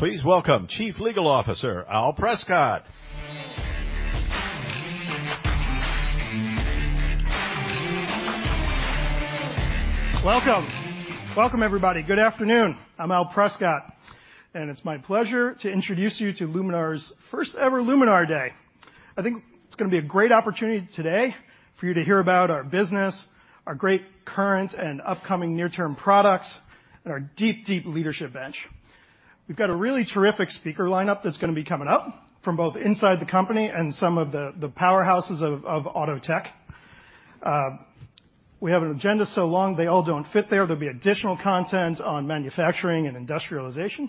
Please welcome Chief Legal Officer, Alan Prescott. Welcome. Welcome, everybody. Good afternoon. I'm Alan Prescott, and it's my pleasure to introduce you to Luminar's first ever Luminar Day. I think it's gonna be a great opportunity today for you to hear about our business, our great current and upcoming near-term products, and our deep, deep leadership bench. We've got a really terrific speaker lineup that's gonna be coming up from both inside the company and some of the powerhouses of auto tech. We have an agenda so long, they all don't fit there. There'll be additional content on manufacturing and industrialization.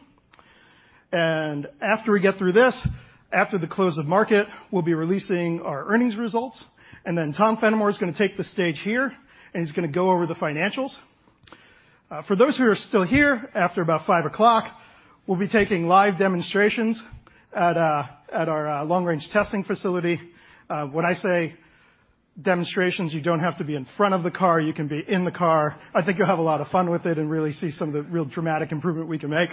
After we get through this, after the close of market, we'll be releasing our earnings results, and then Thomas Fenimore is gonna take the stage here, and he's gonna go over the financials. For those who are still here, after about 5:00 P.M., we'll be taking live demonstrations at our long-range testing facility. When I say demonstrations, you don't have to be in front of the car, you can be in the car. I think you'll have a lot of fun with it and really see some of the real dramatic improvement we can make.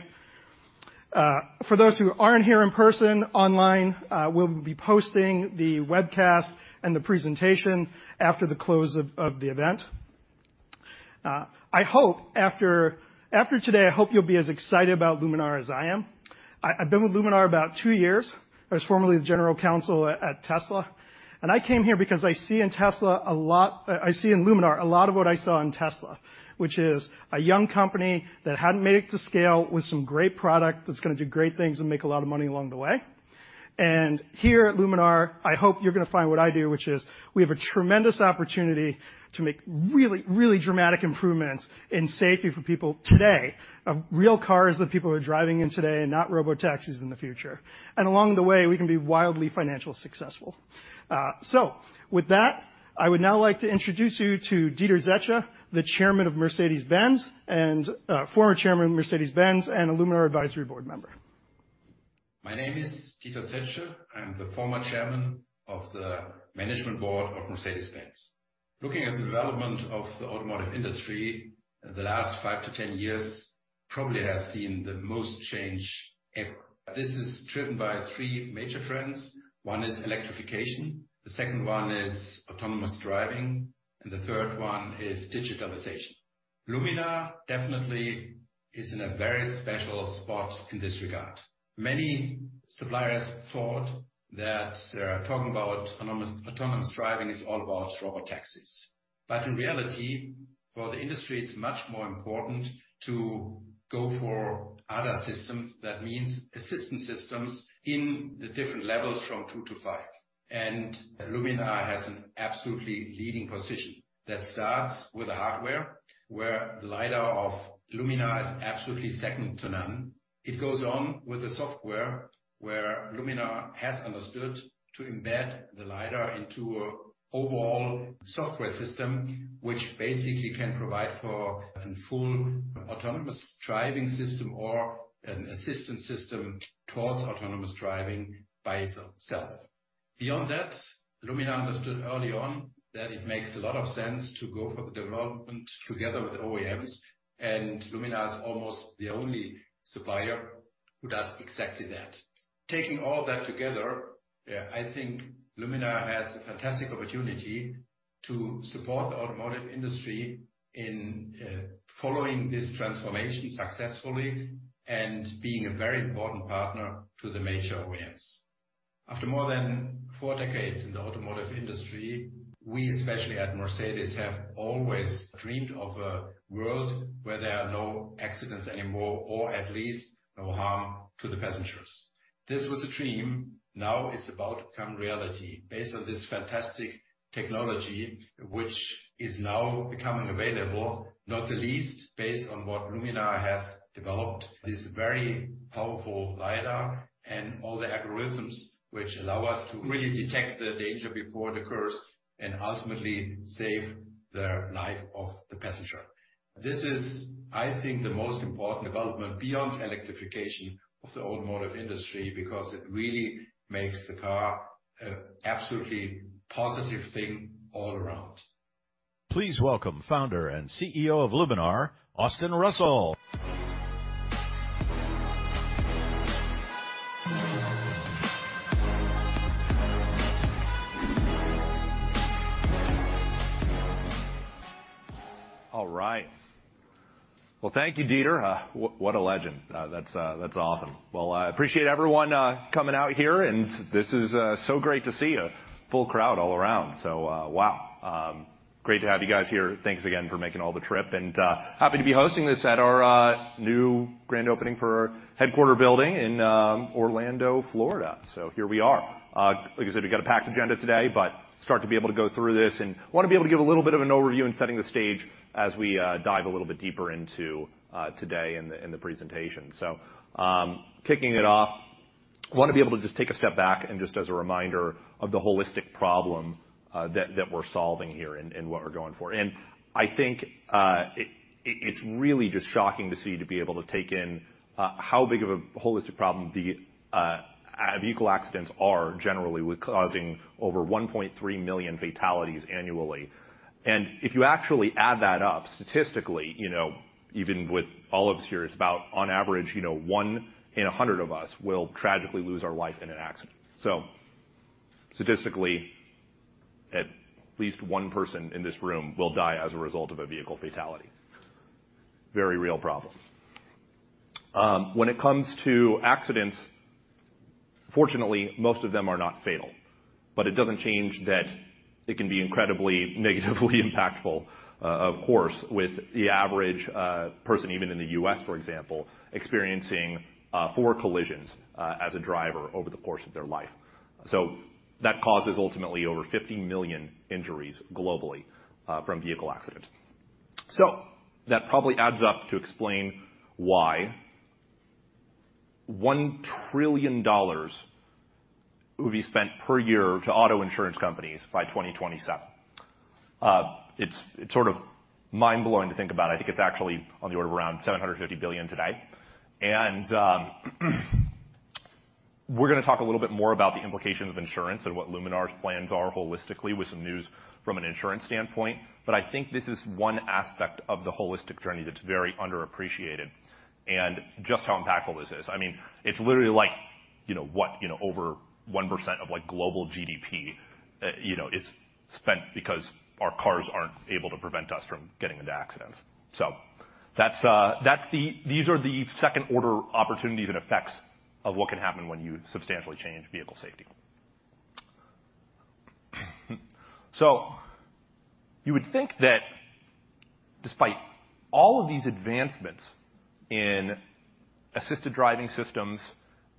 For those who aren't here in person, online, we'll be posting the webcast and the presentation after the close of the event. I hope after today, I hope you'll be as excited about Luminar as I am. I've been with Luminar about 2 years. I was formerly the general counsel at Tesla. I came here because I see in Tesla a lot... I see in Luminar a lot of what I saw in Tesla. Which is a young company that hadn't made it to scale with some great product that's gonna do great things and make a lot of money along the way. Here at Luminar, I hope you're gonna find what I do, which is we have a tremendous opportunity to make really, really dramatic improvements in safety for people today. real cars that people are driving in today and not robotaxis in the future. Along the way, we can be wildly financially successful. With that, I would now like to introduce you to Dieter Zetsche, the chairman of Mercedes-Benz, and, former chairman of Mercedes-Benz and a Luminar advisory board member. My name is Dieter Zetsche. I'm the former chairman of the management board of Mercedes-Benz. Looking at the development of the automotive industry, the last 5 to 10 years probably has seen the most change ever. This is driven by 3 major trends. 1 is electrification, the 2nd one is autonomous driving, and the 3rd one is digitalization. Luminar definitely is in a very special spot in this regard. Many suppliers thought that talking about autonomous driving is all about robotaxis. In reality, for the industry, it's much more important to go for other systems. That means assistance systems in the different levels from 2 to 5. Luminar has an absolutely leading position that starts with the hardware, where the lidar of Luminar is absolutely second to none. It goes on with the software, where Luminar has understood to embed the lidar into an overall software system, which basically can provide for a full autonomous driving system or an assistance system towards autonomous driving by itself. Beyond that, Luminar understood early on that it makes a lot of sense to go for the development together with OEMs. Luminar is almost the only supplier who does exactly that. Taking all that together, I think Luminar has a fantastic opportunity to support the automotive industry in following this transformation successfully and being a very important partner to the major OEMs. After more than four decades in the automotive industry, we, especially at Mercedes, have always dreamed of a world where there are no accidents anymore, or at least no harm to the passengers. This was a dream. Now it's about to become reality based on this fantastic technology which is now becoming available, not the least based on what Luminar has developed, this very powerful lidar and all the algorithms which allow us to really detect the danger before it occurs and ultimately save the life of the passenger. This is, I think, the most important development beyond electrification of the automotive industry, because it really makes the car an absolutely positive thing all around. Please welcome Founder and CEO of Luminar, Austin Russell. All right. Well, thank you, Dieter. What a legend. That's awesome. Well, I appreciate everyone coming out here, and this is so great to see a full crowd all around. Wow. Great to have you guys here. Thanks again for making all the trip. Happy to be hosting this at our new grand opening for our headquarter building in Orlando, Florida. Here we are. Like I said, we've got a packed agenda today, but start to be able to go through this. Wanna be able to give a little bit of an overview in setting the stage as we dive a little bit deeper into today in the presentation. Kicking it off, wanna be able to just take a step back and just as a reminder of the holistic problem that we're solving here and what we're going for. I think it's really just shocking to see, to be able to take in how big of a holistic problem the vehicle accidents are generally with causing over 1.3 million fatalities annually. If you actually add that up statistically, you know, even with all of us here, it's about on average, you know, 1 in 100 of us will tragically lose our life in an accident. Statistically, at least one person in this room will die as a result of a vehicle fatality. Very real problem. When it comes to accidents, fortunately, most of them are not fatal, but it doesn't change that it can be incredibly negatively impactful, of course, with the average person, even in the U.S., for example, experiencing four collisions as a driver over the course of their life. That causes ultimately over 50 million injuries globally from vehicle accidents. That probably adds up to explain why $1 trillion will be spent per year to auto insurance companies by 2027. It's, it's sort of mind-blowing to think about. I think it's actually on the order of around $750 billion today. We're gonna talk a little bit more about the implication of insurance and what Luminar's plans are holistically with some news from an insurance standpoint. I think this is one aspect of the holistic journey that's very underappreciated and just how impactful this is. I mean, it's literally like, you know what? You know, over 1% of like global GDP, you know, is spent because our cars aren't able to prevent us from getting into accidents. That's these are the second-order opportunities and effects of what can happen when you substantially change vehicle safety. You would think that despite all of these advancements in assisted driving systems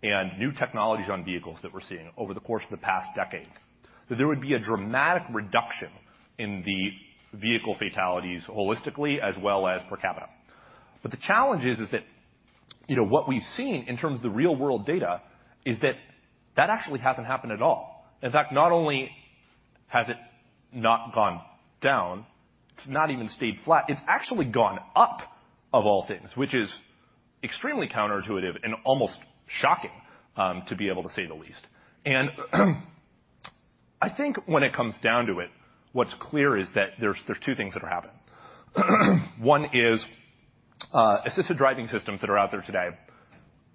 and new technologies on vehicles that we're seeing over the course of the past decade, that there would be a dramatic reduction in the vehicle fatalities holistically as well as per capita. The challenge is that, you know, what we've seen in terms of the real-world data is that that actually hasn't happened at all. In fact, not only has it not gone down, it's not even stayed flat. It's actually gone up of all things, which is extremely counterintuitive and almost shocking to be able to say the least. I think when it comes down to it, what's clear is that there's two things that are happening. One is assisted driving systems that are out there today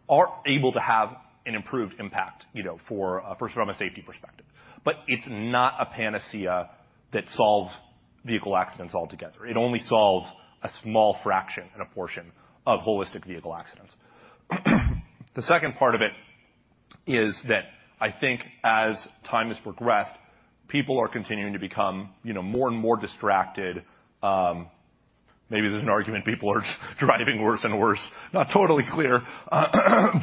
aren't able to have an improved impact, you know, for first from a safety perspective. It's not a panacea that solves vehicle accidents altogether. It only solves a small fraction and a portion of holistic vehicle accidents. The second part of it is that I think as time has progressed, people are continuing to become, you know, more and more distracted. Maybe there's an argument people are driving worse and worse, not totally clear. I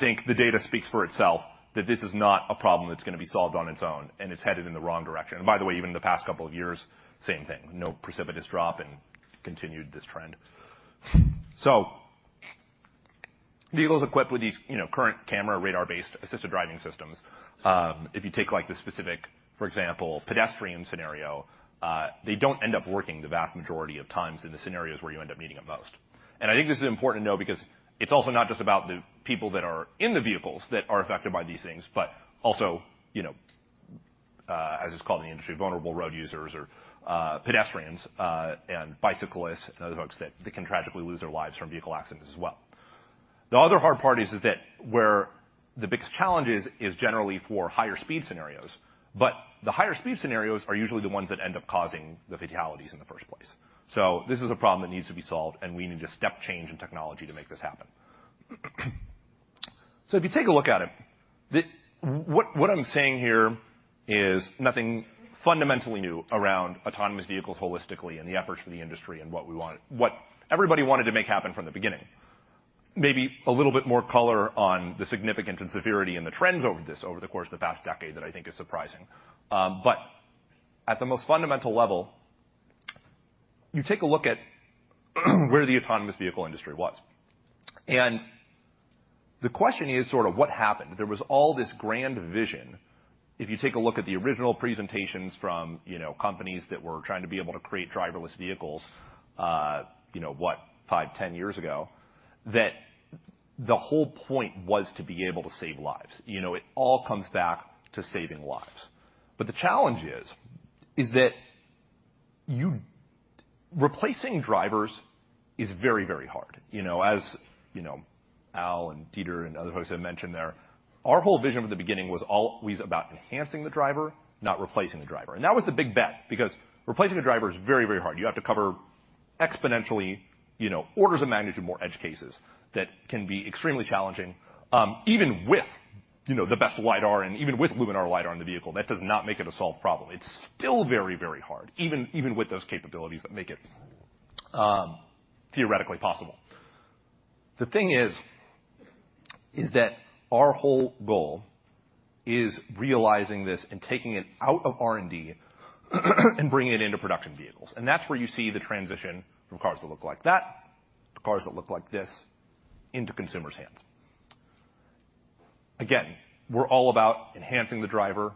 think the data speaks for itself, that this is not a problem that's gonna be solved on its own and it's headed in the wrong direction. By the way, even the past couple of years, same thing. No precipitous drop and continued this trend. Vehicles equipped with these, you know, current camera, radar-based assisted driving systems, if you take, like, the specific, for example, pedestrian scenario, they don't end up working the vast majority of times in the scenarios where you end up needing it most. I think this is important to know because it's also not just about the people that are in the vehicles that are affected by these things, but also, you know, as it's called in the industry, vulnerable road users or pedestrians, and bicyclists and other folks that can tragically lose their lives from vehicle accidents as well. The other hard part is that where the biggest challenge is generally for higher speed scenarios, but the higher speed scenarios are usually the ones that end up causing the fatalities in the first place. This is a problem that needs to be solved, and we need a step change in technology to make this happen. If you take a look at it, what I'm saying here is nothing fundamentally new around autonomous vehicles holistically and the efforts from the industry and what everybody wanted to make happen from the beginning. Maybe a little bit more color on the significance and severity and the trends over this over the course of the past decade that I think is surprising. At the most fundamental level, you take a look at where the autonomous vehicle industry was. The question is sort of what happened? There was all this grand vision. If you take a look at the original presentations from, you know, companies that were trying to be able to create driverless vehicles, you know what, 5, 10 years ago, that the whole point was to be able to save lives. You know, it all comes back to saving lives. The challenge is that replacing drivers is very, very hard. You know, as you know, Al and Dieter and other folks have mentioned there, our whole vision from the beginning was always about enhancing the driver, not replacing the driver. That was the big bet because replacing the driver is very, very hard. You have to cover exponentially, you know, orders of magnitude more edge cases that can be extremely challenging, even with, you know, the best lidar and even with Luminar lidar in the vehicle. That does not make it a solved problem. It's still very, very hard, even with those capabilities that make it theoretically possible. The thing is, our whole goal is realizing this and taking it out of R&D and bringing it into production vehicles. That's where you see the transition from cars that look like that to cars that look like this into consumers' hands. Again, we're all about enhancing the driver,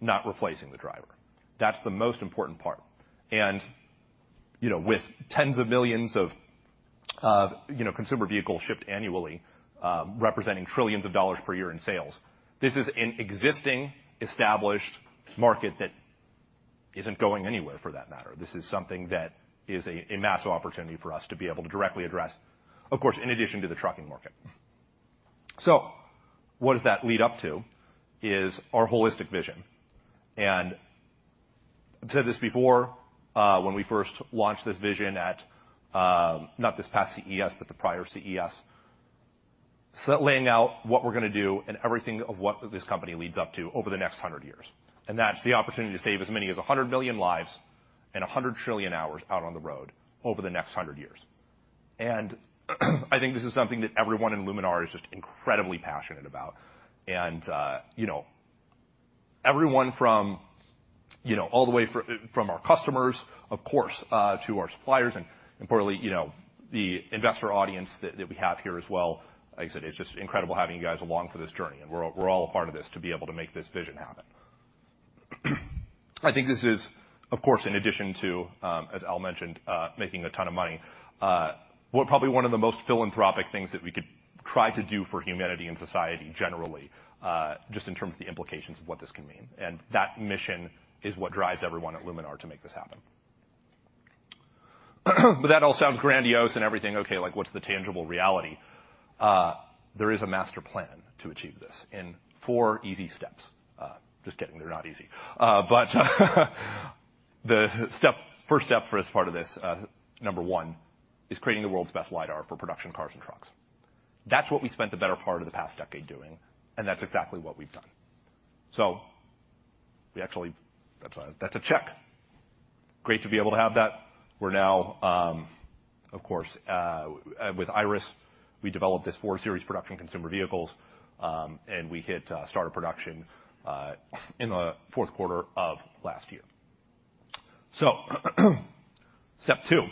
not replacing the driver. That's the most important part. You know, with tens of millions of, you know, consumer vehicles shipped annually, representing $ trillions per year in sales, this is an existing established market. Isn't going anywhere for that matter. This is something that is a massive opportunity for us to be able to directly address, of course, in addition to the trucking market. What does that lead up to is our holistic vision. I've said this before, when we first launched this vision at, not this past CES, but the prior CES, laying out what we're gonna do and everything of what this company leads up to over the next 100 years. That's the opportunity to save as many as 100 million lives and 100 trillion hours out on the road over the next 100 years. I think this is something that everyone in Luminar is just incredibly passionate about. You know, everyone from, you know, all the way from our customers, of course, to our suppliers, and importantly, you know, the investor audience that we have here as well. Like I said, it's just incredible having you guys along for this journey, and we're all a part of this to be able to make this vision happen. I think this is, of course, in addition to, as Al mentioned, making a ton of money, what probably one of the most philanthropic things that we could try to do for humanity and society generally, just in terms of the implications of what this can mean. That mission is what drives everyone at Luminar to make this happen. That all sounds grandiose and everything. Okay, like, what's the tangible reality? There is a master plan to achieve this in four easy steps. Just kidding, they're not easy. The first step for this part of this, number one, is creating the world's best lidar for production cars and trucks. That's what we spent the better part of the past decade doing, and that's exactly what we've done. We actually. That's a, that's a check. Great to be able to have that. We're now, of course, with Iris, we developed this for series production consumer vehicles, and we hit start of production in the fourth quarter of last year. Step two,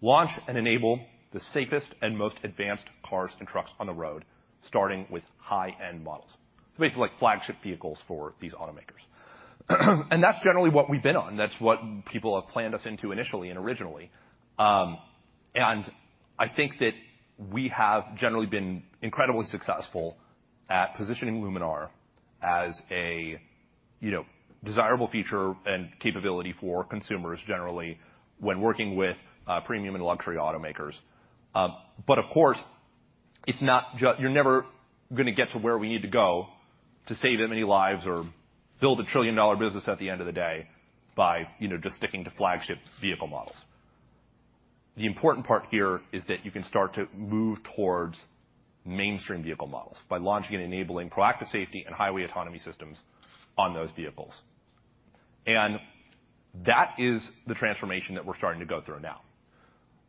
launch and enable the safest and most advanced cars and trucks on the road, starting with high-end models. Basically, like flagship vehicles for these automakers. That's generally what we've been on. That's what people have planned us into initially and originally. I think that we have generally been incredibly successful at positioning Luminar as a, you know, desirable feature and capability for consumers generally when working with premium and luxury automakers. Of course, it's not you're never gonna get to where we need to go to save that many lives or build a $1 trillion business at the end of the day by, you know, just sticking to flagship vehicle models. The important part here is that you can start to move towards mainstream vehicle models by launching and enabling proactive safety and highway autonomy systems on those vehicles. That is the transformation that we're starting to go through now.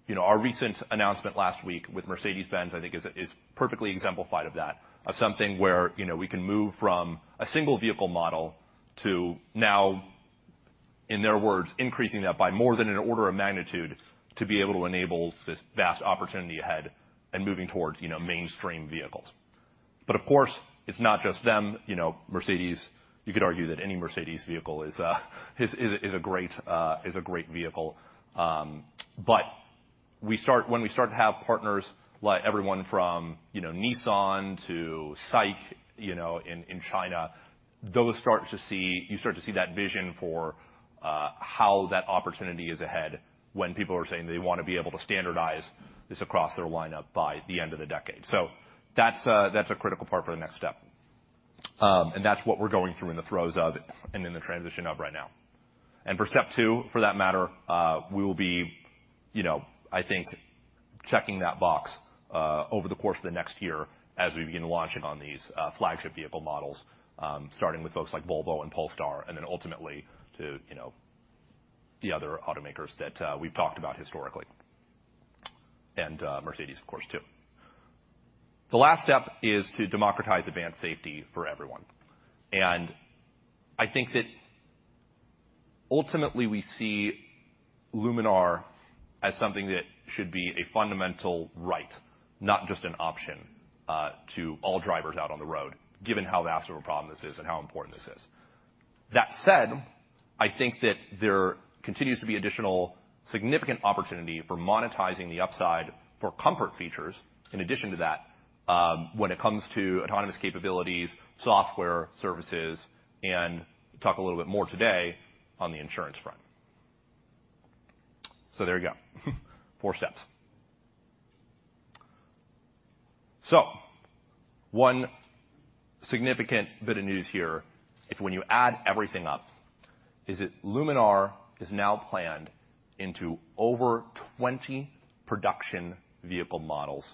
You know, our recent announcement last week with Mercedes-Benz, I think is perfectly exemplified of that, of something where, you know, we can move from a single vehicle model to now, in their words, increasing that by more than an order of magnitude to be able to enable this vast opportunity ahead and moving towards, you know, mainstream vehicles. Of course, it's not just them. You know, Mercedes, you could argue that any Mercedes vehicle is a great vehicle. When we start to have partners like everyone from, you know, Nissan to SAIC, in China, you start to see that vision for how that opportunity is ahead when people are saying they wanna be able to standardize this across their lineup by the end of the decade. That's a critical part for the next step. That's what we're going through in the throes of and in the transition of right now. For step two, for that matter, we will be, you know, I think checking that box over the course of the next year as we begin launching on these flagship vehicle models, starting with folks like Volvo and Polestar, then ultimately to, you know, the other automakers that we've talked about historically. Mercedes, of course, too. The last step is to democratize advanced safety for everyone. I think that ultimately we see Luminar as something that should be a fundamental right, not just an option to all drivers out on the road, given how vast of a problem this is and how important this is. That said, I think that there continues to be additional significant opportunity for monetizing the upside for comfort features in addition to that, when it comes to autonomous capabilities, software, services, and talk a little bit more today on the insurance front. There you go, four steps. One significant bit of news here is when you add everything up is that Luminar is now planned into over 20 production vehicle models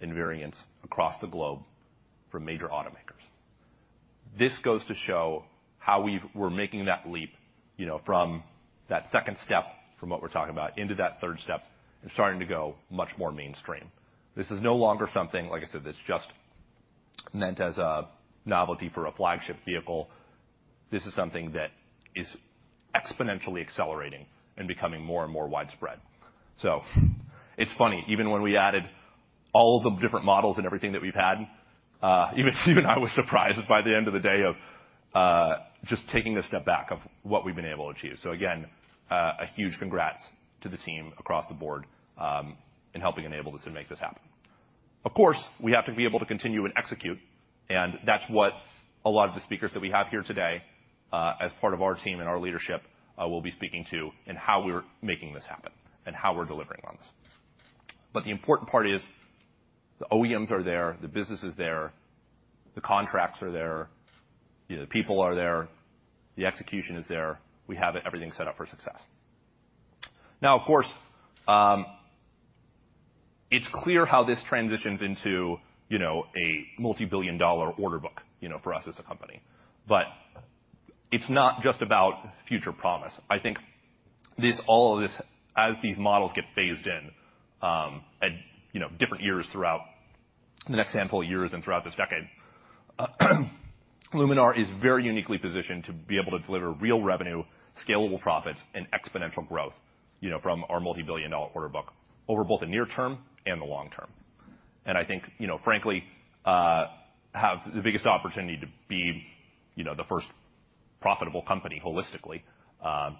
and variants across the globe for major automakers. This goes to show how we're making that leap, you know, from that second step from what we're talking about into that third step and starting to go much more mainstream. This is no longer something, like I said, that's just meant as a novelty for a flagship vehicle. This is something that is exponentially accelerating and becoming more and more widespread. It's funny, even when we added all the different models and everything that we've had, even I was surprised by the end of the day of just taking a step back of what we've been able to achieve. Again, a huge congrats to the team across the board, in helping enable this and make this happen. Of course, we have to be able to continue and execute, and that's what a lot of the speakers that we have here today, as part of our team and our leadership, will be speaking to in how we're making this happen and how we're delivering on this. The important part is the OEMs are there, the business is there, the contracts are there, the people are there, the execution is there. We have everything set up for success. Of course, it's clear how this transitions into, you know, a multi-billion dollar order book, you know, for us as a company. It's not just about future promise. I think all of this, as these models get phased in, at, you know, different years throughout the next handful of years and throughout this decade, Luminar is very uniquely positioned to be able to deliver real revenue, scalable profits, and exponential growth, you know, from our multi-billion dollar order book over both the near term and the long term. I think, you know, frankly, have the biggest opportunity to be, you know, the first profitable company holistically,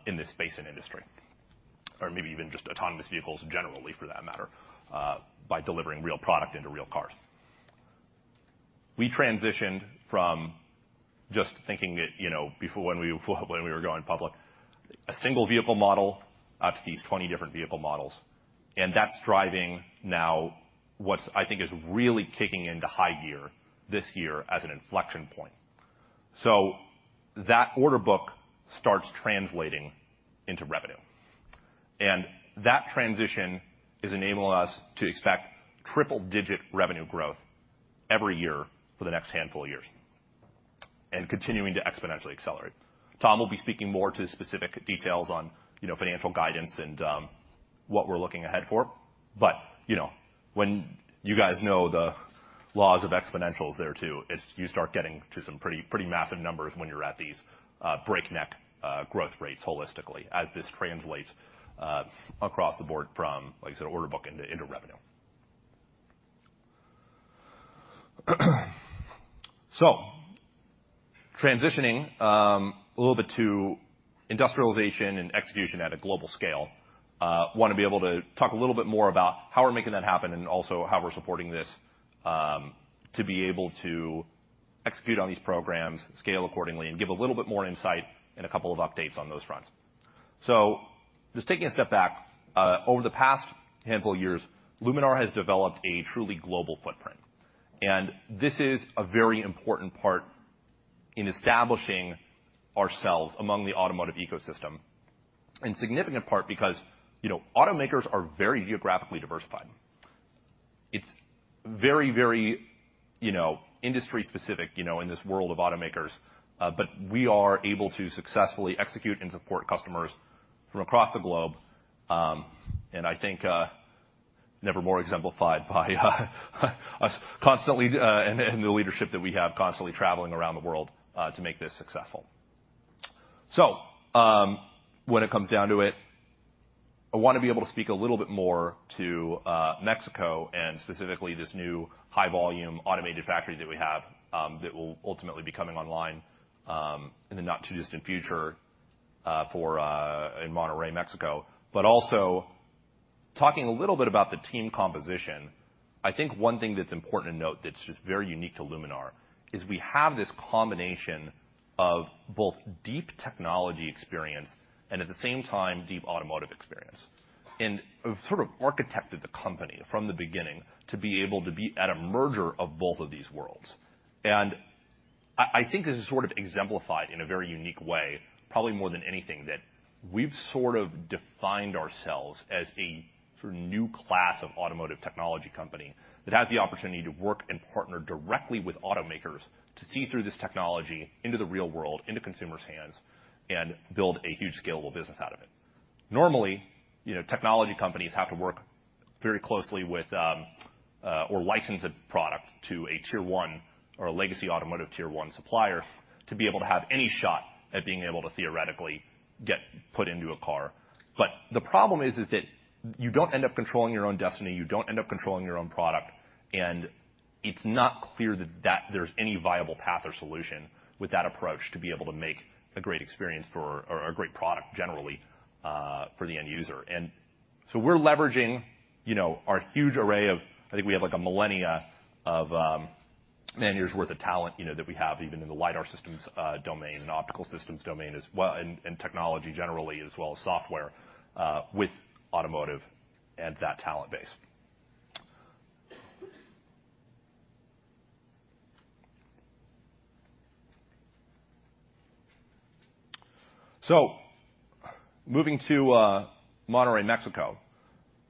in this space and industry, or maybe even just autonomous vehicles generally for that matter, by delivering real product into real cars. We transitioned from just thinking that, you know, before when we were going public, a single vehicle model up to these 20 different vehicle models. That's driving now what I think is really kicking into high gear this year as an inflection point. That order book starts translating into revenue. That transition is enabling us to expect triple-digit revenue growth every year for the next handful of years and continuing to exponentially accelerate. Tom will be speaking more to specific details on, you know, financial guidance and what we're looking ahead for. You know, when you guys know the laws of exponentials there too, it's you start getting to some pretty massive numbers when you're at these breakneck growth rates holistically as this translates across the board from, like I said, order book into revenue. Transitioning a little bit to industrialization and execution at a global scale, wanna be able to talk a little bit more about how we're making that happen and also how we're supporting this to be able to execute on these programs, scale accordingly, and give a little bit more insight and a couple of updates on those fronts. Just taking a step back, over the past handful of years, Luminar has developed a truly global footprint, and this is a very important part in establishing ourselves among the automotive ecosystem. In significant part because, you know, automakers are very geographically diversified. It's very, very, you know, industry specific, you know, in this world of automakers. We are able to successfully execute and support customers from across the globe, and I think never more exemplified by us constantly, and the leadership that we have constantly traveling around the world, to make this successful. When it comes down to it, I wanna be able to speak a little bit more to Mexico and specifically this new high volume automated factory that we have that will ultimately be coming online in the not too distant future for in Monterrey, Mexico. Also talking a little bit about the team composition. I think one thing that's important to note that's just very unique to Luminar is we have this combination of both deep technology experience and at the same time deep automotive experience. We've sort of architected the company from the beginning to be able to be at a merger of both of these worlds. I think this is sort of exemplified in a very unique way, probably more than anything, that we've sort of defined ourselves as a sort of new class of automotive technology company that has the opportunity to work and partner directly with automakers to see through this technology into the real world, into consumers' hands, and build a huge scalable business out of it. Normally, you know, technology companies have to work very closely with, or license a product to a tier one or a legacy automotive tier one supplier to be able to have any shot at being able to theoretically get put into a car. The problem is that you don't end up controlling your own destiny, you don't end up controlling your own product. It's not clear that there's any viable path or solution with that approach to be able to make a great experience for or a great product generally for the end user. We're leveraging, you know, I think we have like a millennia of man-years worth of talent, you know, that we have even in the lidar systems domain and optical systems domain as well, and technology generally as well as software with automotive and that talent base. Moving to Monterrey, Mexico.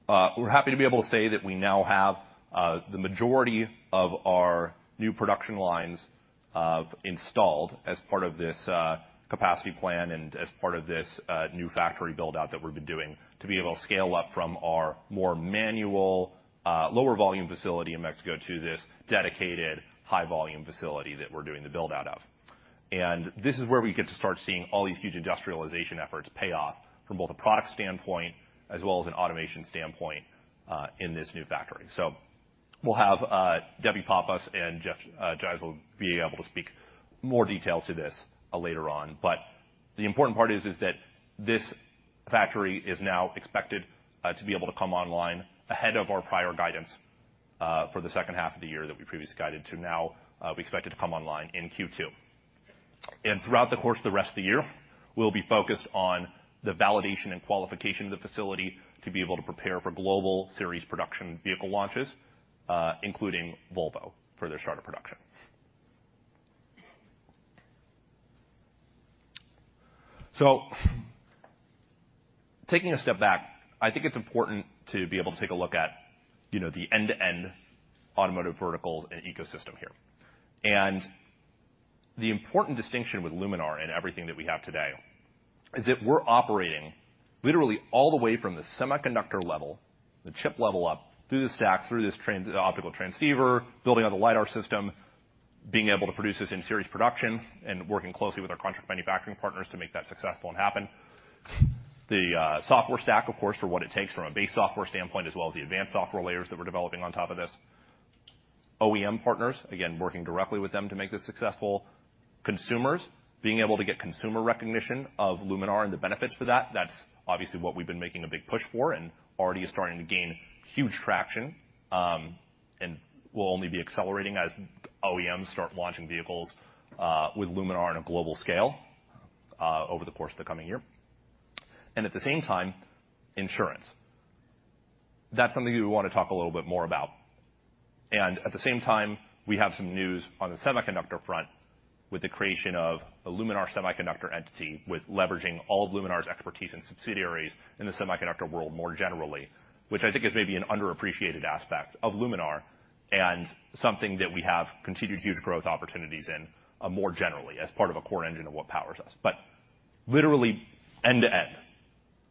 We're happy to be able to say that we now have the majority of our new production lines of installed as part of this capacity plan and as part of this new factory build-out that we've been doing to be able to scale up from our more manual, lower volume facility in Mexico to this dedicated high volume facility that we're doing the build-out of. This is where we get to start seeing all these huge industrialization efforts pay off from both a product standpoint as well as an automation standpoint in this new factory. We'll have Debbie Pappas and Jeff Giese will be able to speak more detail to this later on. The important part is that this factory is now expected to be able to come online ahead of our prior guidance for the second half of the year that we previously guided to. Now, we expect it to come online in Q2. Throughout the course of the rest of the year, we'll be focused on the validation and qualification of the facility to be able to prepare for global series production vehicle launches, including Volvo for their start of production. Taking a step back, I think it's important to be able to take a look at, you know, the end-to-end automotive vertical and ecosystem here. The important distinction with Luminar and everything that we have today is that we're operating literally all the way from the semiconductor level, the chip level up through the stack. the optical transceiver, building out the lidar system, being able to produce this in series production and working closely with our contract manufacturing partners to make that successful and happen. The software stack, of course, for what it takes from a base software standpoint as well as the advanced software layers that we're developing on top of this. OEM partners, again, working directly with them to make this successful. Consumers, being able to get consumer recognition of Luminar and the benefits for that. That's obviously what we've been making a big push for and already is starting to gain huge traction, and will only be accelerating as OEMs start launching vehicles with Luminar on a global scale over the course of the coming year. At the same time, insurance. That's something we wanna talk a little bit more about. At the same time, we have some news on the semiconductor front with the creation of a Luminar Semiconductor entity with leveraging all of Luminar's expertise and subsidiaries in the semiconductor world more generally, which I think is maybe an underappreciated aspect of Luminar and something that we have continued huge growth opportunities in, more generally as part of a core engine of what powers us. Literally end-to-end,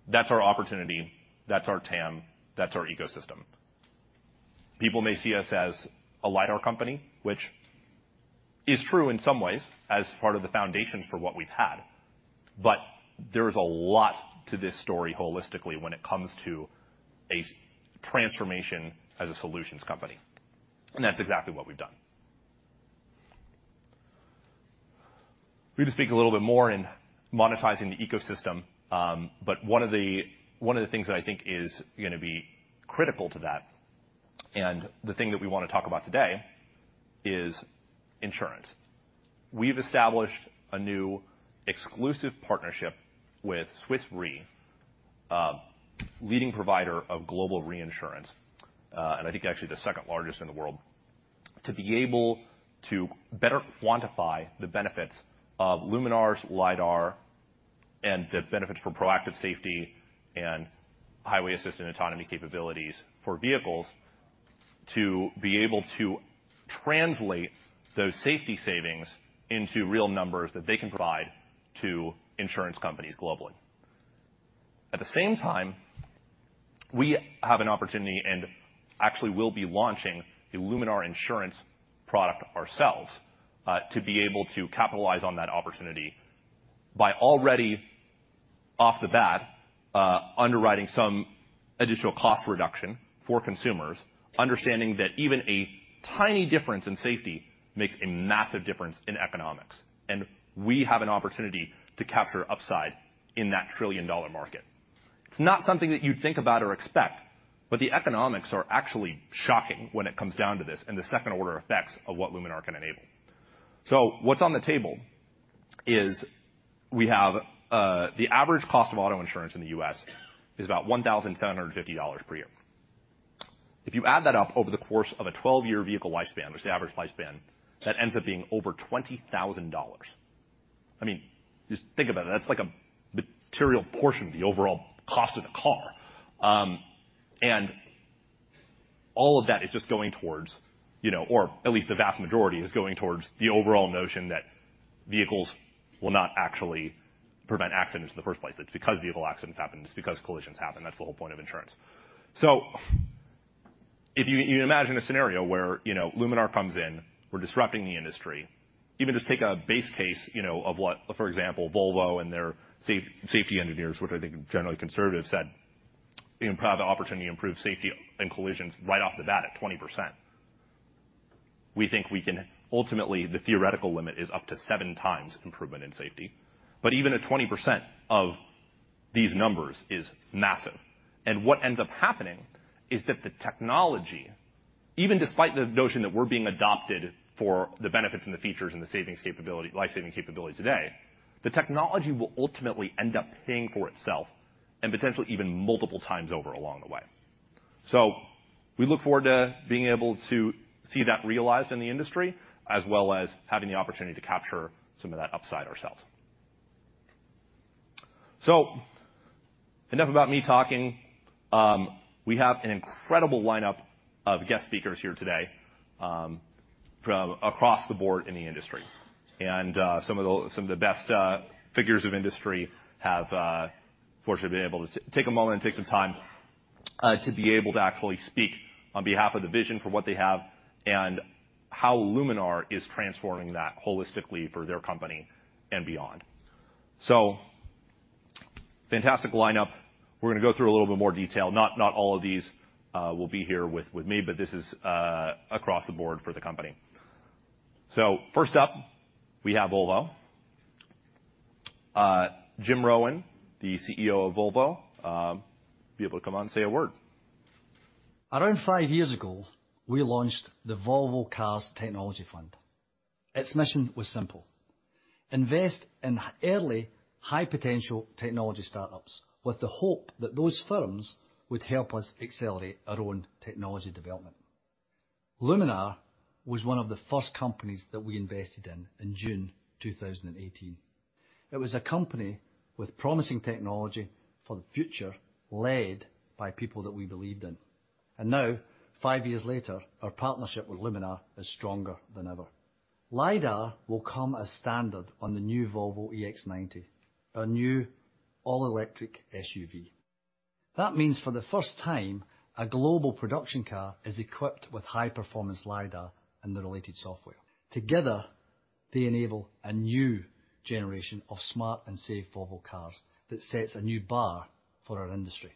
that's our opportunity, that's our TAM, that's our ecosystem. People may see us as a lidar company, which is true in some ways as part of the foundations for what we've had. There is a lot to this story holistically when it comes to a transformation as a solutions company. That's exactly what we've done. We can speak a little bit more in monetizing the ecosystem, but one of the things that I think is gonna be critical to that, and the thing that we wanna talk about today, is insurance. We've established a new exclusive partnership with Swiss Re, a leading provider of global reinsurance, and I think actually the second-largest in the world, to be able to better quantify the benefits of Luminar's lidar and the benefits for proactive safety and highway assistant autonomy capabilities for vehicles to be able to translate those safety savings into real numbers that they can provide to insurance companies globally. At the same time, we have an opportunity and actually will be launching a Luminar Insurance product ourselves, to be able to capitalize on that opportunity by already off the bat, underwriting some additional cost reduction for consumers, understanding that even a tiny difference in safety makes a massive difference in economics. We have an opportunity to capture upside in that trillion-dollar market. It's not something that you'd think about or expect, the economics are actually shocking when it comes down to this and the second order effects of what Luminar can enable. What's on the table is we have, the average cost of auto insurance in the U.S. is about $1,750 per year. If you add that up over the course of a 12-year vehicle lifespan, which is the average lifespan, that ends up being over $20,000. I mean, just think about it. That's like a material portion of the overall cost of the car. All of that is just going towards, you know, or at least the vast majority is going towards the overall notion that vehicles will not actually prevent accidents in the first place. It's because vehicle accidents happen, it's because collisions happen. That's the whole point of insurance. If you imagine a scenario where, you know, Luminar comes in, we're disrupting the industry. Even just take a base case, you know, of what, for example, Volvo and their safety engineers, which I think are generally conservative said, you know, have the opportunity to improve safety and collisions right off the bat at 20%. We think we can. Ultimately, the theoretical limit is up to 7 times improvement in safety, even at 20% of these numbers is massive. What ends up happening is that the technology, even despite the notion that we're being adopted for the benefits and the features and the savings capability, life-saving capabilities today, the technology will ultimately end up paying for itself and potentially even multiple times over along the way. We look forward to being able to see that realized in the industry, as well as having the opportunity to capture some of that upside ourselves. Enough about me talking. We have an incredible lineup of guest speakers here today, from across the board in the industry. Some of the best figures of industry have fortunately been able to take a moment and take some time to be able to actually speak on behalf of the vision for what they have and how Luminar is transforming that holistically for their company and beyond. Fantastic lineup. We're gonna go through a little bit more detail. Not all of these will be here with me, but this is across the board for the company. So first up, we have Volvo. Jim Rowan, the CEO of Volvo, be able to come on, say a word. Around five years ago, we launched the Volvo Cars Technology Fund. Its mission was simple: invest in early high potential technology startups with the hope that those firms would help us accelerate our own technology development. Luminar was one of the first companies that we invested in in June 2018. It was a company with promising technology for the future, led by people that we believed in. Now, five years later, our partnership with Luminar is stronger than ever. Lidar will come as standard on the new Volvo EX90, our new all electric SUV. That means for the first time, a global production car is equipped with high performance lidar and the related software. Together, they enable a new generation of smart and safe Volvo cars that sets a new bar for our industry.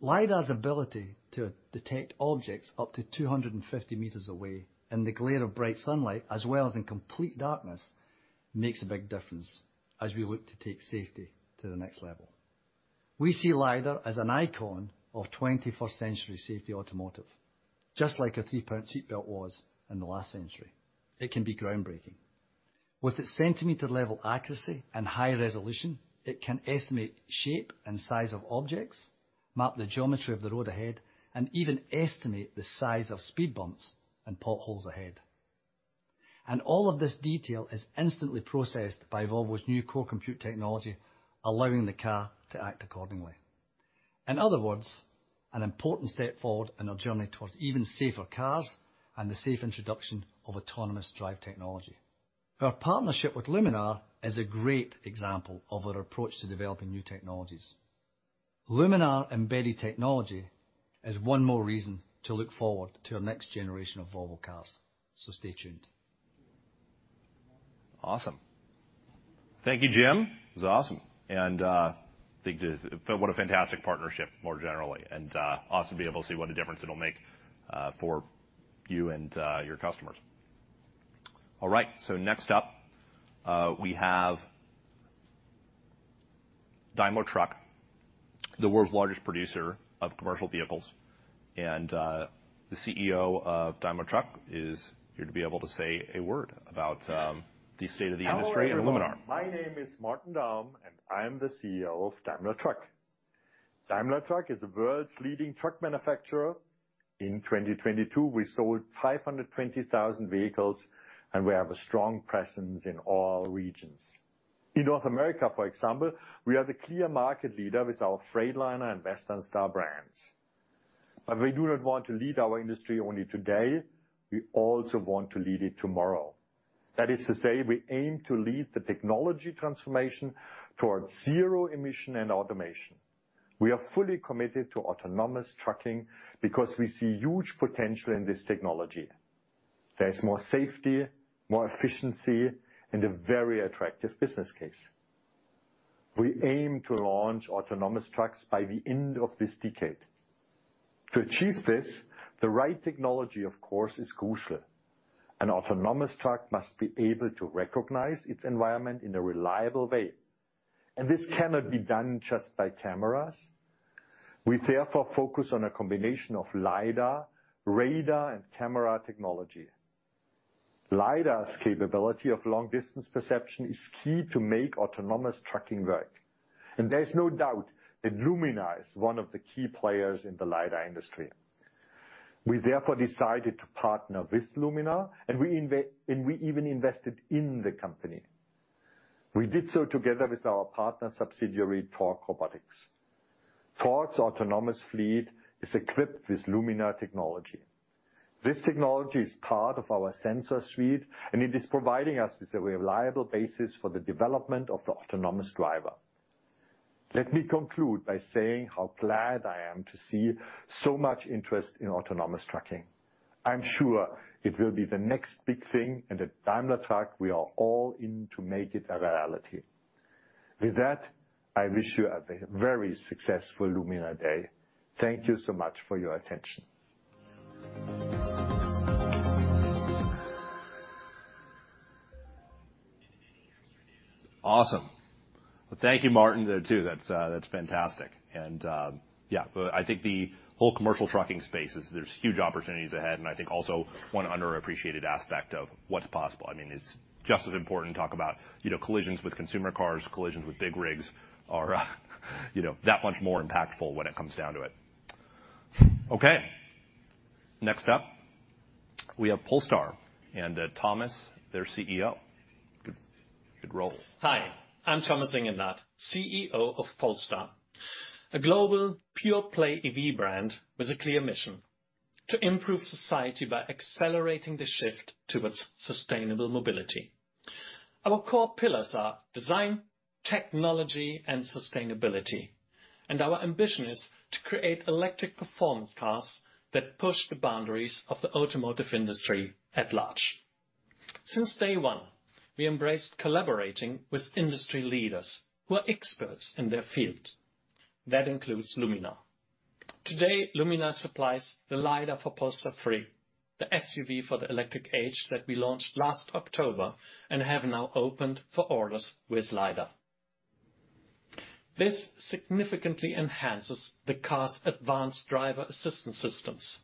Lidar's ability to detect objects up to 250 meters away in the glare of bright sunlight as well as in complete darkness, makes a big difference as we look to take safety to the next level. We see lidar as an icon of 21st century safety automotive, just like a three-point seat belt was in the last century. It can be groundbreaking. With its centimeter-level accuracy and high resolution, it can estimate shape and size of objects, map the geometry of the road ahead, and even estimate the size of speed bumps and potholes ahead. All of this detail is instantly processed by Volvo's new core compute technology, allowing the car to act accordingly. In other words, an important step forward in our journey towards even safer cars and the safe introduction of autonomous drive technology. Our partnership with Luminar is a great example of our approach to developing new technologies. Luminar embedded technology is one more reason to look forward to our next generation of Volvo Cars. Stay tuned. Awesome. Thank you, Jim. That was awesome. What a fantastic partnership more generally and awesome be able to see what a difference it'll make for you and your customers. All right. Next up, we have Daimler Truck, the world's largest producer of commercial vehicles. The CEO of Daimler Truck is here to be able to say a word about the state of the industry and Luminar. Hello, everyone. My name is Martin Daum, I am the CEO of Daimler Truck. Daimler Truck is the world's leading truck manufacturer. In 2022, we sold 520,000 vehicles, we have a strong presence in all regions. In North America, for example, we are the clear market leader with our Freightliner and Western Star brands. We do not want to lead our industry only today, we also want to lead it tomorrow. That is to say, we aim to lead the technology transformation towards zero emission and automation. We are fully committed to autonomous trucking because we see huge potential in this technology. There's more safety, more efficiency, and a very attractive business case. We aim to launch autonomous trucks by the end of this decade. To achieve this, the right technology, of course, is crucial. An autonomous truck must be able to recognize its environment in a reliable way. This cannot be done just by cameras. We therefore focus on a combination of lidar, radar, and camera technology. Lidar's capability of long distance perception is key to make autonomous trucking work. There's no doubt that Luminar is one of the key players in the lidar industry. We therefore decided to partner with Luminar, and we even invested in the company. We did so together with our partner subsidiary, Torc Robotics. Torc's autonomous fleet is equipped with Luminar technology. This technology is part of our sensor suite, and it is providing us with a reliable basis for the development of the autonomous driver. Let me conclude by saying how glad I am to see so much interest in autonomous trucking. I'm sure it will be the next big thing, and at Daimler Truck, we are all in to make it a reality. With that, I wish you a very successful Luminar Day. Thank you so much for your attention. Awesome. Well, thank you, Martin, there too. That's fantastic. Yeah, I think the whole commercial trucking space is there's huge opportunities ahead, and I think also one underappreciated aspect of what's possible. I mean, it's just as important to talk about, you know, collisions with consumer cars, collisions with big rigs are, you know, that much more impactful when it comes down to it. Okay. Next up, we have Polestar and Thomas, their CEO. Good role. Hi, I'm Thomas Ingenlath, CEO of Polestar, a global pure play EV brand with a clear mission: to improve society by accelerating the shift towards sustainable mobility. Our core pillars are design, technology, and sustainability. Our ambition is to create electric performance cars that push the boundaries of the automotive industry at large. Since day 1, we embraced collaborating with industry leaders who are experts in their field. That includes Luminar. Today, Luminar supplies the lidar for Polestar 3, the SUV for the electric age that we launched last October and have now opened for orders with lidar. This significantly enhances the car's advanced driver assistance systems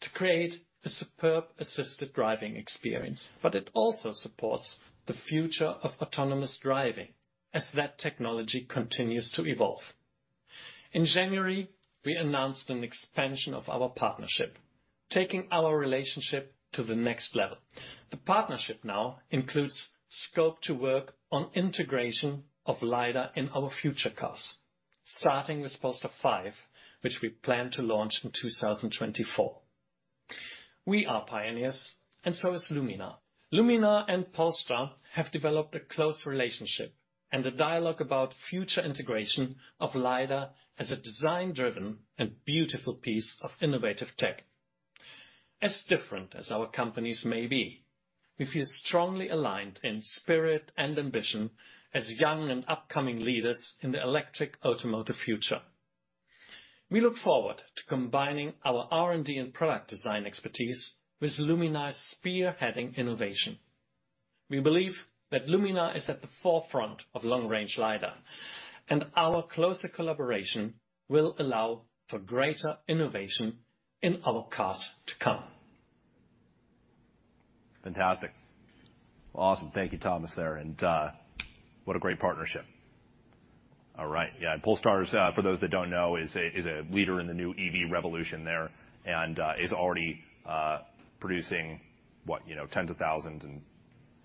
to create a superb assisted driving experience, but it also supports the future of autonomous driving as that technology continues to evolve. In January, we announced an expansion of our partnership, taking our relationship to the next level. The partnership now includes scope to work on integration of lidar in our future cars, starting with Polestar 5, which we plan to launch in 2024. We are pioneers, and so is Luminar. Luminar and Polestar have developed a close relationship and a dialogue about future integration of lidar as a design driven and beautiful piece of innovative tech. As different as our companies may be, we feel strongly aligned in spirit and ambition as young and upcoming leaders in the electric automotive future. We look forward to combining our R&D and product design expertise with Luminar's spearheading innovation. We believe that Luminar is at the forefront of long-range lidar, and our closer collaboration will allow for greater innovation in our cars to come. Fantastic. Awesome. Thank you, Thomas, there. What a great partnership. All right. Yeah. Polestar is, for those that don't know, is a leader in the new EV revolution there, and is already producing what, you know, tens of thousands and,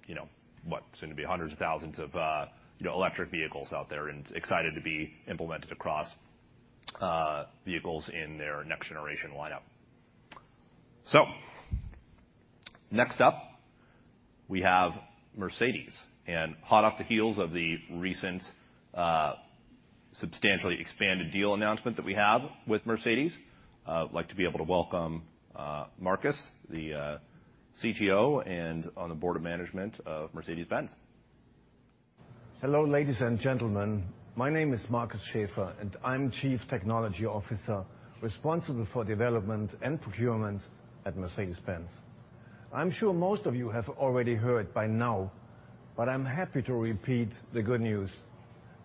you know, what soon to be hundreds of thousands of, you know, electric vehicles out there and excited to be implemented across vehicles in their next generation lineup. Next up, we have Mercedes. Hot off the heels of the recent, substantially expanded deal announcement that we have with Mercedes, I would like to be able to welcome Markus, the CTO and on the board of management of Mercedes-Benz. Hello, ladies and gentlemen. My name is Markus Schäfer, I'm Chief Technology Officer responsible for development and procurement at Mercedes-Benz. I'm sure most of you have already heard by now, I'm happy to repeat the good news.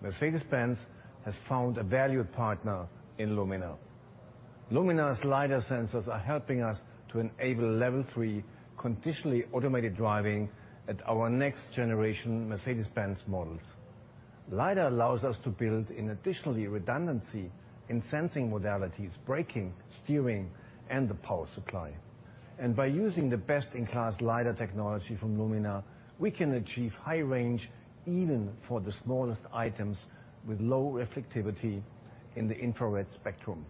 Mercedes-Benz has found a valued partner in Luminar. Luminar's lidar sensors are helping us to enable Level 3 conditionally automated driving at our next generation Mercedes-Benz models. Lidar allows us to build an additionally redundancy in sensing modalities, braking, steering, and the power supply. By using the best-in-class lidar technology from Luminar, we can achieve high range even for the smallest items with low reflectivity in the infrared spectrum.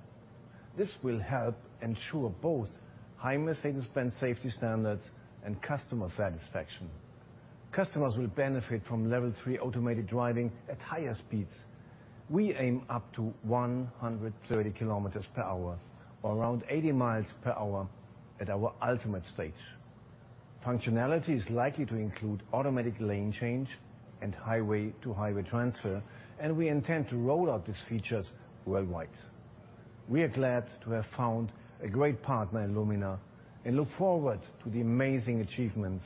This will help ensure both high Mercedes-Benz safety standards and customer satisfaction. Customers will benefit from Level 3 automated driving at higher speeds. We aim up to 130 km per hour or around 80 mi per hour at our ultimate stage. Functionality is likely to include automatic lane change and highway to highway transfer. We intend to roll out these features worldwide. We are glad to have found a great partner in Luminar and look forward to the amazing achievements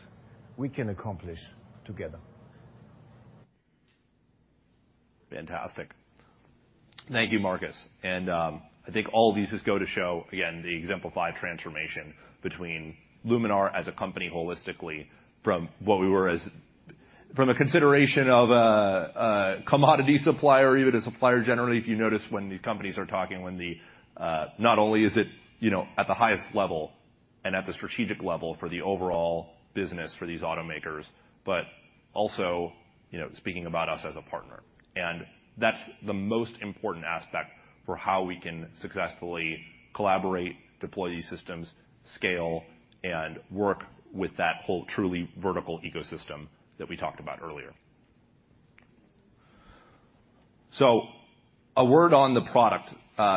we can accomplish together. Fantastic. Thank you, Markus. I think all of these just go to show again the exemplified transformation between Luminar as a company holistically from what we were From a consideration of a commodity supplier or even a supplier generally, if you notice when these companies are talking, not only is it, you know, at the highest level and at the strategic level for the overall business for these automakers, but also, you know, speaking about us as a partner. That's the most important aspect for how we can successfully collaborate, deploy these systems, scale, and work with that whole truly vertical ecosystem that we talked about earlier. A word on the product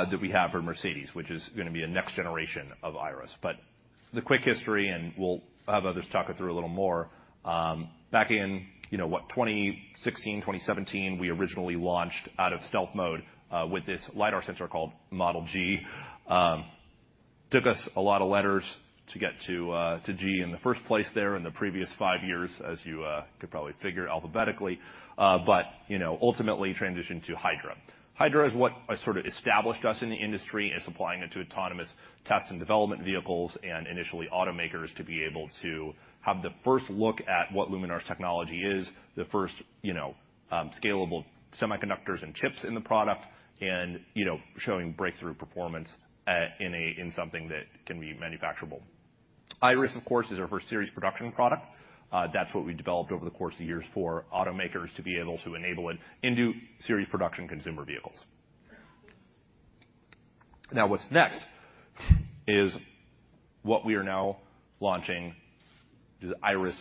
that we have for Mercedes, which is gonna be a next generation of Iris. The quick history, and we'll have others talk it through a little more, back in, you know what, 2016, 2017, we originally launched out of stealth mode with this lidar sensor called Model G. Took us a lot of letters to get to G in the first place there in the previous five years, as you could probably figure alphabetically, you know, ultimately transitioned to Hydra. Hydra is what sort of established us in the industry and supplying it to autonomous test and development vehicles and initially automakers to be able to have the first look at what Luminar's technology is, the first, you know, scalable semiconductors and chips in the product and, you know, showing breakthrough performance in something that can be manufacturable. Iris, of course, is our first series production product. That's what we developed over the course of years for automakers to be able to enable it into series production consumer vehicles. What's next is what we are now launching is Iris+.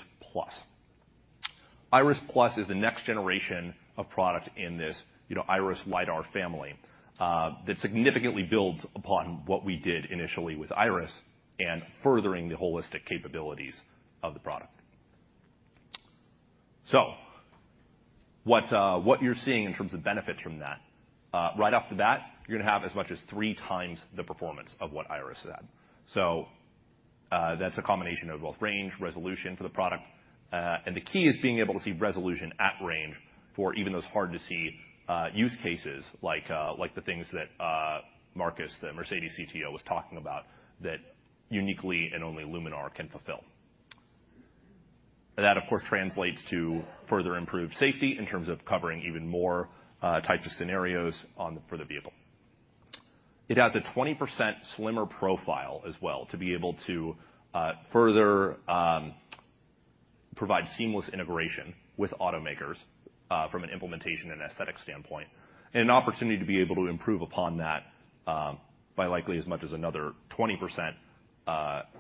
Iris+ is the next generation of product in this, you know, Iris lidar family that significantly builds upon what we did initially with Iris and furthering the holistic capabilities of the product. What you're seeing in terms of benefits from that, right off the bat, you're gonna have as much as three times the performance of what Iris had. That's a combination of both range, resolution for the product. The key is being able to see resolution at range for even those hard to see use cases like the things that Markus Schäfer, the Mercedes-Benz CTO, was talking about that uniquely and only Luminar can fulfill. That, of course, translates to further improved safety in terms of covering even more types of scenarios for the vehicle. It has a 20% slimmer profile as well to be able to further provide seamless integration with automakers from an implementation and aesthetic standpoint, and an opportunity to be able to improve upon that by likely as much as another 20%,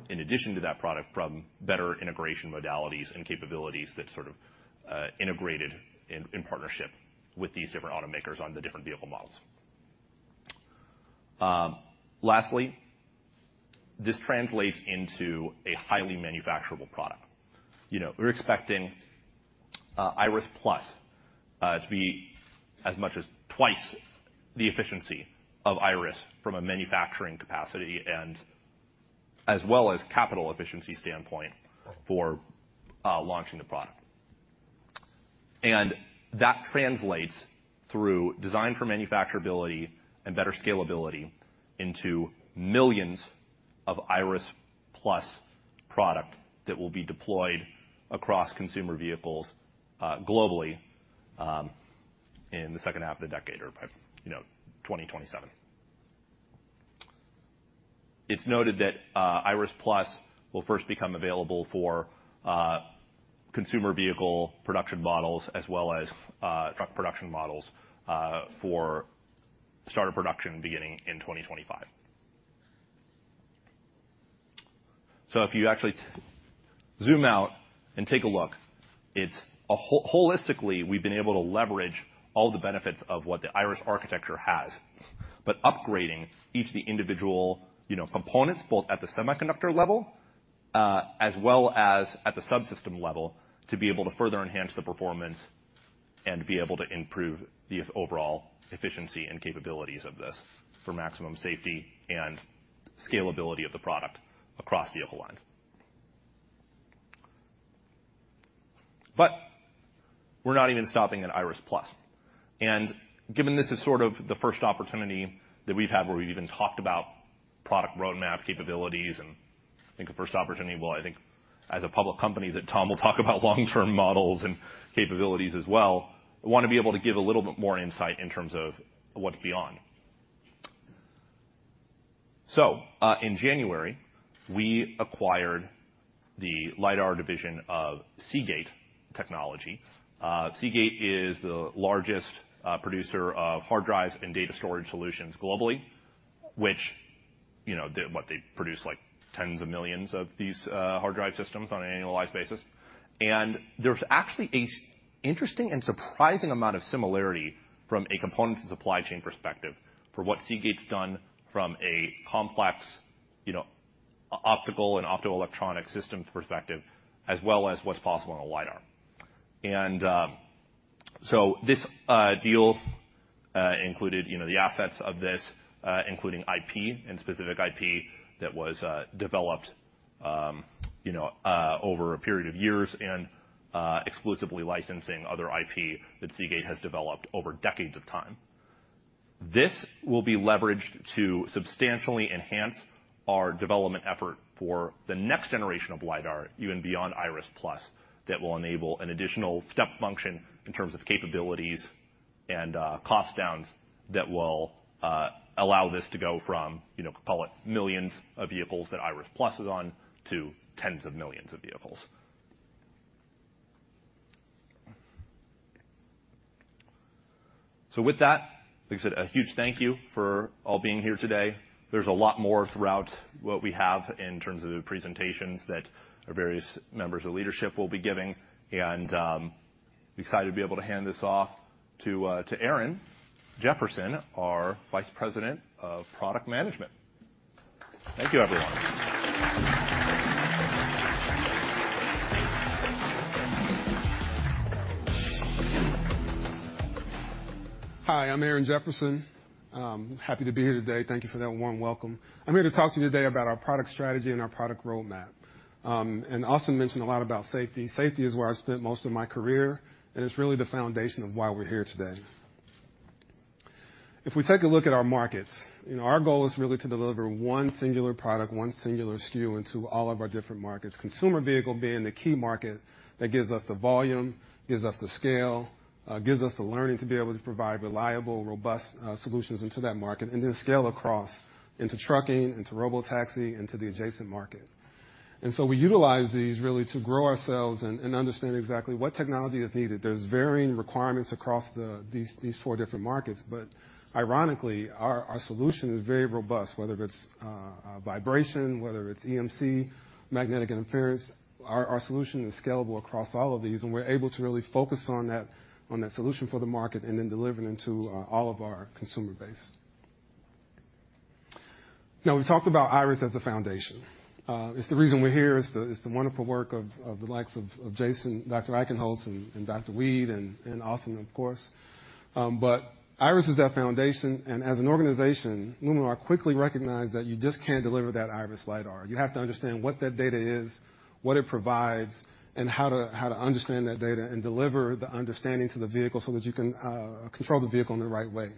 in addition to that product from better integration modalities and capabilities that sort of integrated in partnership with these different automakers on the different vehicle models. Lastly, this translates into a highly manufacturable product. You know, we're expecting, Iris+, to be as much as twice the efficiency of Iris from a manufacturing capacity and as well as capital efficiency standpoint for launching the product. That translates through design for manufacturability and better scalability into millions of Iris+ product that will be deployed across consumer vehicles, globally, in the second half of the decade or by, you know, 2027. It's noted that, Iris+ will first become available for consumer vehicle production models as well as truck production models, for start of production beginning in 2025. If you actually zoom out and take a look, holistically, we've been able to leverage all the benefits of what the Iris architecture has, but upgrading each of the individual, you know, components, both at the semiconductor level, as well as at the subsystem level, to be able to further enhance the performance and be able to improve the overall efficiency and capabilities of this for maximum safety and scalability of the product across vehicle lines. We're not even stopping at Iris+. Given this is sort of the first opportunity that we've had where we've even talked about product roadmap capabilities and think of first opportunity, well, I think as a public company that Tom will talk about long-term models and capabilities as well, I wanna be able to give a little bit more insight in terms of what's beyond. In January, we acquired the lidar division of Seagate Technology. Seagate is the largest producer of hard drives and data storage solutions globally, which what they produce like tens of millions of these hard drive systems on an annualized basis. There's actually a interesting and surprising amount of similarity from a components and supply chain perspective for what Seagate's done from a complex optical and optoelectronic systems perspective, as well as what's possible on a lidar. This deal included the assets of this, including IP and specific IP that was developed over a period of years and exclusively licensing other IP that Seagate has developed over decades of time. This will be leveraged to substantially enhance our development effort for the next generation of lidar, even beyond Iris+, that will enable an additional step function in terms of capabilities and cost downs that will allow this to go from, you know, call it millions of vehicles that Iris+ is on to tens of millions of vehicles. With that, like I said, a huge thank you for all being here today. There's a lot more throughout what we have in terms of the presentations that our various members of leadership will be giving, and excited to be able to hand this off to Aaron Jefferson, our Vice President of Product Management. Thank you, everyone. Hi, I'm Aaron Jefferson. I'm happy to be here today. Thank you for that warm welcome. I'm here to talk to you today about our product strategy and our product roadmap. Austin mentioned a lot about safety. Safety is where I spent most of my career, and it's really the foundation of why we're here today. If we take a look at our markets, you know, our goal is really to deliver 1 singular product, 1 singular SKU into all of our different markets, consumer vehicle being the key market that gives us the volume, gives us the scale, gives us the learning to be able to provide reliable, robust, solutions into that market and then scale across into trucking, into robotaxi, into the adjacent market. So we utilize these really to grow ourselves and understand exactly what technology is needed. There's varying requirements across these four different markets, ironically, our solution is very robust, whether it's vibration, whether it's EMC, magnetic interference, our solution is scalable across all of these, and we're able to really focus on that solution for the market and then deliver them to all of our consumer base. We've talked about Iris as the foundation. It's the reason we're here. It's the wonderful work of the likes of Jason Eichenholz, and Dr. Weed, and Austin, of course. Iris is that foundation, and as an organization, Luminar quickly recognized that you just can't deliver that Iris lidar. You have to understand what that data is, what it provides, and how to understand that data and deliver the understanding to the vehicle so that you can control the vehicle in the right way.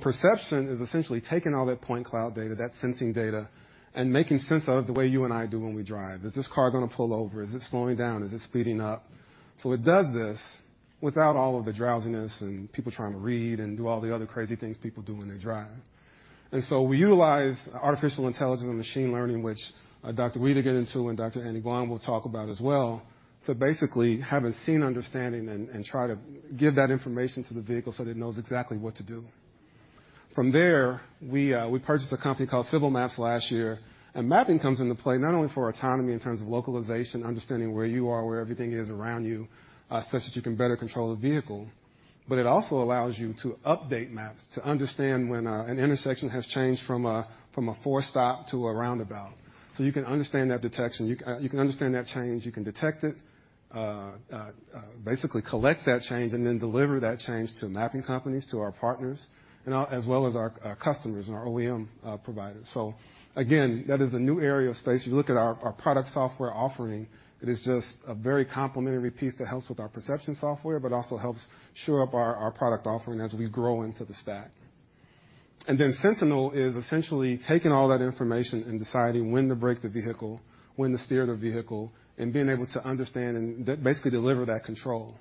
Perception is essentially taking all that point cloud data, that sensing data, and making sense out of the way you and I do when we drive. Is this car gonna pull over? Is it slowing down? Is it speeding up? It does this without all of the drowsiness and people trying to read and do all the other crazy things people do when they drive. We utilize artificial intelligence and machine learning, which Dr. Weed will get into, and Dr. Annie Guan will talk about as well, to basically have a scene understanding and try to give that information to the vehicle so that it knows exactly what to do. From there, we purchased a company called Civil Maps last year. Mapping comes into play not only for autonomy in terms of localization, understanding where you are, where everything is around you, such that you can better control the vehicle, but it also allows you to update maps to understand when an intersection has changed from a, from a four-stop to a roundabout. You can understand that detection. You can understand that change. You can detect it, basically collect that change and then deliver that change to mapping companies, to our partners, as well as our customers and our OEM providers. Again, that is a new area of space. You look at our product software offering, it is just a very complementary piece that helps with our perception software, but also helps shore up our product offering as we grow into the stack. Then Sentinel is essentially taking all that information and deciding when to brake the vehicle, when to steer the vehicle, and being able to understand and basically deliver that control.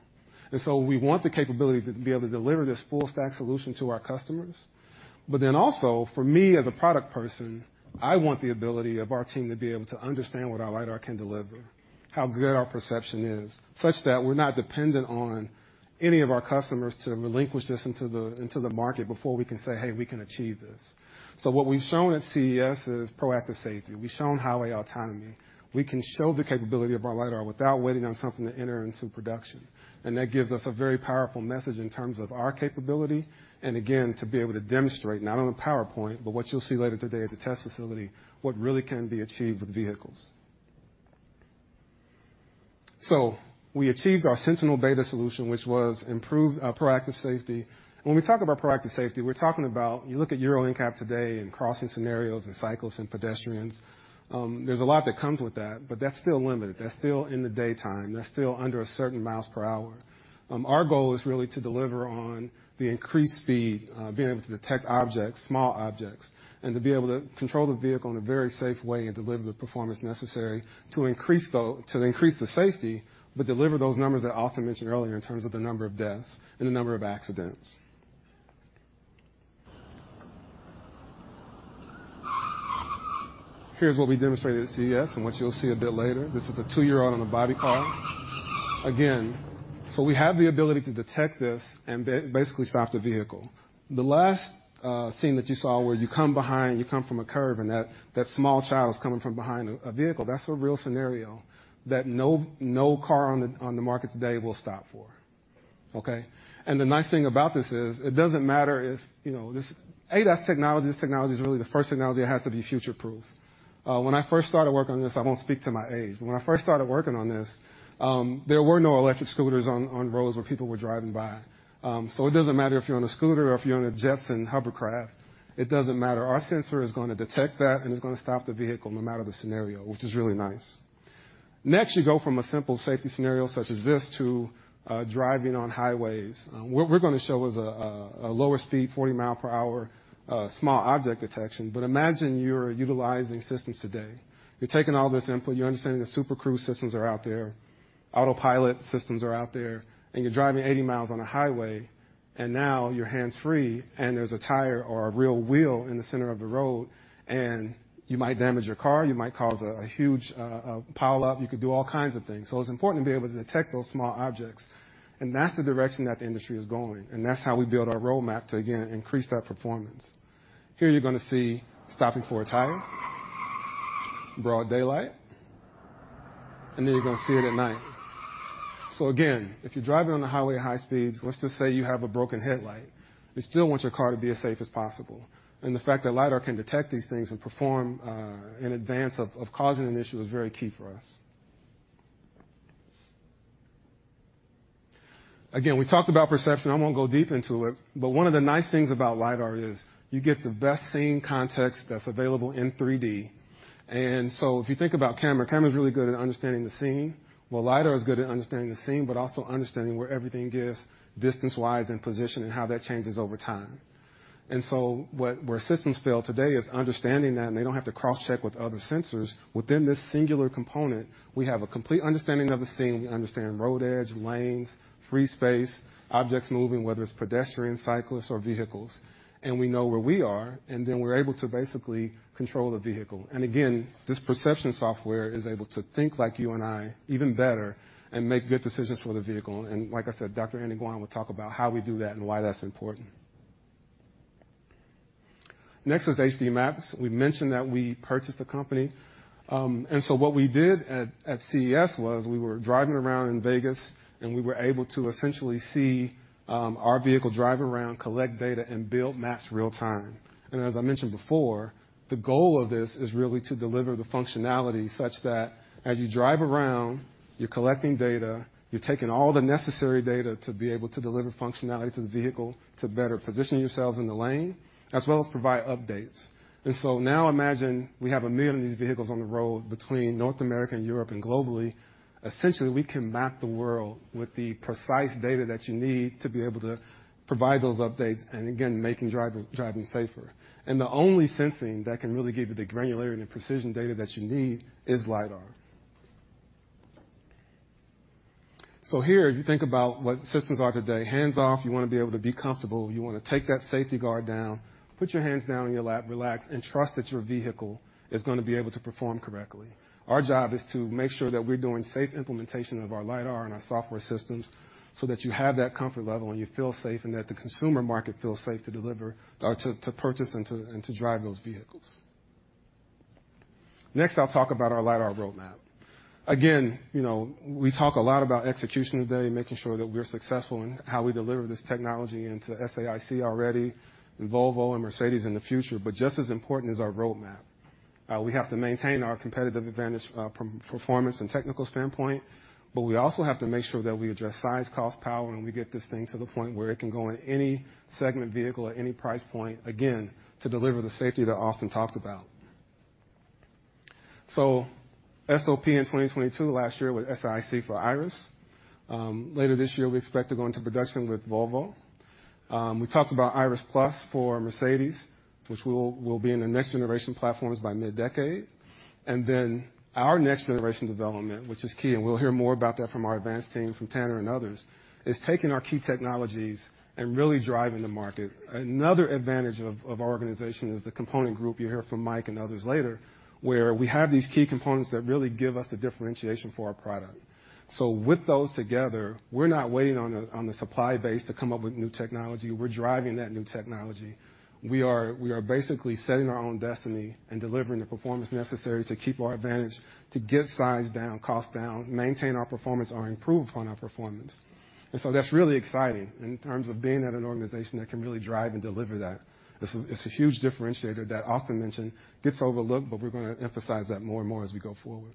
We want the capability to be able to deliver this full stack solution to our customers. Also, for me as a product person, I want the ability of our team to be able to understand what our lidar can deliver, how good our perception is, such that we're not dependent on any of our customers to relinquish this into the, into the market before we can say, "Hey, we can achieve this." What we've shown at CES is proactive safety. We've shown highway autonomy. We can show the capability of our lidar without waiting on something to enter into production. That gives us a very powerful message in terms of our capability, and again, to be able to demonstrate, not on a PowerPoint, but what you'll see later today at the test facility, what really can be achieved with vehicles. We achieved our Sentinel Beta solution, which was improved proactive safety. When we talk about proactive safety, we're talking about, you look at Euro NCAP today and crossing scenarios and cyclists and pedestrians, there's a lot that comes with that. That's still limited. That's still in the daytime. That's still under a certain miles per hour. Our goal is really to deliver on the increased speed, being able to detect objects, small objects, and to be able to control the vehicle in a very safe way and deliver the performance necessary to increase the, to increase the safety, but deliver those numbers that Austin mentioned earlier in terms of the number of deaths and the number of accidents. Here's what we demonstrated at CES and what you'll see a bit later. This is a two-year-old on a body car. Again, we have the ability to detect this and basically stop the vehicle. The last scene that you saw where you come from a curve and that small child is coming from behind a vehicle, that's a real scenario that no car on the market today will stop for, okay? The nice thing about this is it doesn't matter if, you know, this technology is really the first technology that has to be future-proof. When I first started working on this, I won't speak to my age, but when I first started working on this, there were no electric scooters on roads where people were driving by. It doesn't matter if you're on a scooter or if you're on a Jetson hovercraft, it doesn't matter. Our sensor is gonna detect that, and it's gonna stop the vehicle no matter the scenario, which is really nice. Next, you go from a simple safety scenario such as this to driving on highways. What we're gonna show is a lower speed, 40 mile per hour, small object detection. Imagine you're utilizing systems today. You're taking all this input. You're understanding that Super Cruise systems are out there, Autopilot systems are out there, and you're driving 80 miles on a highway, and now you're hands-free, and there's a tire or a real wheel in the center of the road, and you might damage your car. You might cause a huge pileup. You could do all kinds of things. It's important to be able to detect those small objects, and that's the direction that the industry is going, and that's how we build our roadmap to, again, increase that performance. Here you're going to see stopping for a tire. Broad daylight. You're going to see it at night. Again, if you're driving on the highway at high speeds, let's just say you have a broken headlight, you still want your car to be as safe as possible. The fact that lidar can detect these things and perform in advance of causing an issue is very key for us. Again, we talked about perception. I won't go deep into it, but one of the nice things about lidar is you get the best scene context that's available in 3D. If you think about camera's really good at understanding the scene. Lidar is good at understanding the scene, but also understanding where everything is distance-wise and position and how that changes over time. Where systems fail today is understanding that, and they don't have to cross-check with other sensors. Within this singular component, we have a complete understanding of the scene. We understand road edge, lanes, free space, objects moving, whether it's pedestrians, cyclists, or vehicles, and we know where we are, and then we're able to basically control the vehicle. Again, this perception software is able to think like you and I even better and make good decisions for the vehicle. Like I said, Dr. Annie Guan will talk about how we do that and why that's important. Next is HD Maps. We mentioned that we purchased the company. What we did at CES was we were driving around in Vegas, and we were able to essentially see, our vehicle drive around, collect data, and build maps real-time. As I mentioned before, the goal of this is really to deliver the functionality such that as you drive around, you're collecting data, you're taking all the necessary data to be able to deliver functionality to the vehicle to better position yourselves in the lane, as well as provide updates. Now imagine we have 1 million of these vehicles on the road between North America and Europe and globally. Essentially, we can map the world with the precise data that you need to be able to provide those updates and again, making driving safer. The only sensing that can really give you the granularity and precision data that you need is lidar. Here, you think about what systems are today. Hands-off, you wanna be able to be comfortable. You wanna take that safety guard down, put your hands down on your lap, relax, and trust that your vehicle is gonna be able to perform correctly. Our job is to make sure that we're doing safe implementation of our lidar and our software systems so that you have that comfort level, and you feel safe, and that the consumer market feels safe to purchase and to drive those vehicles. Next, I'll talk about our lidar roadmap. Again, you know, we talk a lot about execution today and making sure that we're successful in how we deliver this technology into SAIC already, Volvo and Mercedes in the future. Just as important is our roadmap. We have to maintain our competitive advantage from performance and technical standpoint, but we also have to make sure that we address size, cost, power, and we get this thing to the point where it can go in any segment vehicle at any price point, again, to deliver the safety that Austin talked about. SOP in 2022 last year with SAIC for Iris. Later this year, we expect to go into production with Volvo. We talked about Iris+ for Mercedes, which will be in the next generation platforms by mid-decade. Then our next generation development, which is key, and we'll hear more about that from our advanced team, from Tanner and others, is taking our key technologies and really driving the market. Another advantage of our organization is the component group you'll hear from Mike and others later, where we have these key components that really give us the differentiation for our product. With those together, we're not waiting on the supply base to come up with new technology. We're driving that new technology. We are basically setting our own destiny and delivering the performance necessary to keep our advantage, to get size down, cost down, maintain our performance or improve upon our performance. That's really exciting in terms of being at an organization that can really drive and deliver that. It's a huge differentiator that Austin mentioned, gets overlooked, but we're gonna emphasize that more and more as we go forward.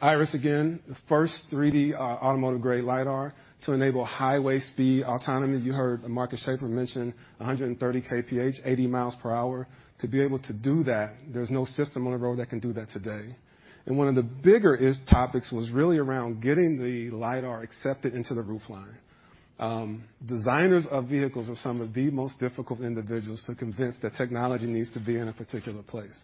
Iris, again, the first 3D automotive-grade lidar to enable highway speed autonomy. You heard Markus Schäfer mention 130 kph, 80 miles per hour. To be able to do that, there's no system on the road that can do that today. One of the bigger topics was really around getting the lidar accepted into the roof line. Designers of vehicles are some of the most difficult individuals to convince that technology needs to be in a particular place.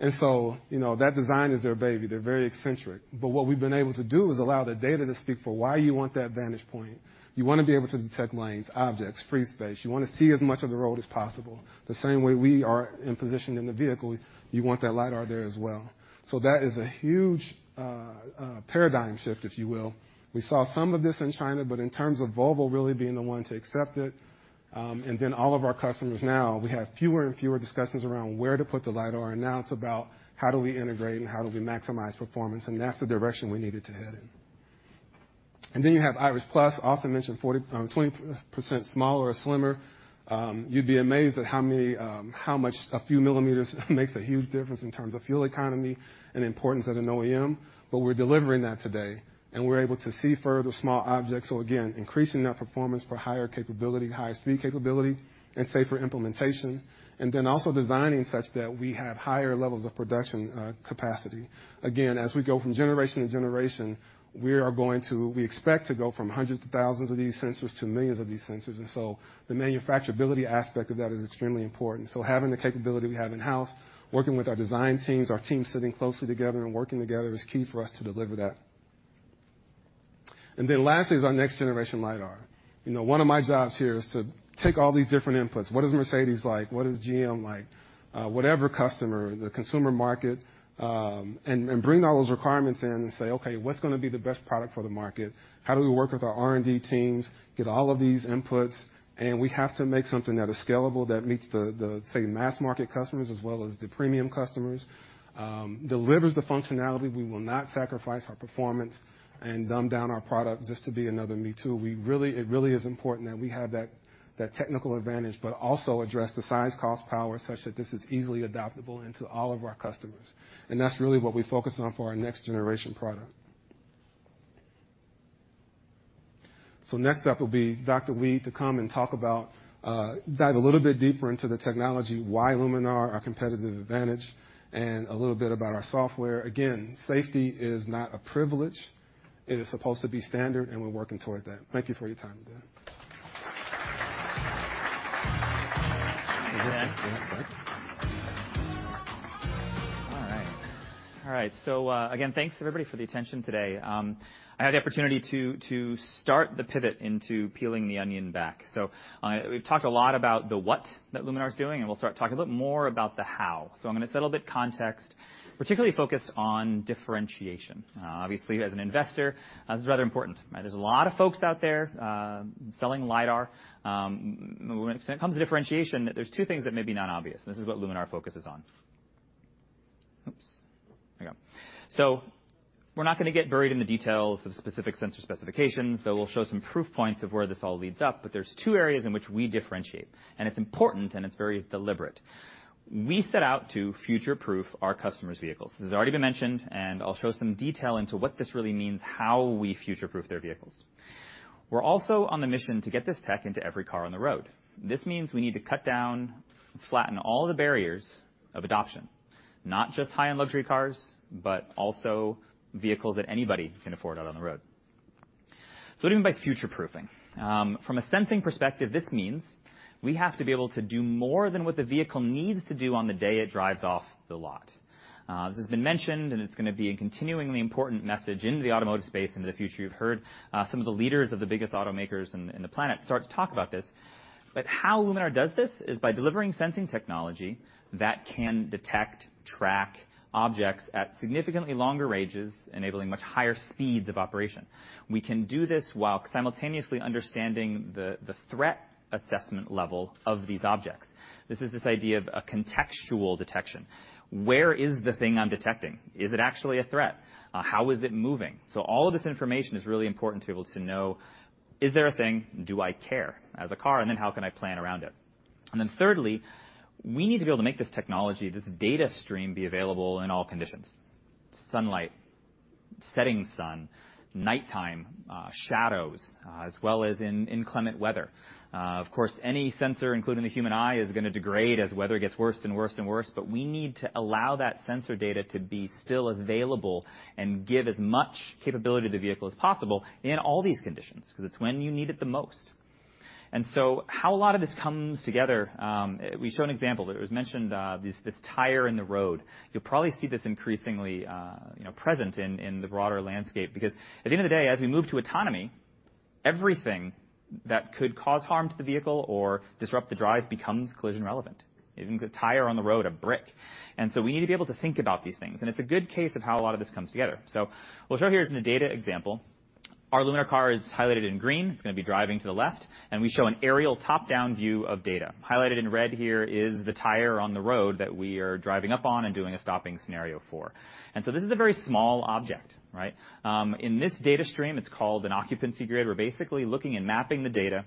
You know, that design is their baby. They're very eccentric. What we've been able to do is allow the data to speak for why you want that vantage point. You wanna be able to detect lanes, objects, free space. You wanna see as much of the road as possible. The same way we are in position in the vehicle, you want that lidar there as well. That is a huge paradigm shift, if you will. We saw some of this in China, but in terms of Volvo really being the one to accept it, all of our customers now, we have fewer and fewer discussions around where to put the lidar, and now it's about how do we integrate and how do we maximize performance. That's the direction we needed to head in. You have Iris+. Austin mentioned 40, 20% smaller or slimmer. You'd be amazed at how many, how much a few millimeters makes a huge difference in terms of fuel economy and importance at an OEM, but we're delivering that today, we're able to see further small objects. Again, increasing that performance for higher capability, higher speed capability, and safer implementation, also designing such that we have higher levels of production capacity. Again, as we go from generation to generation, we expect to go from hundreds of thousands of these sensors to millions of these sensors. The manufacturability aspect of that is extremely important. Having the capability we have in-house, working with our design teams, our teams sitting closely together and working together is key for us to deliver that. Lastly is our next generation lidar. You know, one of my jobs here is to take all these different inputs. What is Mercedes like? What is GM like? Whatever customer, the consumer market, and bring all those requirements in and say, "Okay, what's gonna be the best product for the market? How do we work with our R&D teams, get all of these inputs?" We have to make something that is scalable, that meets the, say, mass market customers as well as the premium customers, delivers the functionality. We will not sacrifice our performance and dumb down our product just to be another me too. It really is important that we have that technical advantage, but also address the size, cost, power, such that this is easily adaptable into all of our customers. That's really what we focus on for our next generation product. Next up will be Dr. Weed to come and talk about, dive a little bit deeper into the technology, why Luminar, our competitive advantage, and a little bit about our software. Safety is not a privilege. It is supposed to be standard, and we're working toward that. Thank you for your time today. All right. All right, again, thanks, everybody, for the attention today. I had the opportunity to start the pivot into peeling the onion back. We've talked a lot about the what that Luminar is doing, and we'll start talking a bit more about the how. I'm gonna set a little bit context, particularly focused on differentiation. Obviously, as an investor, this is rather important. There's a lot of folks out there selling lidar. When it comes to differentiation, there's 2 things that may be non-obvious. This is what Luminar focuses on. We're not gonna get buried in the details of specific sensor specifications, though we'll show some proof points of where this all leads up. There's 2 areas in which we differentiate, and it's important, and it's very deliberate. We set out to future-proof our customers' vehicles. This has already been mentioned, and I'll show some detail into what this really means, how we future-proof their vehicles. We're also on the mission to get this tech into every car on the road. This means we need to cut down, flatten all the barriers of adoption, not just high-end luxury cars, but also vehicles that anybody can afford out on the road. What do you mean by future-proofing? From a sensing perspective, this means we have to be able to do more than what the vehicle needs to do on the day it drives off the lot. This has been mentioned, and it's gonna be a continuingly important message into the automotive space in the future. You've heard some of the leaders of the biggest automakers in the planet start to talk about this. How Luminar does this is by delivering sensing technology that can detect, track objects at significantly longer ranges, enabling much higher speeds of operation. We can do this while simultaneously understanding the threat assessment level of these objects. This is this idea of a contextual detection. Where is the thing I'm detecting? Is it actually a threat? How is it moving? All of this information is really important to be able to know, is there a thing? Do I care, as a car? How can I plan around it? Thirdly, we need to be able to make this technology, this data stream, be available in all conditions: sunlight, setting sun, nighttime, shadows, as well as in inclement weather. Of course, any sensor, including the human eye, is gonna degrade as weather gets worse and worse and worse, but we need to allow that sensor data to be still available and give as much capability to the vehicle as possible in all these conditions, 'cause it's when you need it the most. How a lot of this comes together, we show an example. It was mentioned, this tire in the road. You'll probably see this increasingly, you know, present in the broader landscape because at the end of the day, as we move to autonomy, everything that could cause harm to the vehicle or disrupt the drive becomes collision-relevant. Even the tire on the road, a brick. We need to be able to think about these things, and it's a good case of how a lot of this comes together. We'll show here is in the data example. Our Luminar car is highlighted in green. It's gonna be driving to the left, and we show an aerial top-down view of data. Highlighted in red here is the tire on the road that we are driving up on and doing a stopping scenario for. This is a very small object, right? In this data stream, it's called an occupancy grid. We're basically looking and mapping the data,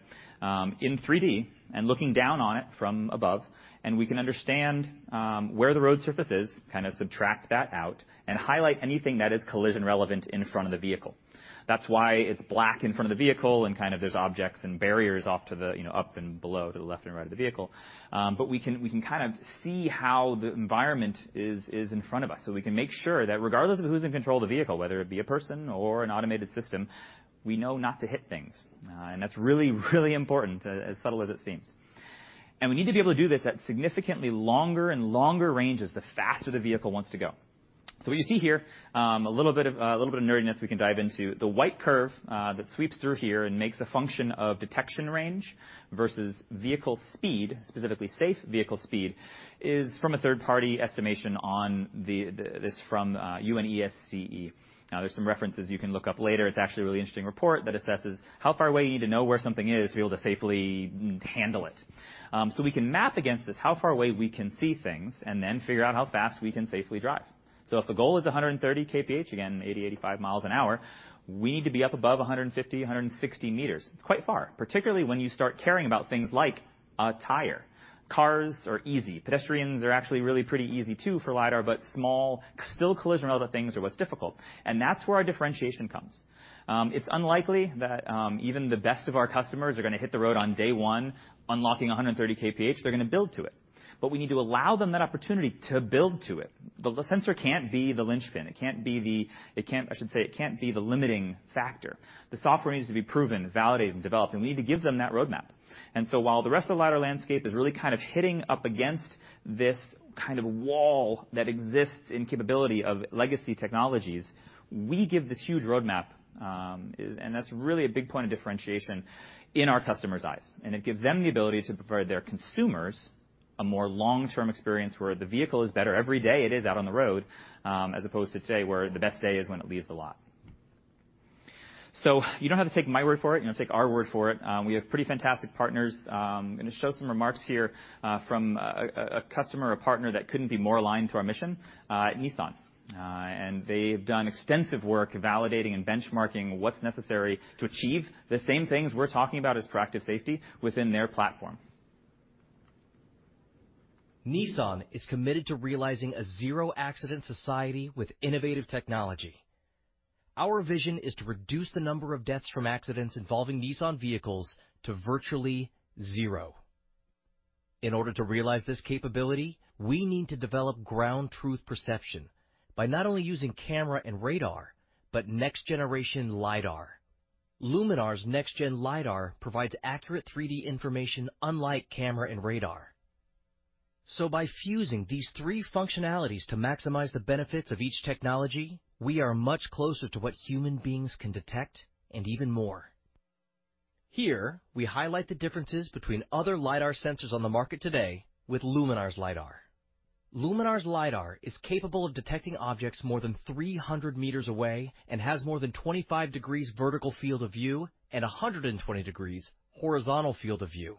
in 3D and looking down on it from above, and we can understand, where the road surface is, kinda subtract that out and highlight anything that is collision-relevant in front of the vehicle. That's why it's black in front of the vehicle and kind of there's objects and barriers off to the, you know, up and below, to the left and right of the vehicle. We can kind of see how the environment is in front of us, so we can make sure that regardless of who's in control of the vehicle, whether it be a person or an automated system, we know not to hit things. That's really, really important as subtle as it seems. We need to be able to do this at significantly longer and longer ranges, the faster the vehicle wants to go. What you see here, a little bit of nerdiness we can dive into. The white curve that sweeps through here and makes a function of detection range versus vehicle speed, specifically safe vehicle speed, is from a third-party estimation This from UNECE. There's some references you can look up later. It's actually a really interesting report that assesses how far away you need to know where something is to be able to safely handle it. We can map against this how far away we can see things and then figure out how fast we can safely drive. If the goal is 130 KPH, again, 80-85 miles an hour, we need to be up above 150-160 meters. It's quite far, particularly when you start caring about things like a tire. Cars are easy. Pedestrians are actually really pretty easy too for lidar, but small, still collision related things are what's difficult, and that's where our differentiation comes. It's unlikely that even the best of our customers are gonna hit the road on day 1 unlocking 130 KPH. They're gonna build to it. We need to allow them that opportunity to build to it. The sensor can't be the linchpin. I should say, it can't be the limiting factor. The software needs to be proven, validated, and developed, and we need to give them that roadmap. While the rest of the lidar landscape is really kind of hitting up against this kind of wall that exists in capability of legacy technologies, we give this huge roadmap, and that's really a big point of differentiation in our customers' eyes. It gives them the ability to provide their consumers a more long-term experience where the vehicle is better every day it is out on the road, as opposed to today, where the best day is when it leaves the lot. You don't have to take my word for it, you know, take our word for it. We have pretty fantastic partners. I'm gonna show some remarks here, from a customer or partner that couldn't be more aligned to our mission, at Nissan. They've done extensive work validating and benchmarking what's necessary to achieve the same things we're talking about as proactive safety within their platform. Nissan is committed to realizing a zero-accident society with innovative technology. Our vision is to reduce the number of deaths from accidents involving Nissan vehicles to virtually zero. In order to realize this capability, we need to develop ground truth perception by not only using camera and radar, but next-generation lidar. Luminar's next-gen lidar provides accurate 3D information unlike camera and radar. By fusing these three functionalities to maximize the benefits of each technology, we are much closer to what human beings can detect and even more. Here, we highlight the differences between other lidar sensors on the market today with Luminar's lidar. Luminar's lidar is capable of detecting objects more than 300 meters away and has more than 25 degrees vertical field of view and 120 degrees horizontal field of view.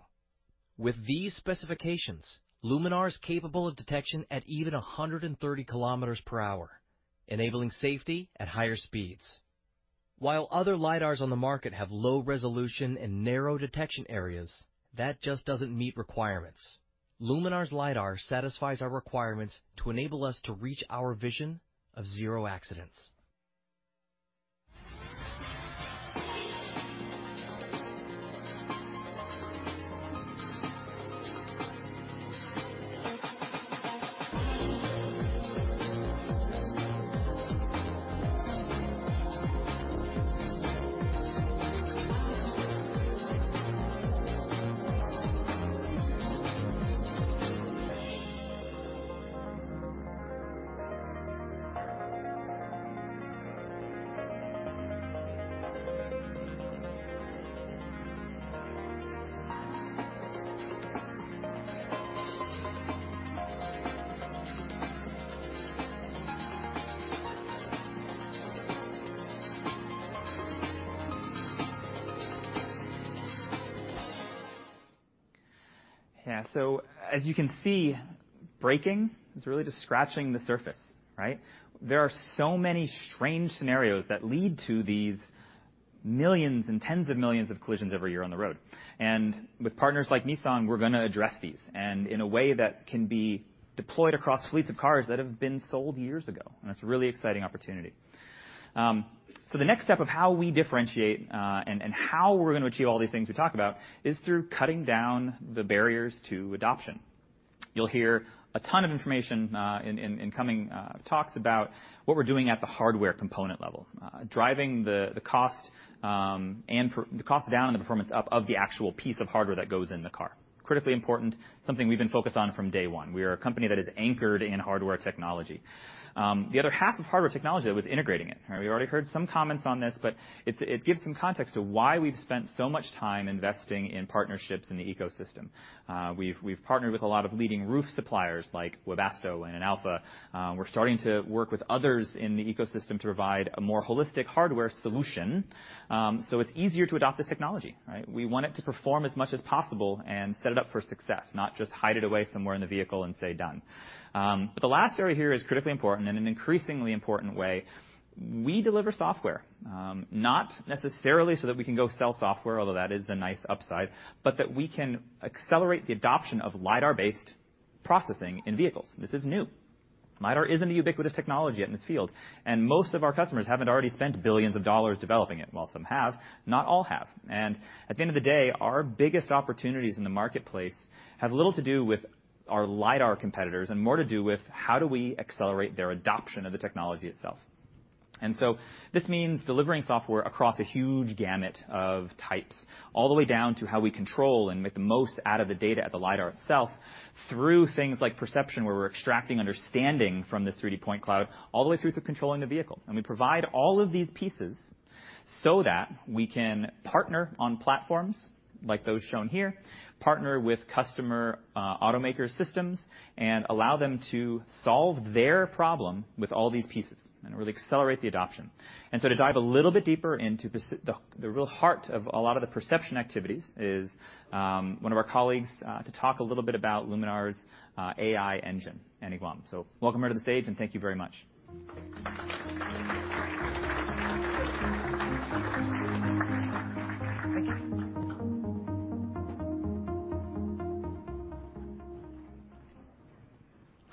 With these specifications, Luminar is capable of detection at even 130 kilometers per hour, enabling safety at higher speeds. While other lidars on the market have low resolution and narrow detection areas, that just doesn't meet requirements. Luminar's lidar satisfies our requirements to enable us to reach our vision of zero accidents. Yeah. As you can see, braking is really just scratching the surface, right? There are so many strange scenarios that lead to these millions and tens of millions of collisions every year on the road. With partners like Nissan, we're gonna address these, and in a way that can be deployed across fleets of cars that have been sold years ago. It's a really exciting opportunity. The next step of how we differentiate, and how we're gonna achieve all these things we talk about is through cutting down the barriers to adoption. You'll hear a ton of information in coming talks about what we're doing at the hardware component level, driving the cost, and. the cost down and the performance up of the actual piece of hardware that goes in the car. Critically important, something we've been focused on from day one. We are a company that is anchored in hardware technology. The other half of hardware technology was integrating it. We already heard some comments on this, but it gives some context to why we've spent so much time investing in partnerships in the ecosystem. We've partnered with a lot of leading roof suppliers like Webasto and Inalfa. We're starting to work with others in the ecosystem to provide a more holistic hardware solution, so it's easier to adopt this technology, right? We want it to perform as much as possible and set it up for success, not just hide it away somewhere in the vehicle and say, "Done." The last area here is critically important in an increasingly important way. We deliver software, not necessarily so that we can go sell software, although that is a nice upside, but that we can accelerate the adoption of lidar-based processing in vehicles. This is new. Lidar isn't a ubiquitous technology yet in this field, and most of our customers haven't already spent $ billions developing it. While some have, not all have. At the end of the day, our biggest opportunities in the marketplace have little to do with our lidar competitors and more to do with how do we accelerate their adoption of the technology itself. This means delivering software across a huge gamut of types, all the way down to how we control and make the most out of the data at the lidar itself through things like perception, where we're extracting understanding from this 3D point cloud all the way through to controlling the vehicle. We provide all of these pieces so that we can partner on platforms like those shown here, partner with customer automaker systems and allow them to solve their problem with all these pieces and really accelerate the adoption. To dive a little bit deeper into the real heart of a lot of the perception activities is one of our colleagues to talk a little bit about Luminar's AI engine, Annie Guan. Welcome her to the stage, and thank you very much. Thank you.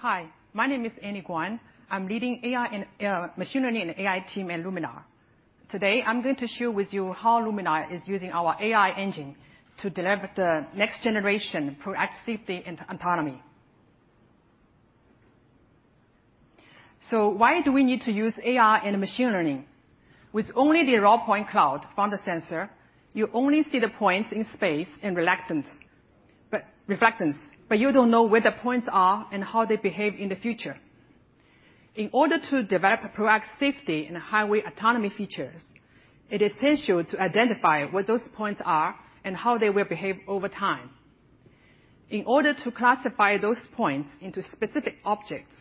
Hi, my name is Annie Guan. I'm leading AI and machine learning and AI team at Luminar. Today, I'm going to share with you how Luminar is using our AI engine to deliver the next generation proactive safety and autonomy. Why do we need to use AI and machine learning? With only the raw point cloud from the sensor, you only see the points in space and reluctance, but reflectance, but you don't know where the points are and how they behave in the future. In order to develop a proactive safety and highway autonomy features, it is essential to identify what those points are and how they will behave over time. In order to classify those points into specific objects,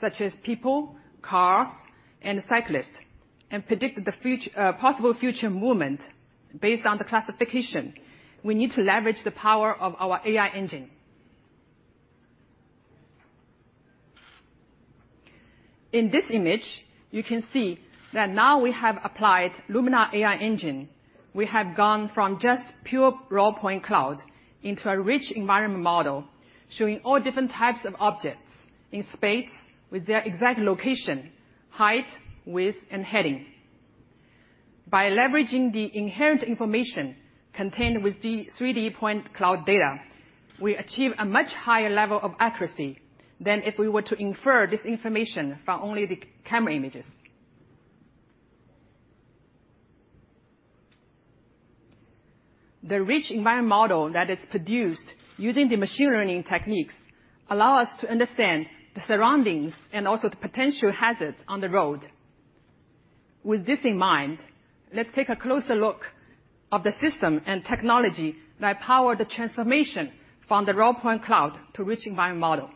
such as people, cars, and cyclists, and predict the possible future movement based on the classification, we need to leverage the power of our AI engine. In this image, you can see that now we have applied Luminar AI engine, we have gone from just pure raw point cloud into a rich environment model, showing all different types of objects in space with their exact location, height, width, and heading. By leveraging the inherent information contained with the 3D point cloud data, we achieve a much higher level of accuracy than if we were to infer this information from only the camera images. The rich environment model that is produced using the machine learning techniques allow us to understand the surroundings and also the potential hazards on the road. With this in mind, let's take a closer look of the system and technology that power the transformation from the raw point cloud to rich environment model.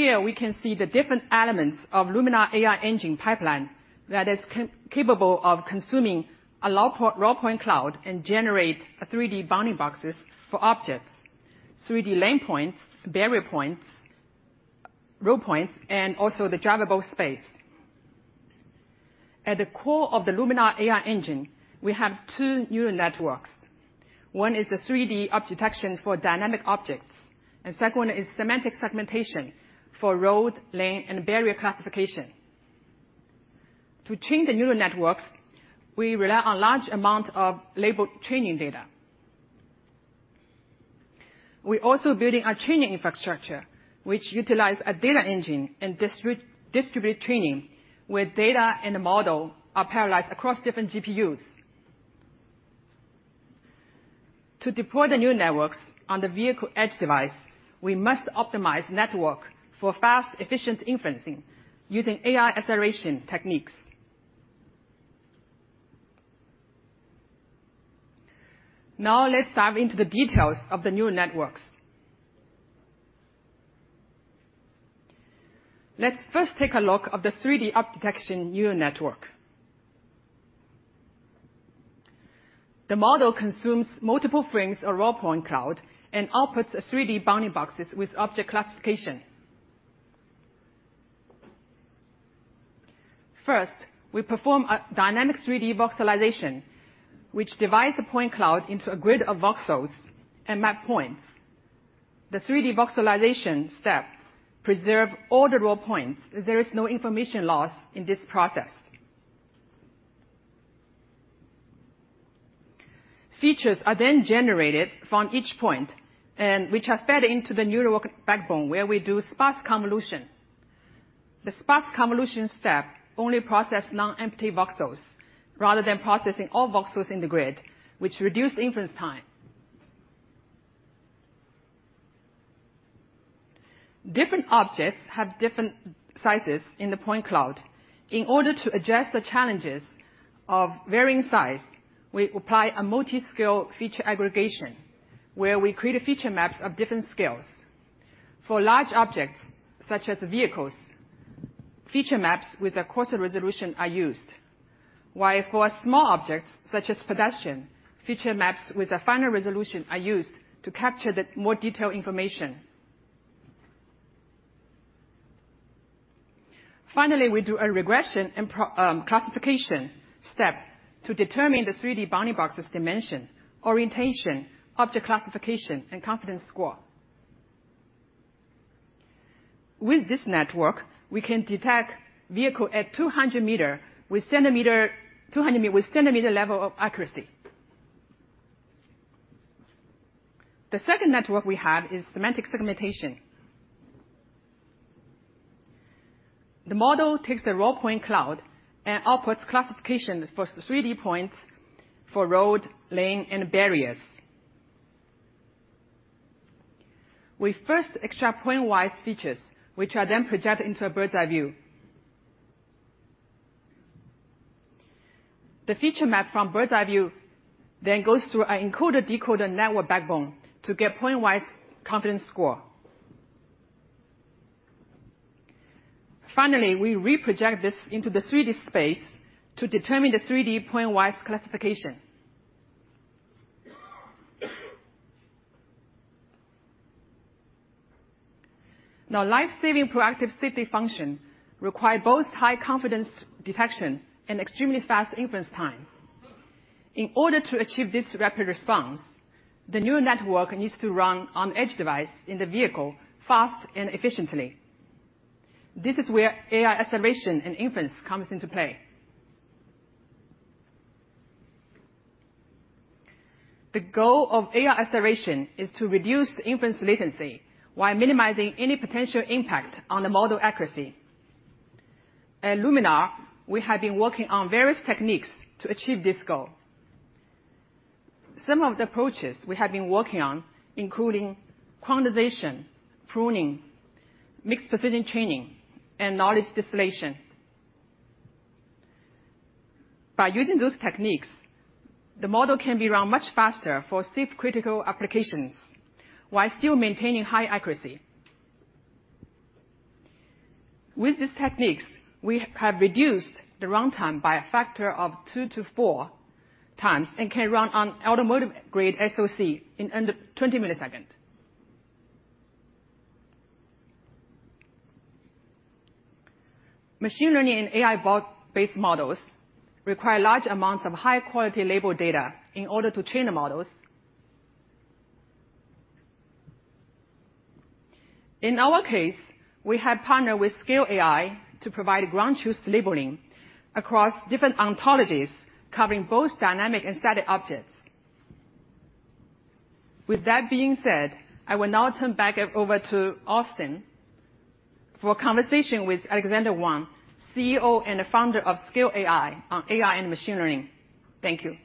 Here we can see the different elements of Luminar AI engine pipeline that is capable of consuming a raw point cloud and generate 3D bounding boxes for objects, 3D lane points, barrier points, road points, and also the drivable space. At the core of the Luminar AI engine, we have 2 neural networks. One is the 3D object detection for dynamic objects, and second one is semantic segmentation for road, lane, and barrier classification. To train the neural networks, we rely on large amount of labeled training data. We also building a training infrastructure which utilize a data engine and distributed training, where data and the model are paralyzed across different GPUs. To deploy the new networks on the vehicle edge device, we must optimize network for fast, efficient inferencing using AI acceleration techniques. Let's dive into the details of the neural networks. Let's first take a look of the 3D object detection neural network. The model consumes multiple frames of raw point cloud and outputs a 3D bounding boxes with object classification. First, we perform a dynamic 3D voxelization, which divides the point cloud into a grid of voxels and map points. The 3D voxelization step preserve all the raw points, as there is no information loss in this process. Features are then generated from each point and which are fed into the neural network backbone, where we do sparse convolution. The sparse convolution step only process non-empty voxels rather than processing all voxels in the grid, which reduce the inference time. Different objects have different sizes in the point cloud. In order to address the challenges of varying size, we apply a multi-scale feature aggregation, where we create a feature maps of different scales. For large objects, such as vehicles, feature maps with a coarser resolution are used. While for small objects, such as pedestrian, feature maps with a finer resolution are used to capture the more detailed information. Finally, we do a regression and classification step to determine the 3D bounding boxes dimension, orientation, object classification, and confidence score. With this network, we can detect vehicle at 200 meter with 200 meter with centimeter level of accuracy. The second network we have is semantic segmentation. The model takes the raw point cloud and outputs classifications for the 3D points for road, lane, and barriers. We first extract point wise features, which are then projected into a bird's-eye view. The feature map from bird's-eye view then goes through an encoder-decoder network backbone to get point wise confidence score. Finally, we reproject this into the 3D space to determine the 3D point wise classification. Life-saving proactive safety function require both high confidence detection and extremely fast inference time. In order to achieve this rapid response, the neural network needs to run on edge device in the vehicle fast and efficiently. This is where AI acceleration and inference comes into play. The goal of AI acceleration is to reduce the inference latency while minimizing any potential impact on the model accuracy. At Luminar, we have been working on various techniques to achieve this goal. Some of the approaches we have been working on including quantization, pruning, mixed-precision training, and knowledge distillation. By using those techniques, the model can be run much faster for safe critical applications while still maintaining high accuracy. With these techniques, we have reduced the runtime by a factor of 2 to 4 times and can run on automotive-grade SoC in under 20 milliseconds. Machine learning and AI bot-based models require large amounts of high-quality label data in order to train the models. In our case, we have partnered with Scale AI to provide ground truth labeling across different ontologies, covering both dynamic and static objects. With that being said, I will now turn back over to Austin for a conversation with Alexandr Wang, CEO and founder of Scale AI on AI and machine learning. Thank you.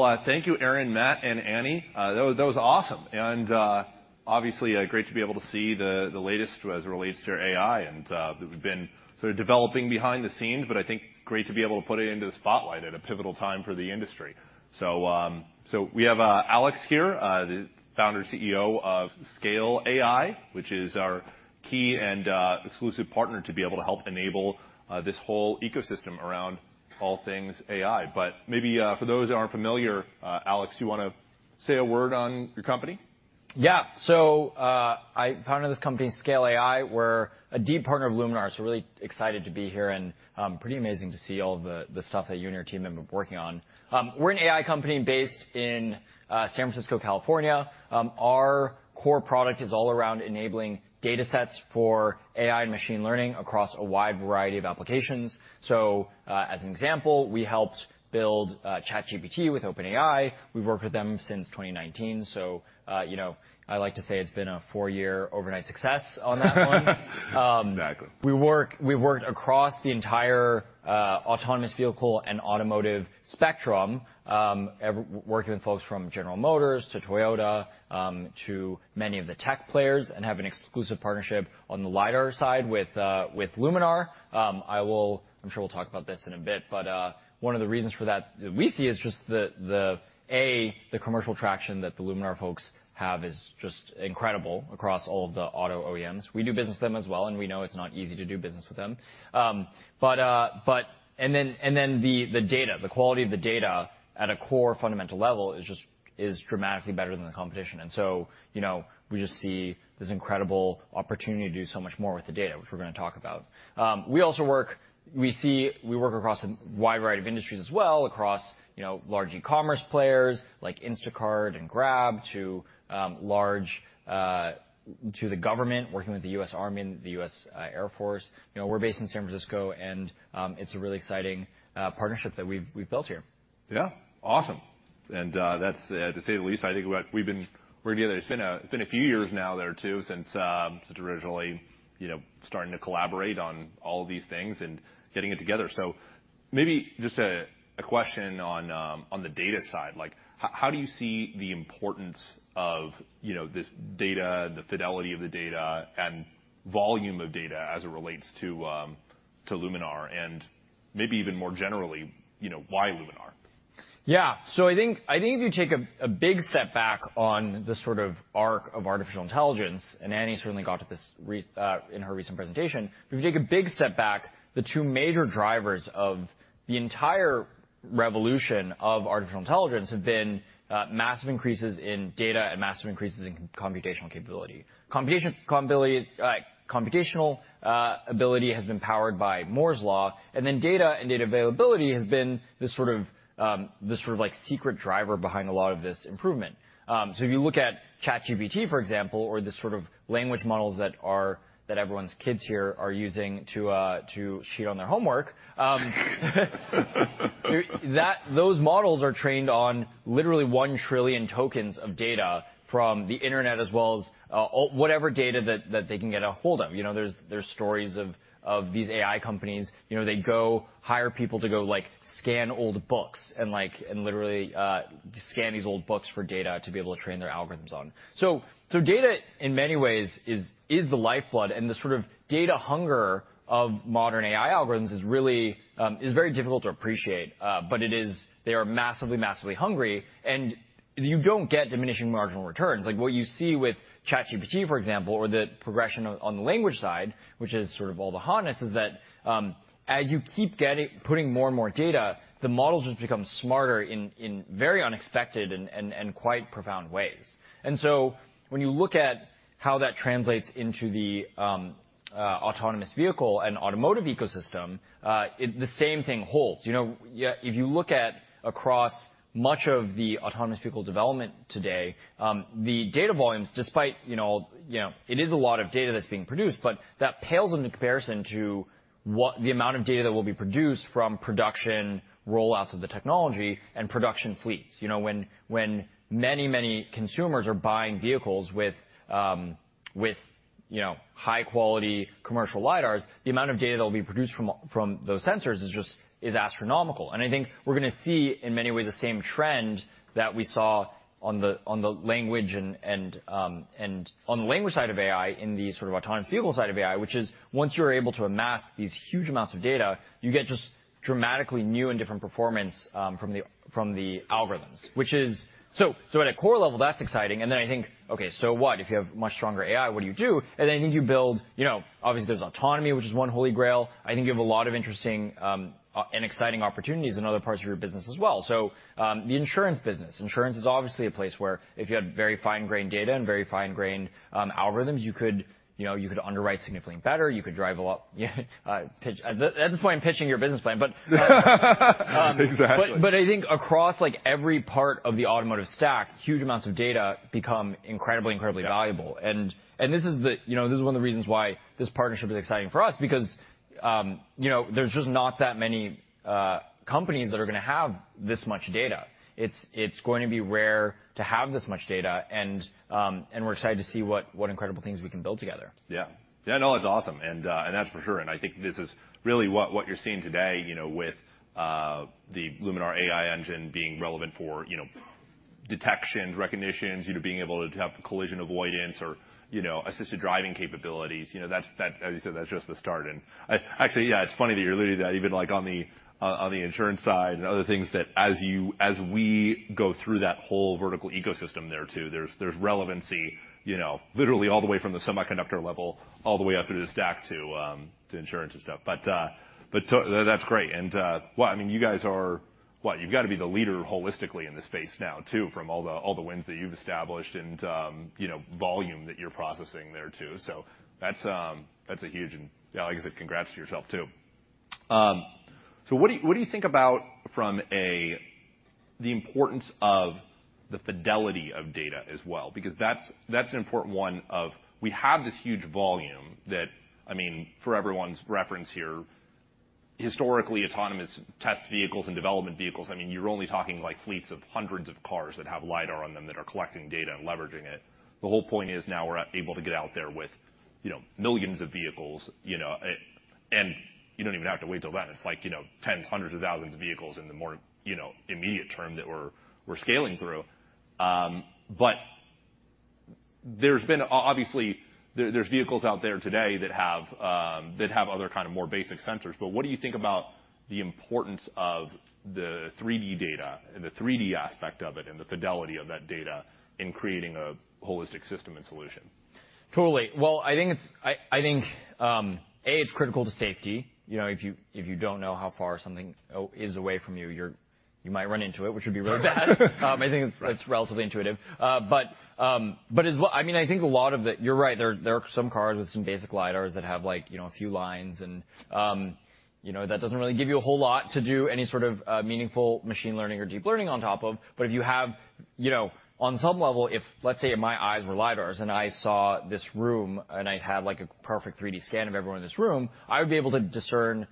All right. Well, thank you, Aaron, Matt, and Annie. That was awesome. Obviously, great to be able to see the latest as it relates to our AI, and we've been sort of developing behind the scenes, but I think great to be able to put it into the spotlight at a pivotal time for the industry. We have Alex here, the founder and CEO of Scale AI, which is our key and exclusive partner to be able to help enable this whole ecosystem around all things AI. Maybe, for those who aren't familiar, Alex, you wanna say a word on your company? Yeah. I founded this company, Scale AI. We're a deep partner of Luminar, so really excited to be here, and pretty amazing to see all the stuff that you and your team have been working on. We're an AI company based in San Francisco, California. Our core product is all around enabling datasets for AI and machine learning across a wide variety of applications. As an example, we helped build ChatGPT with OpenAI. We've worked with them since 2019, so, you know, I like to say it's been a 4-year overnight success on that one. Exactly. We've worked across the entire autonomous vehicle and automotive spectrum, working with folks from General Motors to Toyota, to many of the tech players, and have an exclusive partnership on the lidar side with Luminar. I'm sure we'll talk about this in a bit, one of the reasons for that we see is just the, A, the commercial traction that the Luminar folks have is just incredible across all of the auto OEMs. We do business with them as well, we know it's not easy to do business with them. The data, the quality of the data at a core fundamental level is dramatically better than the competition. You know, we just see this incredible opportunity to do so much more with the data, which we're gonna talk about. We also work across a wide variety of industries as well, across, you know, large e-commerce players like Instacart and Grab, to large, to the government, working with the U.S. Army and the U.S. Air Force. You know, we're based in San Francisco, and it's a really exciting partnership that we've built here. Yeah, awesome. That's to say the least, I think we're together. It's been a few years now there too since originally, you know, starting to collaborate on all of these things and getting it together. Maybe just a question on the data side. Like, how do you see the importance of, you know, this data, the fidelity of the data, and volume of data as it relates to Luminar? Maybe even more generally, you know, why Luminar? Yeah. I think if you take a big step back on the sort of arc of artificial intelligence, and Annie certainly got to this in her recent presentation. If you take a big step back, the two major drivers of the entire revolution of artificial intelligence have been massive increases in data and massive increases in computational capability. Computational ability has been powered by Moore's Law, and then data and data availability has been this sort of, like, secret driver behind a lot of this improvement. If you look at ChatGPT, for example, or the sort of language models that everyone's kids here are using to cheat on their homework. Those models are trained on literally 1 trillion tokens of data from the internet as well as whatever data that they can get a hold of. You know, there's stories of these AI companies. You know, they go hire people to go, like, scan old books and literally scan these old books for data to be able to train their algorithms on. Data in many ways is the lifeblood, and the sort of data hunger of modern AI algorithms is really very difficult to appreciate. It is. They are massively hungry, and you don't get diminishing marginal returns. Like, what you see with ChatGPT, for example, or the progression on the language side, which is sort of all the hotness, is that as you keep getting putting more and more data, the models just become smarter in very unexpected and quite profound ways. When you look at how that translates into the autonomous vehicle and automotive ecosystem, the same thing holds. You know, if you look at across much of the autonomous vehicle development today, the data volumes, despite, you know, it is a lot of data that's being produced, but that pales into comparison to what the amount of data that will be produced from production rollouts of the technology and production fleets. You know, when many consumers are buying vehicles with, you know, high-quality commercial lidars, the amount of data that will be produced from those sensors is astronomical. I think we're gonna see in many ways the same trend that we saw on the language and on the language side of AI, in the sort of autonomous vehicle side of AI, which is once you're able to amass these huge amounts of data, you get just dramatically new and different performance from the, from the algorithms. Which is. At a core level, that's exciting, then I think, okay, so what? If you have much stronger AI, what do you do? I think you build, you know, obviously, there's autonomy, which is one holy grail. I think you have a lot of interesting and exciting opportunities in other parts of your business as well. The insurance business. Insurance is obviously a place where if you had very fine-grained data and very fine-grained algorithms, you could, you know, you could underwrite significantly better, you could drive a lot, pitch. At this point, I'm pitching your business plan, but. Exactly. I think across, like, every part of the automotive stack, huge amounts of data become incredibly valuable. Yeah. You know, this is one of the reasons why this partnership is exciting for us, because, you know, there's just not that many companies that are gonna have this much data. It's going to be rare to have this much data, and we're excited to see what incredible things we can build together. Yeah. Yeah, no, it's awesome, and that's for sure. I think this is really what you're seeing today, you know, with the Luminar AI engine being relevant for, you know, detection, recognitions, you know, being able to have collision avoidance or, you know, assisted driving capabilities. You know, that, as you said, that's just the start. Actually, yeah, it's funny that you alluded to that, even, like, on the, on the insurance side and other things that as we go through that whole vertical ecosystem there too, there's relevancy, you know, literally all the way from the semiconductor level all the way up through the stack to insurance and stuff. That's great. Well, I mean, you guys are What? You've got to be the leader holistically in this space now too from all the wins that you've established and, you know, volume that you're processing there too. That's a huge and, yeah, like I said, congrats to yourself too. What do you think about from the importance of the fidelity of data as well? Because that's an important one of we have this huge volume that, I mean, for everyone's reference here, historically, autonomous test vehicles and development vehicles, I mean, you're only talking, like, fleets of hundreds of cars that have lidar on them that are collecting data and leveraging it. The whole point is now we're able to get out there with, you know, millions of vehicles, you know, it. You don't even have to wait till then. It's like, you know, tens, hundreds of thousands of vehicles in the more, you know, immediate term that we're scaling through. Obviously, there's vehicles out there today that have, that have other kind of more basic sensors. What do you think about the importance of the 3D data and the 3D aspect of it and the fidelity of that data in creating a holistic system and solution? Totally. Well, I think A, it's critical to safety. You know, if you don't know how far something is away from you might run into it, which would be really bad. I think it's relatively intuitive. As well, I mean, I think a lot of it, you're right. There are some cars with some basic lidars that have, like, you know, a few lines and, you know, that doesn't really give you a whole lot to do any sort of meaningful machine learning or deep learning on top of. If you have, you know, on some level, if, let’s say, my eyes were lidar, and I saw this room, and I had, like, a perfect 3D scan of everyone in this room, I would be able to discern,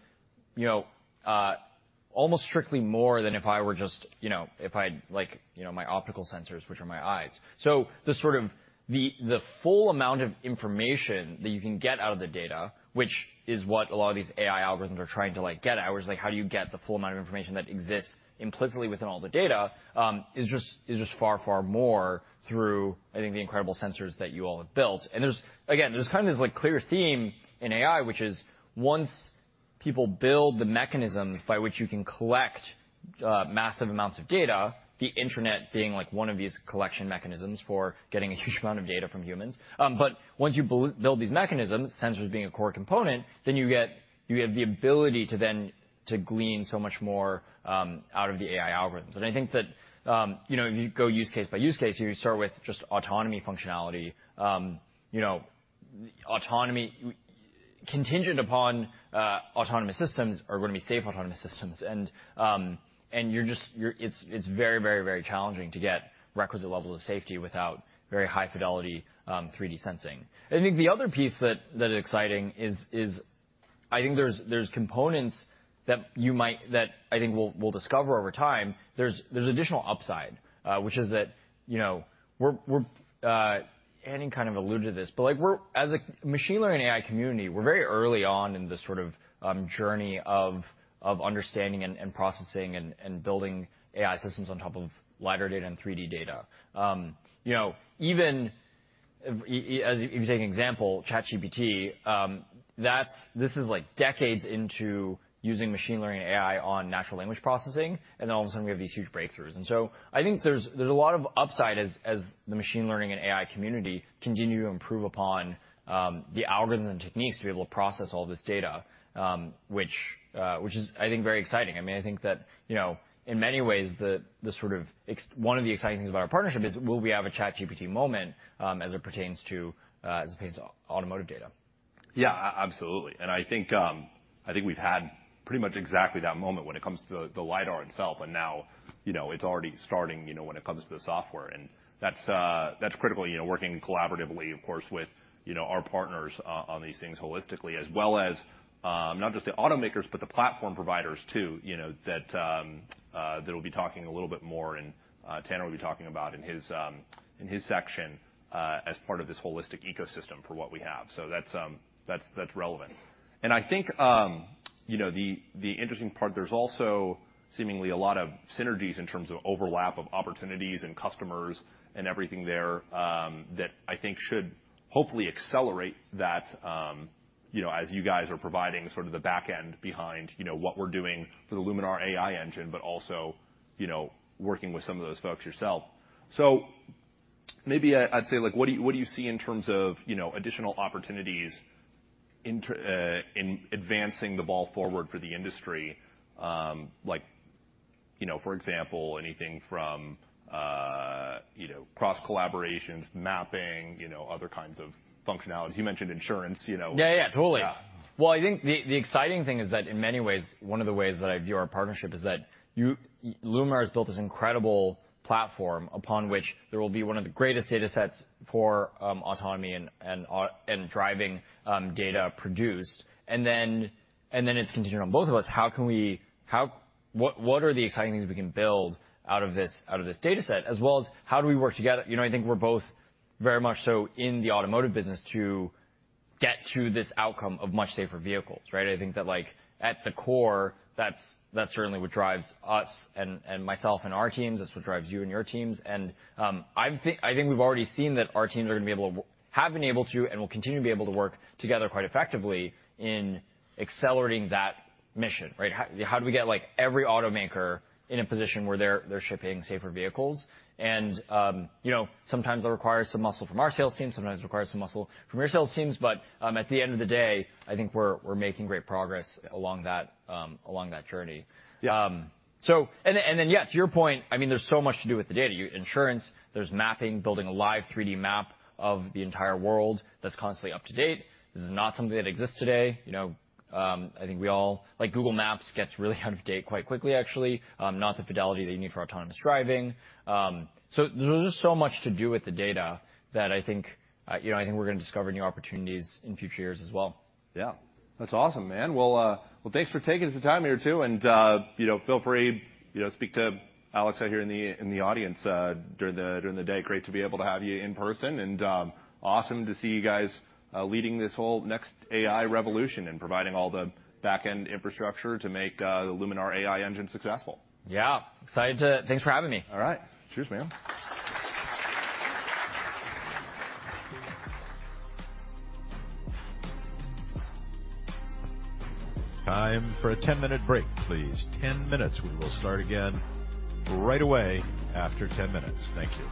you know, almost strictly more than if I were just, you know, if I had, like, you know, my optical sensors, which are my eyes. The sort of the full amount of information that you can get out of the data, which is what a lot of these AI algorithms are trying to, like, get at, where it’s like, how do you get the full amount of information that exists implicitly within all the data, is just far more through, I think, the incredible sensors that you all have built. There's, again, there's kind of this, like, clear theme in AI, which is once people build the mechanisms by which you can collect massive amounts of data, the internet being, like, one of these collection mechanisms for getting a huge amount of data from humans. Once you build these mechanisms, sensors being a core component, then you get, you have the ability to then to glean so much more out of the AI algorithms. I think that, you know, if you go use case by use case, you start with just autonomy functionality. You know, autonomy. Contingent upon autonomous systems are gonna be safe autonomous systems. It's very, very, very challenging to get requisite levels of safety without very high fidelity, 3D sensing. I think the other piece that is exciting is, I think there's components that I think we'll discover over time. There's additional upside, which is that, you know, we're... You kind of alluded to this, but, like, we're as a machine learning AI community, we're very early on in this sort of journey of understanding and processing and building AI systems on top of lidar data and 3D data. You know, even as if you take an example, ChatGPT, this is, like, decades into using machine learning and AI on natural language processing, and then all of a sudden we have these huge breakthroughs. I think there's a lot of upside as the machine learning and AI community continue to improve upon the algorithm techniques to be able to process all this data, which is I think very exciting. I mean, I think that, you know, in many ways the one of the exciting things about our partnership is, will we have a ChatGPT moment as it pertains to automotive data? Yeah, absolutely. I think, I think we've had pretty much exactly that moment when it comes to the lidar itself, and now, you know, it's already starting, you know, when it comes to the software. That's critical, you know, working collaboratively, of course, with, you know, our partners on these things holistically. As well as, not just the automakers, but the platform providers too, you know, that we'll be talking a little bit more and, Tanner will be talking about in his section, as part of this holistic ecosystem for what we have. That's relevant. I think, you know, the interesting part, there's also seemingly a lot of synergies in terms of overlap of opportunities and customers and everything there, that I think should hopefully accelerate that, you know, as you guys are providing sort of the back end behind, you know, what we're doing for the Luminar AI engine, but also, you know, working with some of those folks yourself. Maybe I'd say, like, what do you, what do you see in terms of, you know, additional opportunities in advancing the ball forward for the industry? Like, you know, for example, anything from, you know, cross-collaborations, mapping, you know, other kinds of functionalities. You mentioned insurance, you know. Yeah, yeah. Totally. Yeah. Well, I think the exciting thing is that in many ways, one of the ways that I view our partnership is that Luminar has built this incredible platform upon which there will be one of the greatest datasets for autonomy and driving data produced. It's contingent on both of us, what are the exciting things we can build out of this dataset? As well as, how do we work together? You know, I think we're both very much so in the automotive business to get to this outcome of much safer vehicles, right? I think that like at the core, that's certainly what drives us and myself and our teams. That's what drives you and your teams. I think we've already seen that our teams have been able to and will continue to be able to work together quite effectively in accelerating that mission, right? How do we get like every automaker in a position where they're shipping safer vehicles? You know, sometimes that requires some muscle from our sales team, sometimes it requires some muscle from your sales teams. At the end of the day, I think we're making great progress along that along that journey. Yeah. Yeah, to your point, I mean, there's so much to do with the data. Insurance, there's mapping, building a live 3D map of the entire world that's constantly up to date. This is not something that exists today. You know, Like, Google Maps gets really out of date quite quickly, actually. Not the fidelity that you need for autonomous driving. There's just so much to do with the data that I think, you know, I think we're gonna discover new opportunities in future years as well. Yeah. That's awesome, man. Well, thanks for taking some time here too, and, you know, feel free, you know, speak to Alex out here in the audience during the day. Great to be able to have you in person and, awesome to see you guys leading this whole next AI revolution and providing all the back-end infrastructure to make the Luminar AI engine successful. Yeah. Thanks for having me. All right. Cheers, man. Time for a 10-minute break, please. 10 minutes. We will start again right away after 10 minutes. Thank you.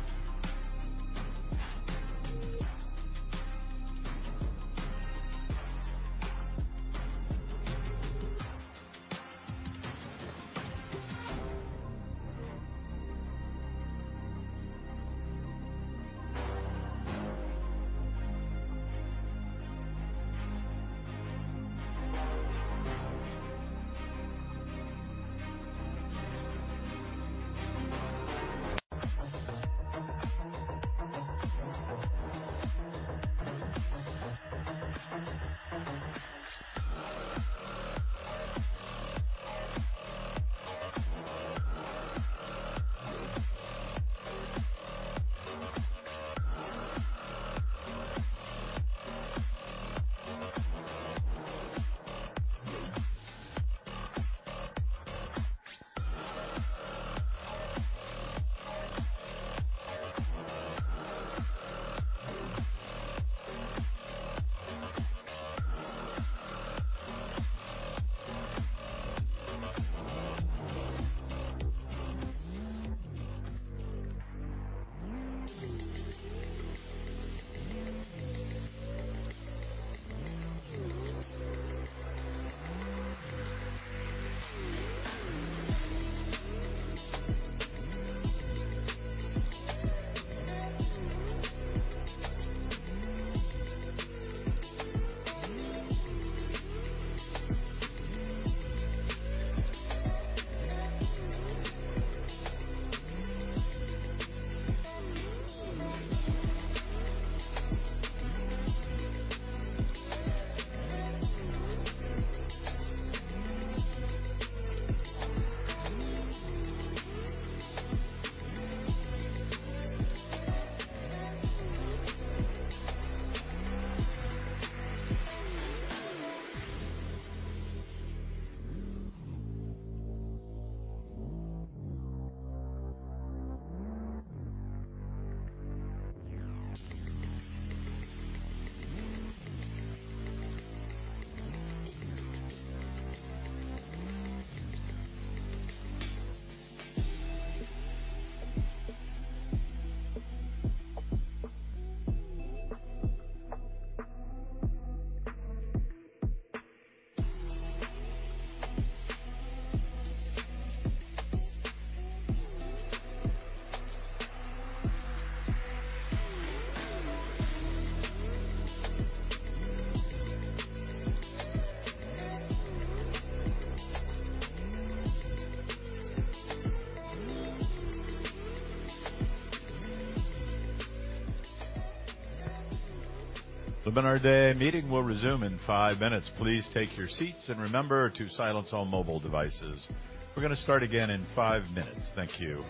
Luminar Day meeting will resume in 5 minutes. Please take your seats and remember to silence all mobile devices. We're gonna start again in 5 minutes. Thank you.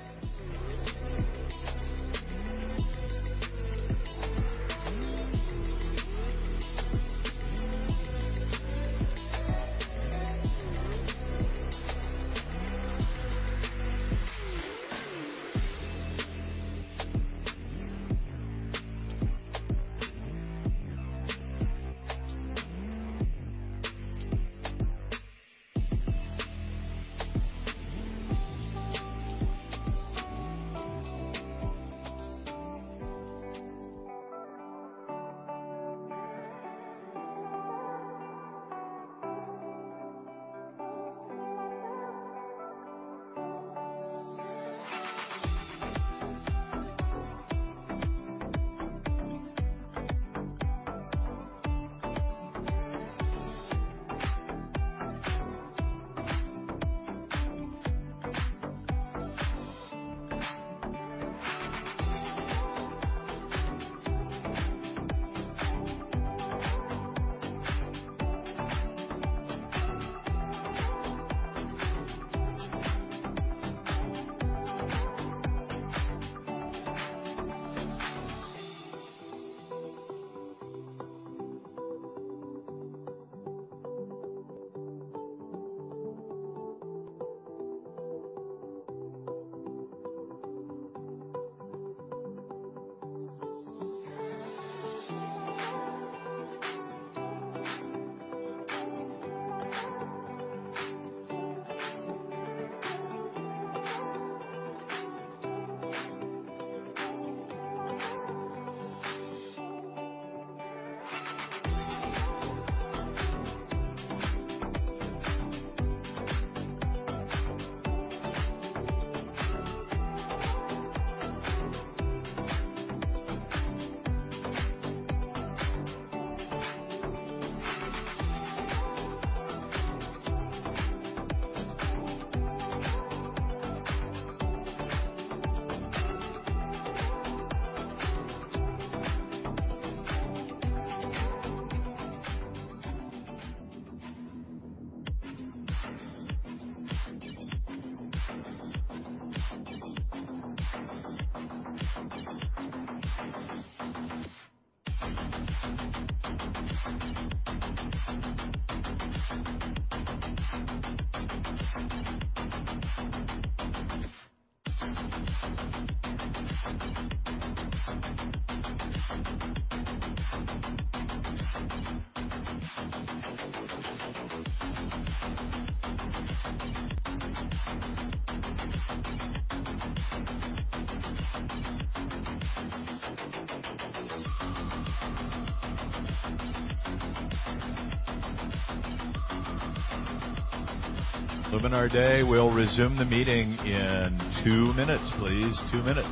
Luminar Day, we'll resume the meeting in 2 minutes, please. 2 minutes.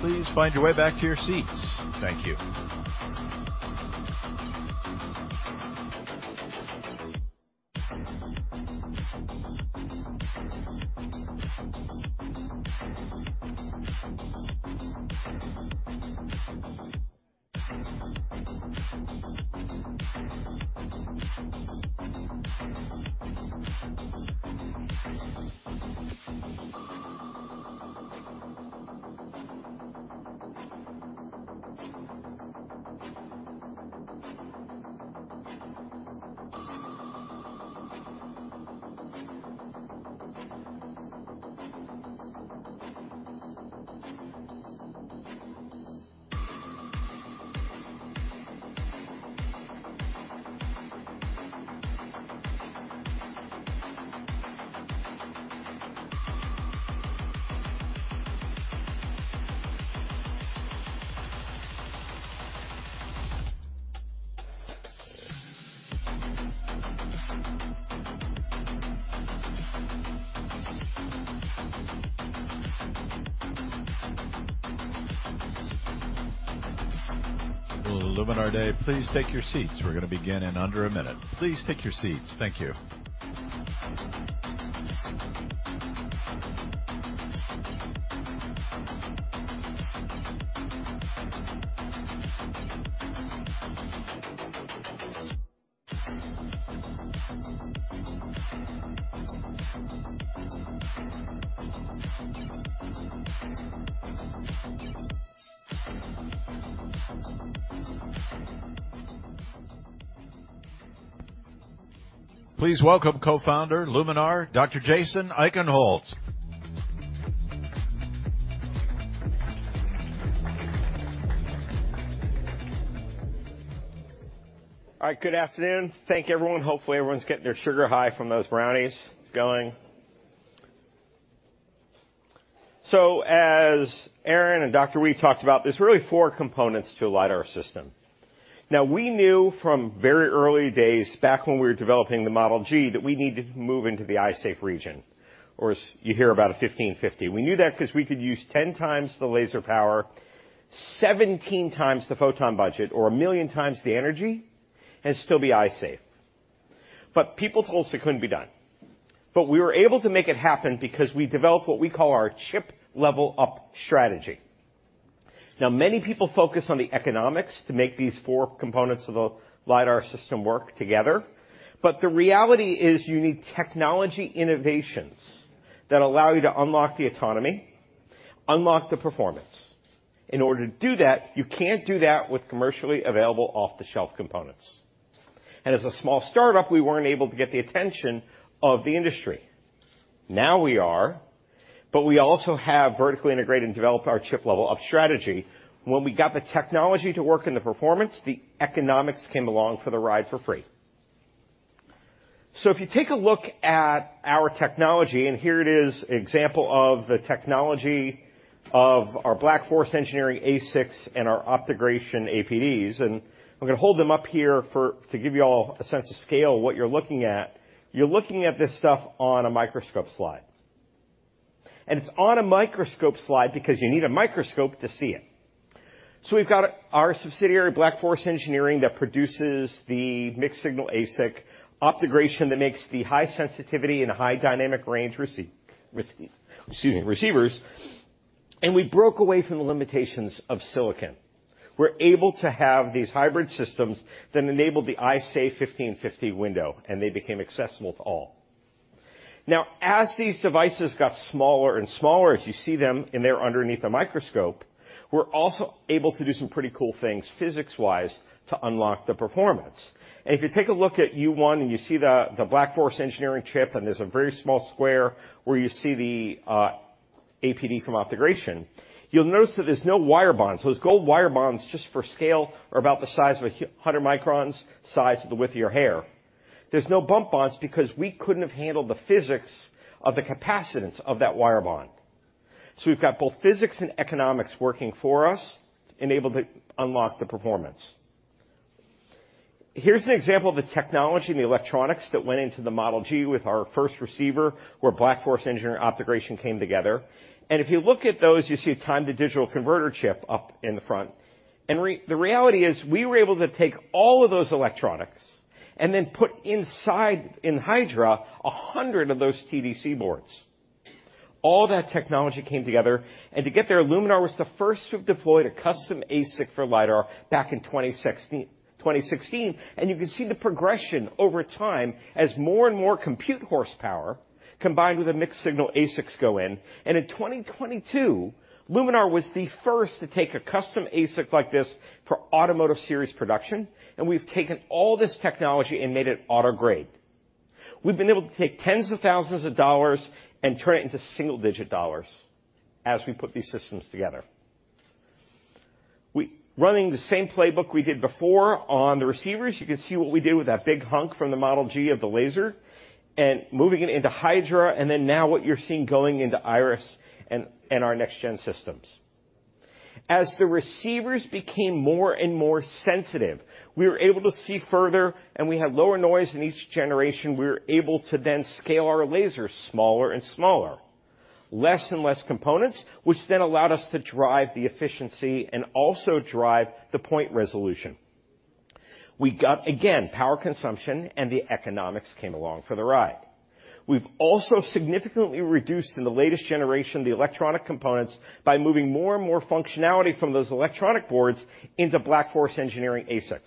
Please find your way back to your seats. Thank you. Luminar Day. Please take your seats. We're gonna begin in under 1 minute. Please take your seats. Thank you. Please welcome co-founder, Luminar, Dr. Jason Eichenholz. All right. Good afternoon. Thank you, everyone. Hopefully, everyone's getting their sugar high from those brownies going. As Aaron and Dr. Weed talked about, there's really four components to a lidar system. We knew from very early days back when we were developing the Model G that we needed to move into the eye safe region, or you hear about a 1550. We knew that 'cause we could use 10 times the laser power, 17 times the photon budget, or 1 million times the energy, and still be eye safe. People told us it couldn't be done. We were able to make it happen because we developed what we call our chip level up strategy. Many people focus on the economics to make these four components of a lidar system work together. The reality is you need technology innovations that allow you to unlock the autonomy, unlock the performance. In order to do that, you can't do that with commercially available off-the-shelf components. As a small startup, we weren't able to get the attention of the industry. Now we are. We also have vertically integrated and developed our chip level up strategy. When we got the technology to work in the performance, the economics came along for the ride for free. If you take a look at our technology, and here it is example of the technology of our Black Forest Engineering ASICs and our OptoGration APDs. I'm gonna hold them up here to give you all a sense of scale what you're looking at. You're looking at this stuff on a microscope slide. It's on a microscope slide because you need a microscope to see it. We've got our subsidiary, Black Forest Engineering, that produces the mixed signal ASIC, OptoGration that makes the high sensitivity and high dynamic range receivers, excuse me, and we broke away from the limitations of silicon. We're able to have these hybrid systems that enabled the eye safe 1550 nm window, and they became accessible to all. As these devices got smaller and smaller, as you see them in there underneath the microscope, we're also able to do some pretty cool things physics-wise to unlock the performance. If you take a look at U1 and you see the Black Forest Engineering chip, and there's a very small square where you see the APD from OptoGration, you'll notice that there's no wire bonds. Those gold wire bonds, just for scale, are about the size of a 100 microns, size of the width of your hair. There's no bump bonds because we couldn't have handled the physics of the capacitance of that wire bond. We've got both physics and economics working for us enabled to unlock the performance. Here's an example of the technology and the electronics that went into the Model G with our first receiver, where Black Forest Engineering and OptoGration came together. If you look at those, you see a time-to-digital converter chip up in the front. The reality is, we were able to take all of those electronics and then put inside, in Hydra, 100 of those TDC boards. All that technology came together. To get there, Luminar was the first to have deployed a custom ASIC for lidar back in 2016. You can see the progression over time as more and more compute horsepower combined with a mixed signal ASICs go in. In 2022, Luminar was the first to take a custom ASIC like this for automotive series production, and we've taken all this technology and made it auto-grade. We've been able to take tens of thousands of dollars and turn it into single-digit dollars as we put these systems together. Running the same playbook we did before on the receivers, you can see what we did with that big hunk from the Model G of the laser and moving it into Hydra, and now what you're seeing going into Iris and our next gen systems. As the receivers became more and more sensitive, we were able to see further, and we had lower noise in each generation. We were able to then scale our lasers smaller and smaller. Less and less components, which then allowed us to drive the efficiency and also drive the point resolution. We got, again, power consumption and the economics came along for the ride. We've also significantly reduced in the latest generation, the electronic components by moving more and more functionality from those electronic boards into Black Forest Engineering ASICs.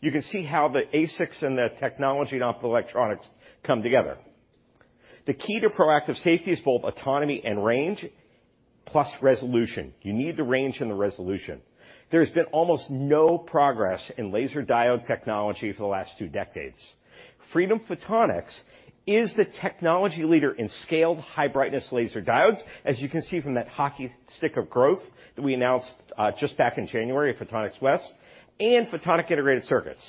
You can see how the ASICs and the technology and optoelectronics come together. The key to proactive safety is both autonomy and range, plus resolution. You need the range and the resolution. There's been almost no progress in laser diode technology for the last 2 decades. Freedom Photonics is the technology leader in scaled high brightness laser diodes, as you can see from that hockey stick of growth that we announced just back in January at Photonics West and Photonic Integrated Circuits.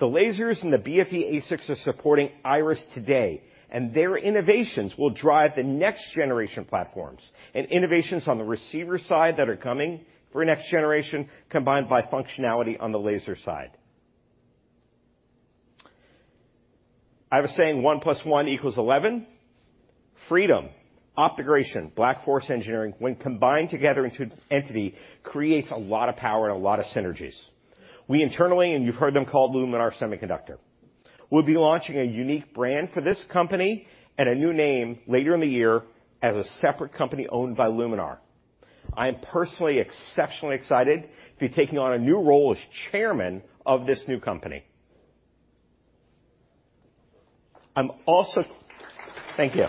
The lasers and the BFE ASICs are supporting Iris today, and their innovations will drive the next generation platforms and innovations on the receiver side that are coming for next generation, combined by functionality on the laser side. I have a saying, 1 plus 1 equals 11. Freedom, OptoGration, Black Forest Engineering, when combined together into entity, creates a lot of power and a lot of synergies. We internally, and you've heard them called Luminar Semiconductor. We'll be launching a unique brand for this company and a new name later in the year as a separate company owned by Luminar. I am personally exceptionally excited to be taking on a new role as chairman of this new company. Thank you.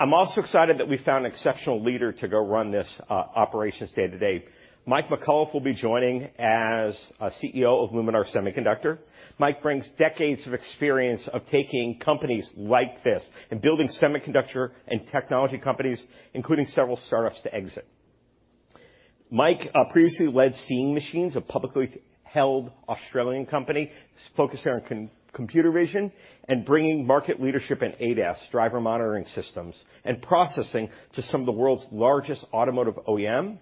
I'm also excited that we found an exceptional leader to go run this operations day to day. Mike McAuliffe will be joining as CEO of Luminar Semiconductor. Mike brings decades of experience of taking companies like this and building semiconductor and technology companies, including several startups to exit. Mike previously led Seeing Machines, a publicly held Australian company focused on computer vision and bringing market leadership in ADAS, driver monitoring systems, and processing to some of the world's largest automotive OEM.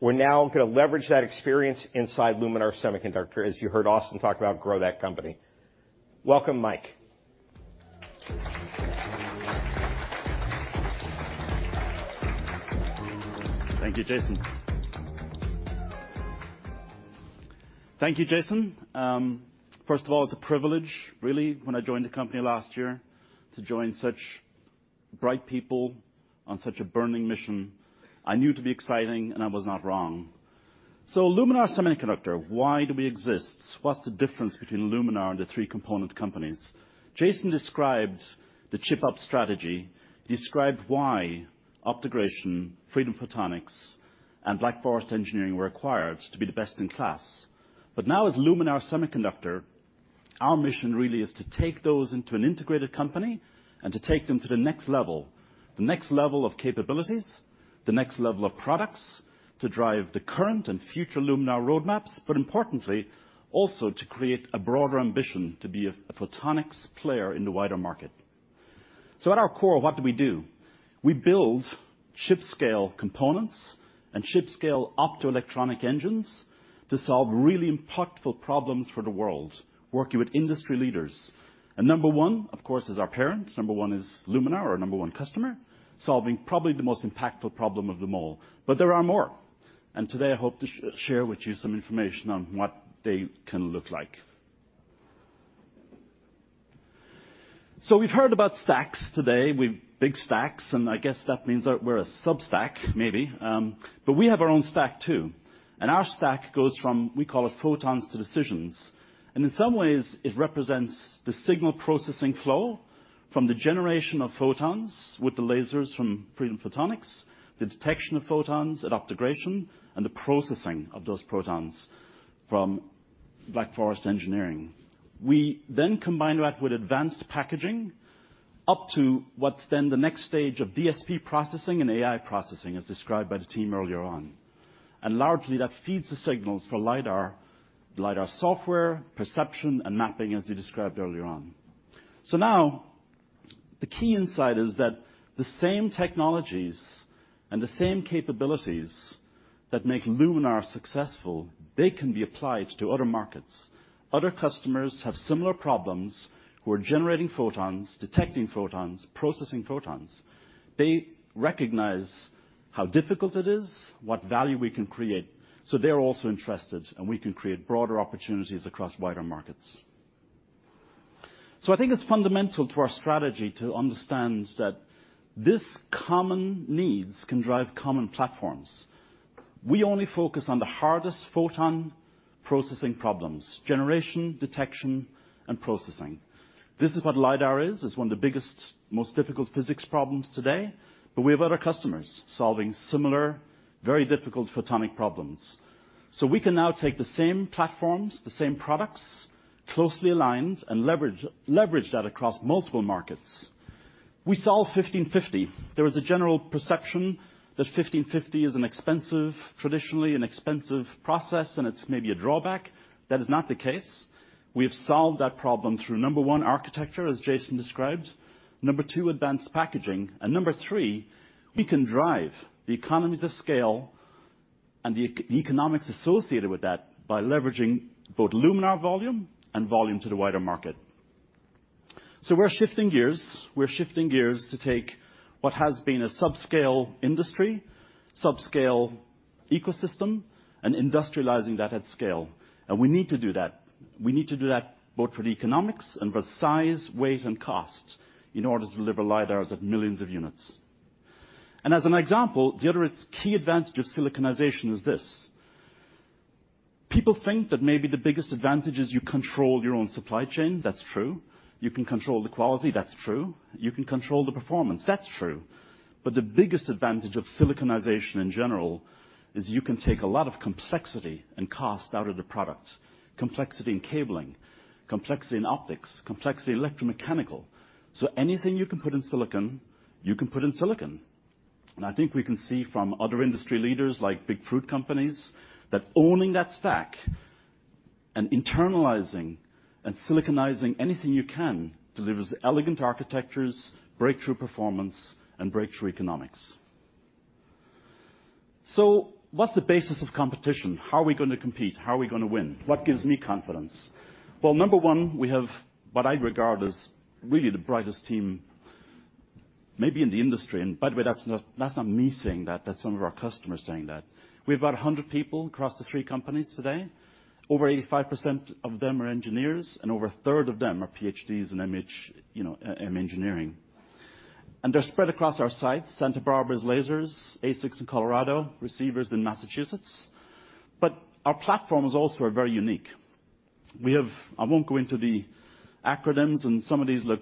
We're now gonna leverage that experience inside Luminar Semiconductor, as you heard Austin talk about grow that company. Welcome, Mike. Thank you, Jason. Thank you, Jason. First of all, it's a privilege, really, when I joined the company last year to join such bright people on such a burning mission I knew to be exciting, and I was not wrong. Luminar Semiconductor, why do we exist? What's the difference between Luminar and the three component companies? Jason described the chip up strategy. Described why OptoGration, Freedom Photonics, and Black Forest Engineering were acquired to be the best in class. Now as Luminar Semiconductor, our mission really is to take those into an integrated company and to take them to the next level, the next level of capabilities, the next level of products, to drive the current and future Luminar roadmaps. Importantly, also to create a broader ambition to be a photonics player in the wider market. At our core, what do we do? We build chip-scale components and chip-scale optoelectronic engines to solve really impactful problems for the world, working with industry leaders. Number one, of course, is our parent. Number one is Luminar, our number one customer, solving probably the most impactful problem of them all. There are more, and today I hope to share with you some information on what they can look like. We've heard about stacks today. We've big stacks, and I guess that means that we're a sub-stack maybe. We have our own stack too. Our stack goes from, we call it photons to decisions. In some ways it represents the signal processing flow from the generation of photons with the lasers from Freedom Photonics, the detection of photons at OptoGration, and the processing of those protons from Black Forest Engineering. We combine that with advanced packaging up to what's then the next stage of DSP processing and AI processing, as described by the team earlier on. Largely that feeds the signals for lidar, the lidar software, perception and mapping as we described earlier on. Now the key insight is that the same technologies and the same capabilities that make Luminar successful, they can be applied to other markets. Other customers have similar problems who are generating photons, detecting photons, processing photons. They recognize how difficult it is, what value we can create, so they're also interested, and we can create broader opportunities across wider markets. I think it's fundamental to our strategy to understand that this common needs can drive common platforms. We only focus on the hardest photon processing problems, generation, detection, and processing. This is what lidar is. It's one of the biggest, most difficult physics problems today, but we have other customers solving similar, very difficult photonic problems. We can now take the same platforms, the same products, closely aligned and leverage that across multiple markets. We solve 1550 nm. There is a general perception that 1550 nm is traditionally an expensive process, and it's maybe a drawback. That is not the case. We have solved that problem through, number one, architecture, as Jason described, number two, advanced packaging, and number three, we can drive the economies of scale and the economics associated with that by leveraging both Luminar volume and volume to the wider market. We're shifting gears. We're shifting gears to take what has been a subscale industry, subscale ecosystem, and industrializing that at scale. We need to do that. We need to do that both for the economics and for size, weight, and cost in order to deliver lidars at millions of units. As an example, the other key advantage of siliconization is this. People think that maybe the biggest advantage is you control your own supply chain. That's true. You can control the quality. That's true. You can control the performance. That's true. The biggest advantage of siliconization in general is you can take a lot of complexity and cost out of the product. Complexity in cabling. Complexity in optics. Complexity in electromechanical. Anything you can put in silicon, you can put in silicon. I think we can see from other industry leaders like big fruit companies that owning that stack and internalizing and siliconizing anything you can delivers elegant architectures, breakthrough performance, and breakthrough economics. What's the basis of competition? How are we gonna compete? How are we gonna win? What gives me confidence? Well, number one, we have what I regard as really the brightest team maybe in the industry. By the way, that's not, that's not me saying that. That's some of our customers saying that. We've about 100 people across the three companies today. Over 85% of them are engineers, and over a third of them are PhDs in MH, you know, engineering. They're spread across our sites, Santa Barbara's lasers, ASICS in Colorado, receivers in Massachusetts. Our platforms also are very unique. We have. I won't go into the acronyms and some of these look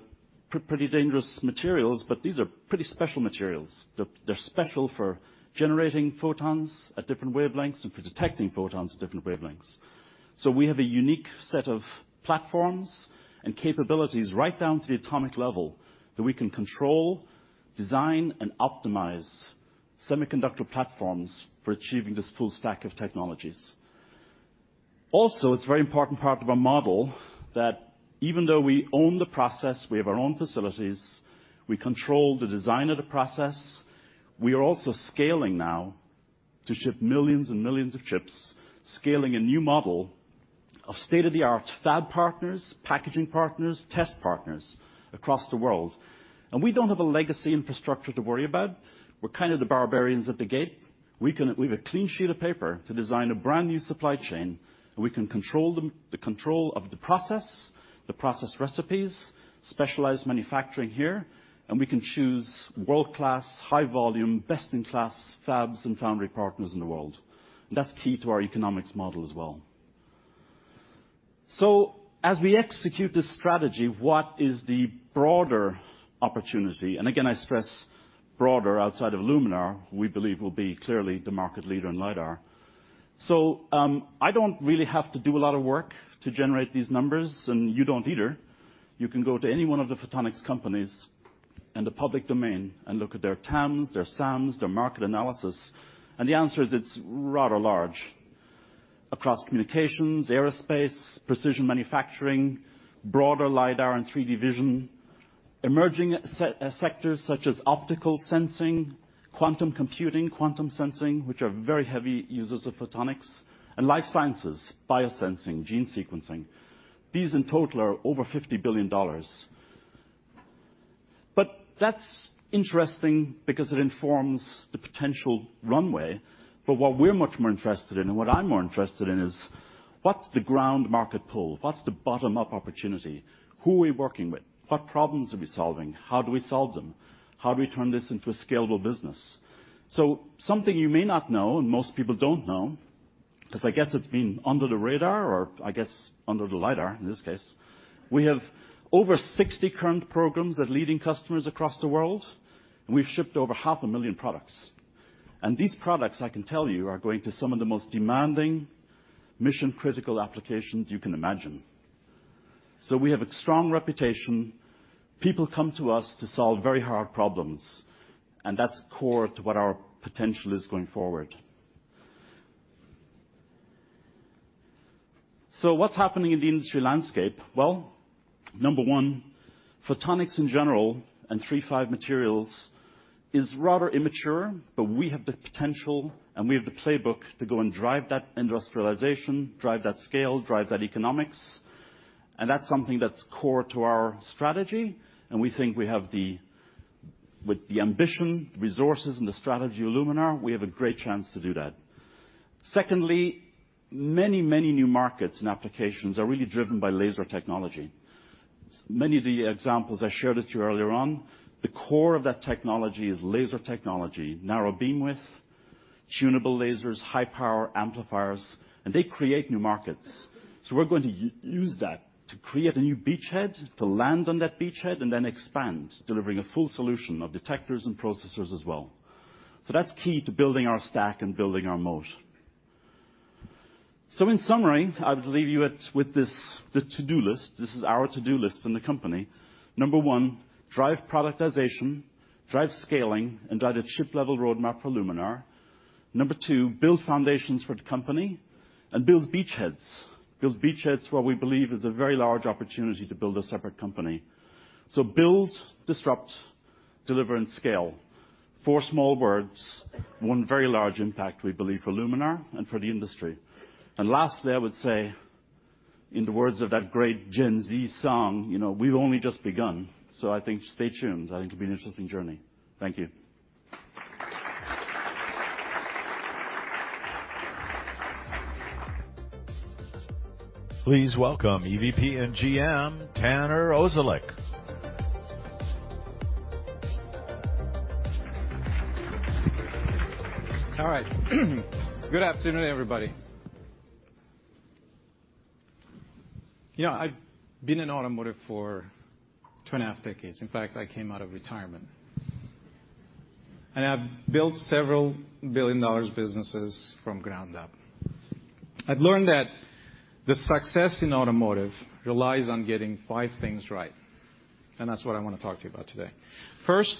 pretty dangerous materials, but these are pretty special materials. They're special for generating photons at different wavelengths and for detecting photons at different wavelengths. We have a unique set of platforms and capabilities right down to the atomic level that we can control, design, and optimize semiconductor platforms for achieving this full stack of technologies. It's very important part of our model that even though we own the process, we have our own facilities, we control the design of the process, we are also scaling now to ship millions and millions of chips, scaling a new model of state-of-the-art fab partners, packaging partners, test partners across the world. We don't have a legacy infrastructure to worry about. We're kind of the barbarians at the gate. We've a clean sheet of paper to design a brand-new supply chain, and we can control the control of the process, the process recipes, specialized manufacturing here, and we can choose world-class, high-volume, best-in-class fabs and foundry partners in the world. That's key to our economics model as well. As we execute this strategy, what is the broader opportunity? Again, I stress broader outside of Luminar, we believe will be clearly the market leader in lidar. I don't really have to do a lot of work to generate these numbers, and you don't either. You can go to any one of the photonics companies in the public domain and look at their TAMs, their SAMs, their market analysis. The answer is it's rather large. Across communications, aerospace, precision manufacturing, broader lidar and 3D vision, emerging sectors such as optical sensing, quantum computing, quantum sensing, which are very heavy users of photonics, and life sciences, biosensing, gene sequencing. These in total are over $50 billion. That's interesting because it informs the potential runway. What we're much more interested in, and what I'm more interested in is what's the ground market pull? What's the bottom-up opportunity? Who are we working with? What problems are we solving? How do we solve them? How do we turn this into a scalable business? Something you may not know, and most people don't know, because I guess it's been under the radar or I guess under the lidar in this case. We have over 60 current programs at leading customers across the world, and we've shipped over half a million products. These products, I can tell you, are going to some of the most demanding mission-critical applications you can imagine. We have a strong reputation. People come to us to solve very hard problems, and that's core to what our potential is going forward. What's happening in the industry landscape? Well, number one, Photonics in general and III-V materials is rather immature, but we have the potential and we have the playbook to go and drive that industrialization, drive that scale, drive that economics. That's something that's core to our strategy, and we think we have the ambition, resources, and the strategy of Luminar, we have a great chance to do that. Secondly, many, many new markets and applications are really driven by laser technology. Many of the examples I shared with you earlier on, the core of that technology is laser technology, narrow beamwidth, tunable lasers, high power amplifiers, and they create new markets. We're going to use that to create a new beachhead, to land on that beachhead, and then expand, delivering a full solution of detectors and processors as well. That's key to building our stack and building our moat. In summary, I would leave you with this, the to-do list. This is our to-do list in the company. Number one, drive productization, drive scaling, and drive the chip-level roadmap for Luminar. Number two, build foundations for the company and build beachheads. Build beachheads, what we believe is a very large opportunity to build a separate company. Build, disrupt, deliver, and scale. four small words, one very large impact, we believe, for Luminar and for the industry. Lastly, I would say in the words of that great Gen Z song, you know, we've only just begun, I think stay tuned. I think it'll be an interesting journey. Thank you. Please welcome EVP and GM, Taner Ozcelik. All right. Good afternoon, everybody. You know, I've been in automotive for 2 and a half decades. In fact, I came out of retirement. I've built several billion dollars businesses from ground up. I've learned that the success in automotive relies on getting five things right, and that's what I wanna talk to you about today. First,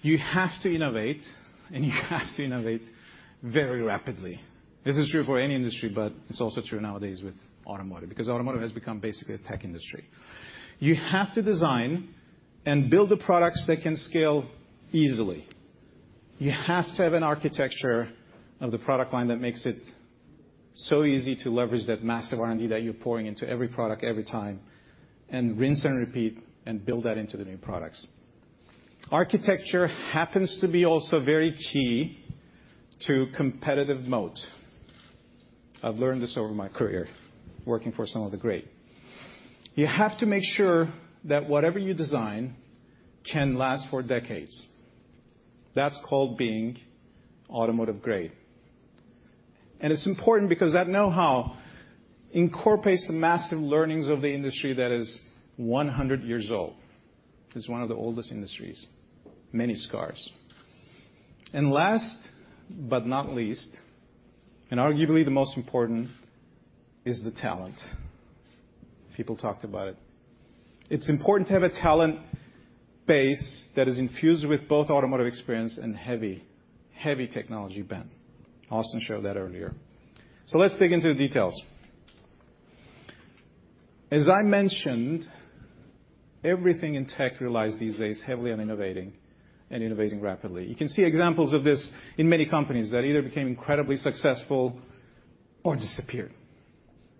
you have to innovate. You have to innovate very rapidly. This is true for any industry. It's also true nowadays with automotive, because automotive has become basically a tech industry. You have to design and build the products that can scale easily. You have to have an architecture of the product line that makes it so easy to leverage that massive R&D that you're pouring into every product every time. Rinse and repeat and build that into the new products. Architecture happens to be also very key to competitive moat. I've learned this over my career working for some of the great. You have to make sure that whatever you design can last for decades. That's called being automotive-grade. It's important because that know-how incorporates the massive learnings of the industry that is 100 years old. It's one of the oldest industries. Many scars. Last but not least, and arguably the most important is the talent. People talked about it. It's important to have a talent base that is infused with both automotive experience and heavy technology bent. Austin showed that earlier. Let's dig into the details. As I mentioned, everything in tech relies these days heavily on innovating and innovating rapidly. You can see examples of this in many companies that either became incredibly successful or disappeared.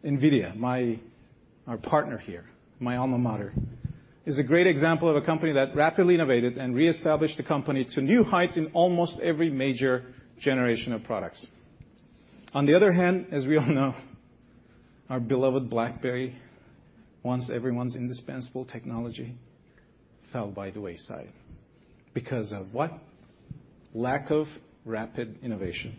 NVIDIA, my our partner here, my alma mater, is a great example of a company that rapidly innovated and reestablished the company to new heights in almost every major generation of products. As we all know, our beloved BlackBerry, once everyone's indispensable technology, fell by the wayside. Lack of rapid innovation.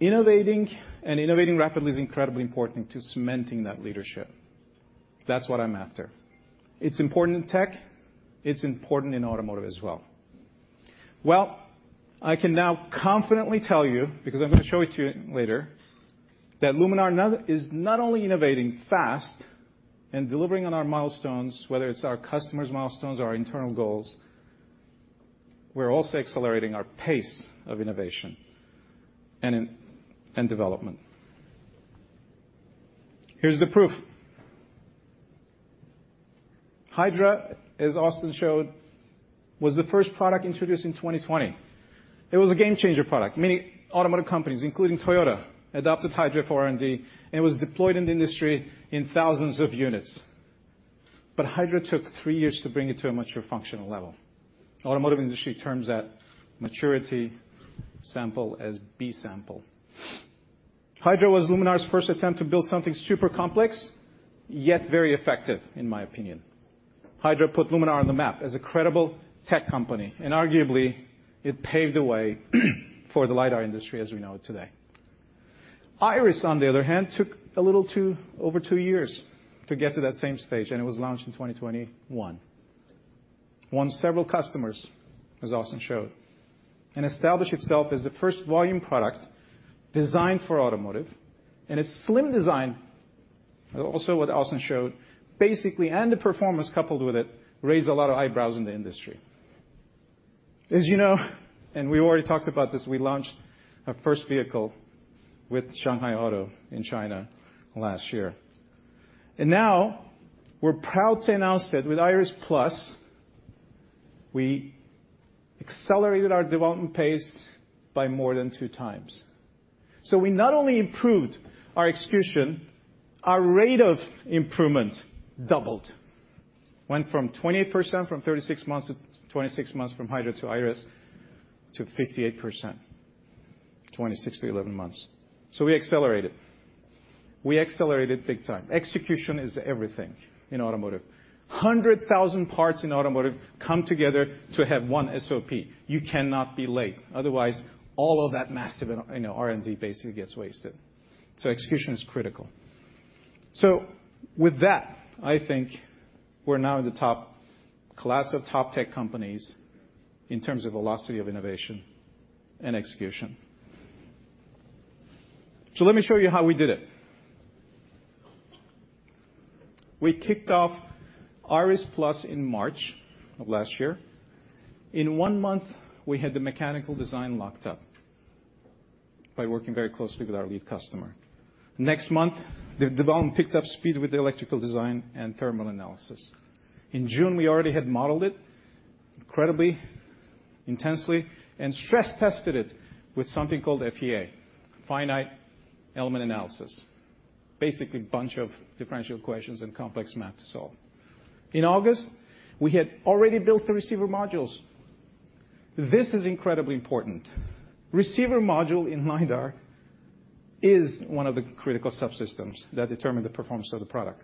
Innovating and innovating rapidly is incredibly important to cementing that leadership. That's what I'm after. It's important in tech. It's important in automotive as well. I can now confidently tell you, because I'm gonna show it to you later, that Luminar is not only innovating fast and delivering on our milestones, whether it's our customers' milestones or our internal goals, we're also accelerating our pace of innovation and development. Here's the proof. Hydra, as Austin showed was the first product introduced in 2020. It was a game-changer product. Many automotive companies, including Toyota, adopted Hydra for R&D, and it was deployed in the industry in thousands of units. Hydra took 3 years to bring it to a mature functional level. Automotive industry terms that maturity sample as B-sample. Hydra was Luminar's first attempt to build something super complex, yet very effective, in my opinion. Hydra put Luminar on the map as a credible tech company, and arguably, it paved the way for the lidar industry as we know it today. Iris, on the other hand, took a little too over 2 years to get to that same stage, and it was launched in 2021. Won several customers, as Austin showed, and established itself as the first volume product designed for automotive. Its slim design, also what Austin showed, basically, and the performance coupled with it, raised a lot of eyebrows in the industry. As you know, and we already talked about this, we launched our first vehicle with Shanghai Auto in China last year. Now we're proud to announce that with Iris+, we accelerated our development pace by more than 2 times. We not only improved our execution, our rate of improvement doubled. Went from 28%, from 36 months to 26 months from Hydra to Iris, to 58%, 26 to 11 months. We accelerated. We accelerated big time. Execution is everything in automotive. 100,000 parts in automotive come together to have one SOP. You cannot be late. Otherwise, all of that massive in R&D basically gets wasted. Execution is critical. With that, I think we're now in the top class of top tech companies in terms of velocity of innovation and execution. Let me show how we did it. We kicked off Iris+ in March of last year. In one month, we had the mechanical design locked up by working very closely with our lead customer. Next month, the development picked up speed with the electrical design and thermal analysis. In June, we already had modeled it incredibly intensely and stress tested it with something called FEA, Finite Element Analysis. Basically, bunch of differential equations and complex math to solve. In August, we had already built the receiver modules. This is incredibly important. Receiver module in lidar is one of the critical subsystems that determine the performance of the product.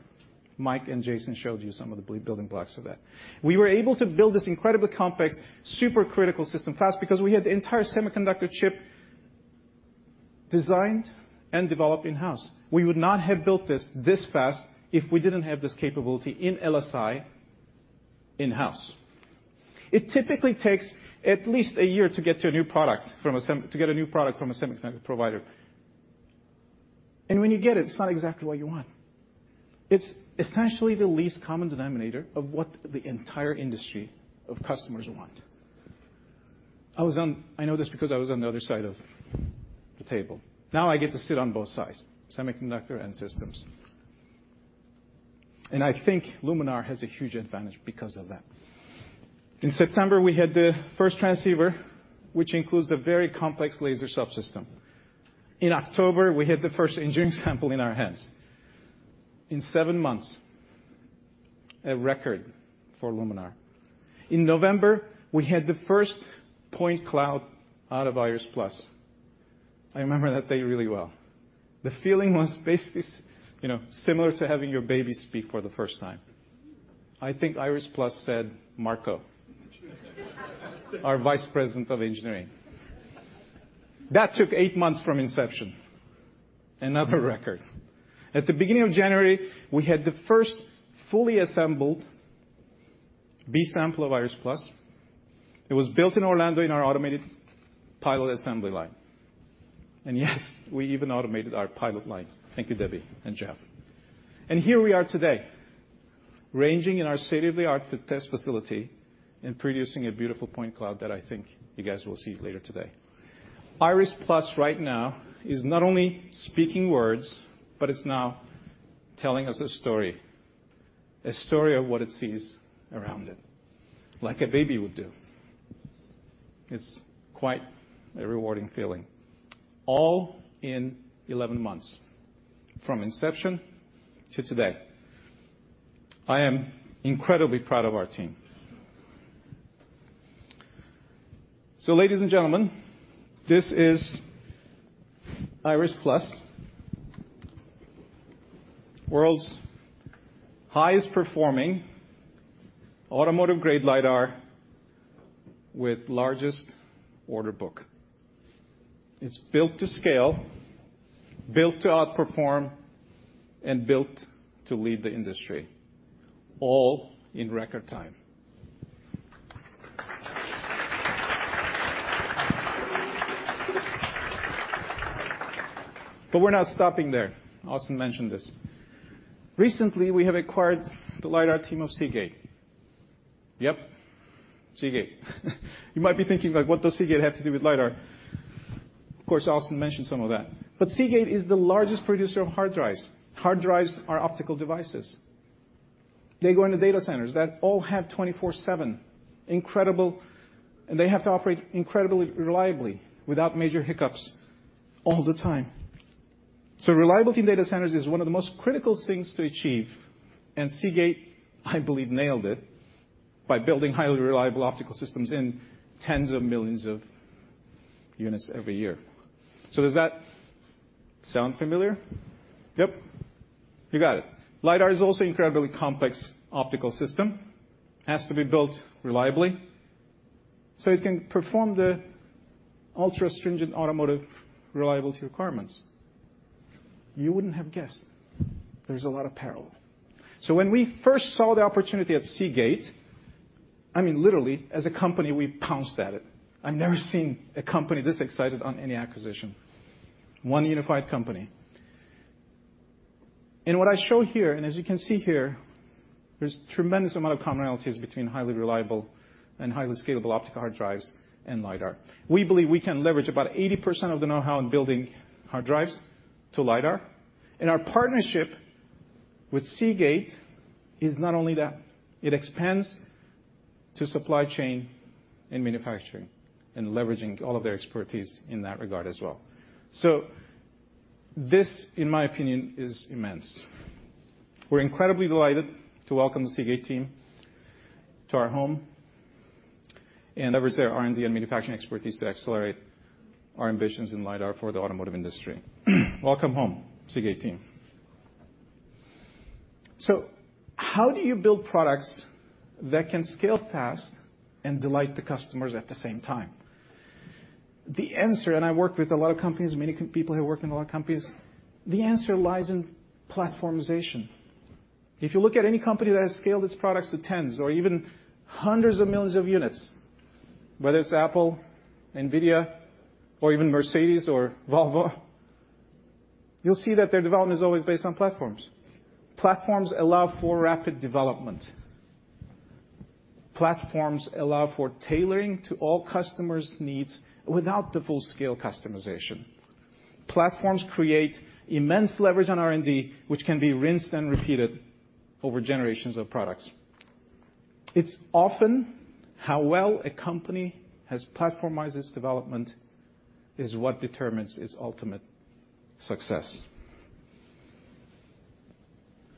Mike and Jason showed you some of the building blocks of that. We were able to build this incredibly complex, super critical system fast because we had the entire semiconductor chip designed and developed in-house. We would not have built this fast if we didn't have this capability in LSI in-house. It typically takes at least 1 year to get a new product from a semiconductor provider. When you get it's not exactly what you want. It's essentially the least common denominator of what the entire industry of customers want. I know this because I was on the other side of the table. Now I get to sit on both sides, semiconductor and systems. I think Luminar has a huge advantage because of that. In September, we had the first transceiver, which includes a very complex laser subsystem. In October, we had the first engineering sample in our hands. In seven months, a record for Luminar. In November, we had the first point cloud out of Iris+. I remember that day really well. The feeling was basically, you know, similar to having your baby speak for the first time. I think Iris+ said, "Marco," our vice president of engineering. That took 8 months from inception. Another record. At the beginning of January, we had the first fully assembled B-sample of Iris+. It was built in Orlando in our automated pilot assembly line. Yes, we even automated our pilot line. Thank you, Debbie and Jeff. Here we are today, ranging in our state-of-the-art test facility and producing a beautiful point cloud that I think you guys will see later today. Iris+ right now is not only speaking words, but it's now telling us a story, a story of what it sees around it, like a baby would do. It's quite a rewarding feeling. All in 11 months, from inception to today. I am incredibly proud of our team. Ladies and gentlemen, this is Iris+, world's highest performing automotive-grade lidar with largest order book. It's built to scale, built to outperform, and built to lead the industry, all in record time. We're not stopping there. Austin mentioned this. Recently, we have acquired the lidar team of Seagate. Yep, Seagate. You might be thinking, like, "What does Seagate have to do with lidar?" Of course, Austin mentioned some of that. Seagate is the largest producer of hard drives. Hard drives are optical devices. They go into data centers that all have 24/7 incredible... They have to operate incredibly reliably without major hiccups all the time. Reliability in data centers is one of the most critical things to achieve, and Seagate, I believe, nailed it by building highly reliable optical systems in tens of millions of units every year. Does that sound familiar? Yep, you got it. lidar is also incredibly complex optical system. Has to be built reliably so it can perform the ultra stringent automotive reliability requirements. You wouldn't have guessed. There's a lot of parallel. When we first saw the opportunity at Seagate, I mean, literally as a company, we pounced at it. I've never seen a company this excited on any acquisition. One unified company. What I show here, and as you can see here, there's tremendous amount of commonalities between highly reliable and highly scalable optical hard drives and lidar. We believe we can leverage about 80% of the know-how in building hard drives to lidar. Our partnership with Seagate is not only that, it expands to supply chain and manufacturing and leveraging all of their expertise in that regard as well. This, in my opinion, is immense. We're incredibly delighted to welcome the Seagate team to our home and leverage their R&D and manufacturing expertise to accelerate our ambitions in lidar for the automotive industry. Welcome home, Seagate team. How do you build products that can scale fast and delight the customers at the same time? The answer, I work with a lot of companies, many people here work in a lot of companies, the answer lies in platformization. If you look at any company that has scaled its products to tens or even hundreds of millions of units, whether it's Apple, NVIDIA, or even Mercedes or Volvo, you'll see that their development is always based on platforms. Platforms allow for rapid development. Platforms allow for tailoring to all customers' needs without the full-scale customization. Platforms create immense leverage on R&D, which can be rinsed and repeated over generations of products. It's often how well a company has platformized its development is what determines its ultimate success.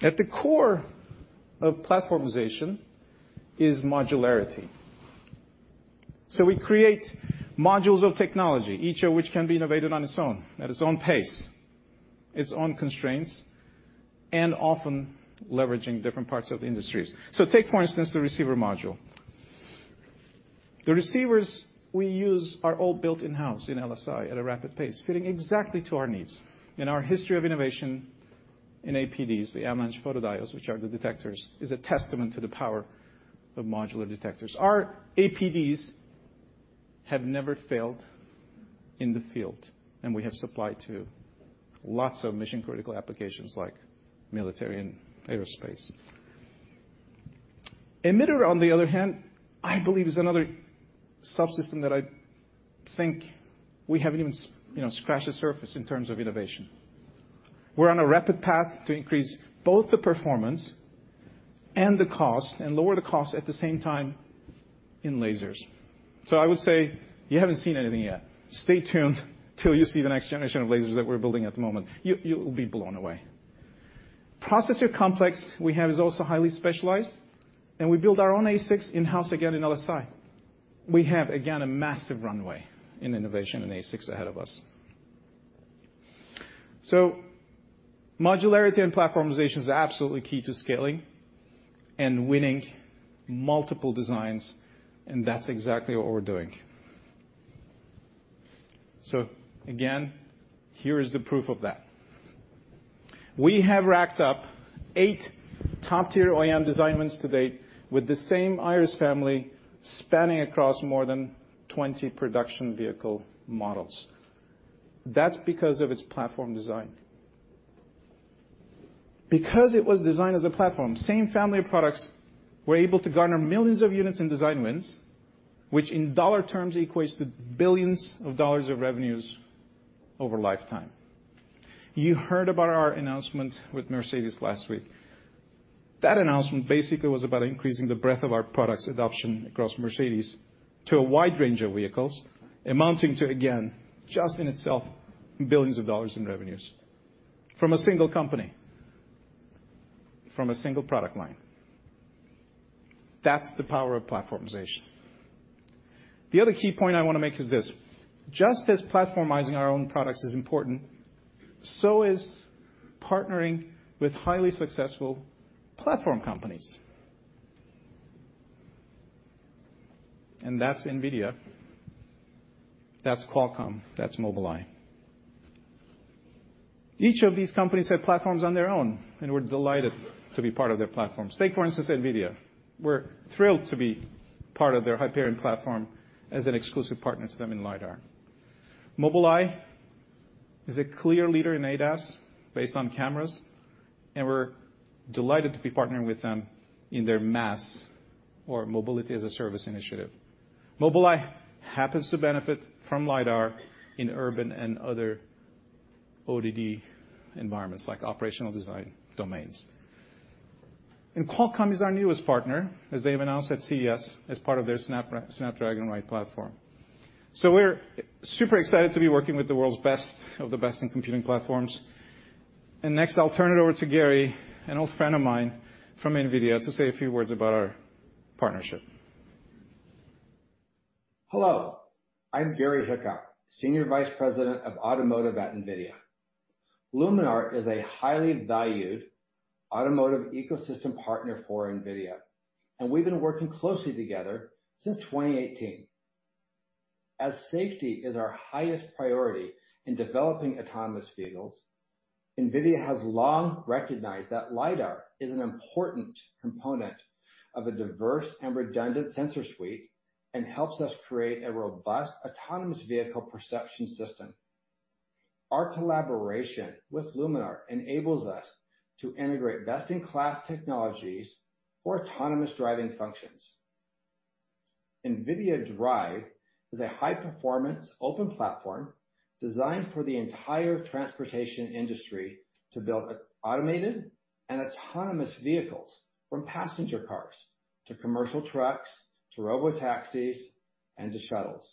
At the core of platformization is modularity. We create modules of technology, each of which can be innovated on its own, at its own pace, its own constraints, and often leveraging different parts of the industries. Take, for instance, the receiver module. The receivers we use are all built in-house in LSI at a rapid pace, fitting exactly to our needs. In our history of innovation in APDs, the avalanche photodiodes, which are the detectors, is a testament to the power of modular detectors. Our APDs have never failed in the field, and we have supplied to lots of mission-critical applications like military and aerospace. Emitter, on the other hand, I believe is another subsystem that I think we haven't even, you know, scratched the surface in terms of innovation. We're on a rapid path to increase both the performance and the cost, and lower the cost at the same time in lasers. I would say you haven't seen anything yet. Stay tuned till you see the next generation of lasers that we're building at the moment. You will be blown away. Processor complex we have is also highly specialized, and we build our own ASICs in-house again in LSI. We have, again, a massive runway in innovation in ASICs ahead of us. Modularity and platformization is absolutely key to scaling and winning multiple designs, and that's exactly what we're doing. Again, here is the proof of that. We have racked up eight top-tier OEM design wins to date with the same Iris family spanning across more than 20 production vehicle models. That's because of its platform design. Because it was designed as a platform, same family of products were able to garner millions of units in design wins, which in dollar terms equates to $ billions of revenues over lifetime. You heard about our announcement with Mercedes last week. That announcement basically was about increasing the breadth of our products adoption across Mercedes to a wide range of vehicles, amounting to, again, just in itself, $ billions in revenues from a single company, from a single product line. That's the power of platformization. The other key point I wanna make is this: just as platformizing our own products is important, so is partnering with highly successful platform companies. That's NVIDIA, that's Qualcomm, that's Mobileye. Each of these companies have platforms on their own, and we're delighted to be part of their platform. Say, for instance, NVIDIA, we're thrilled to be part of their Hyperion platform as an exclusive partner to them in lidar. Mobileye is a clear leader in ADAS based on cameras, and we're delighted to be partnering with them in their MaaS or Mobility as a Service initiative. Mobileye happens to benefit from lidar in urban and other ODD environments like operational design domains. Qualcomm is our newest partner, as they have announced at CES as part of their Snapdragon Ride platform. We're super excited to be working with the world's best of the best in computing platforms. Next, I'll turn it over to Gary, an old friend of mine from NVIDIA, to say a few words about our partnership. Hello, I'm Gary Hicok, Senior Vice President of Automotive at NVIDIA. Luminar is a highly valued automotive ecosystem partner for NVIDIA. We've been working closely together since 2018. As safety is our highest priority in developing autonomous vehicles, NVIDIA has long recognized that lidar is an important component of a diverse and redundant sensor suite, and helps us create a robust autonomous vehicle perception system. Our collaboration with Luminar enables us to integrate best-in-class technologies for autonomous driving functions. NVIDIA DRIVE is a high-performance open platform designed for the entire transportation industry to build automated and autonomous vehicles, from passenger cars to commercial trucks, to robotaxis, and to shuttles.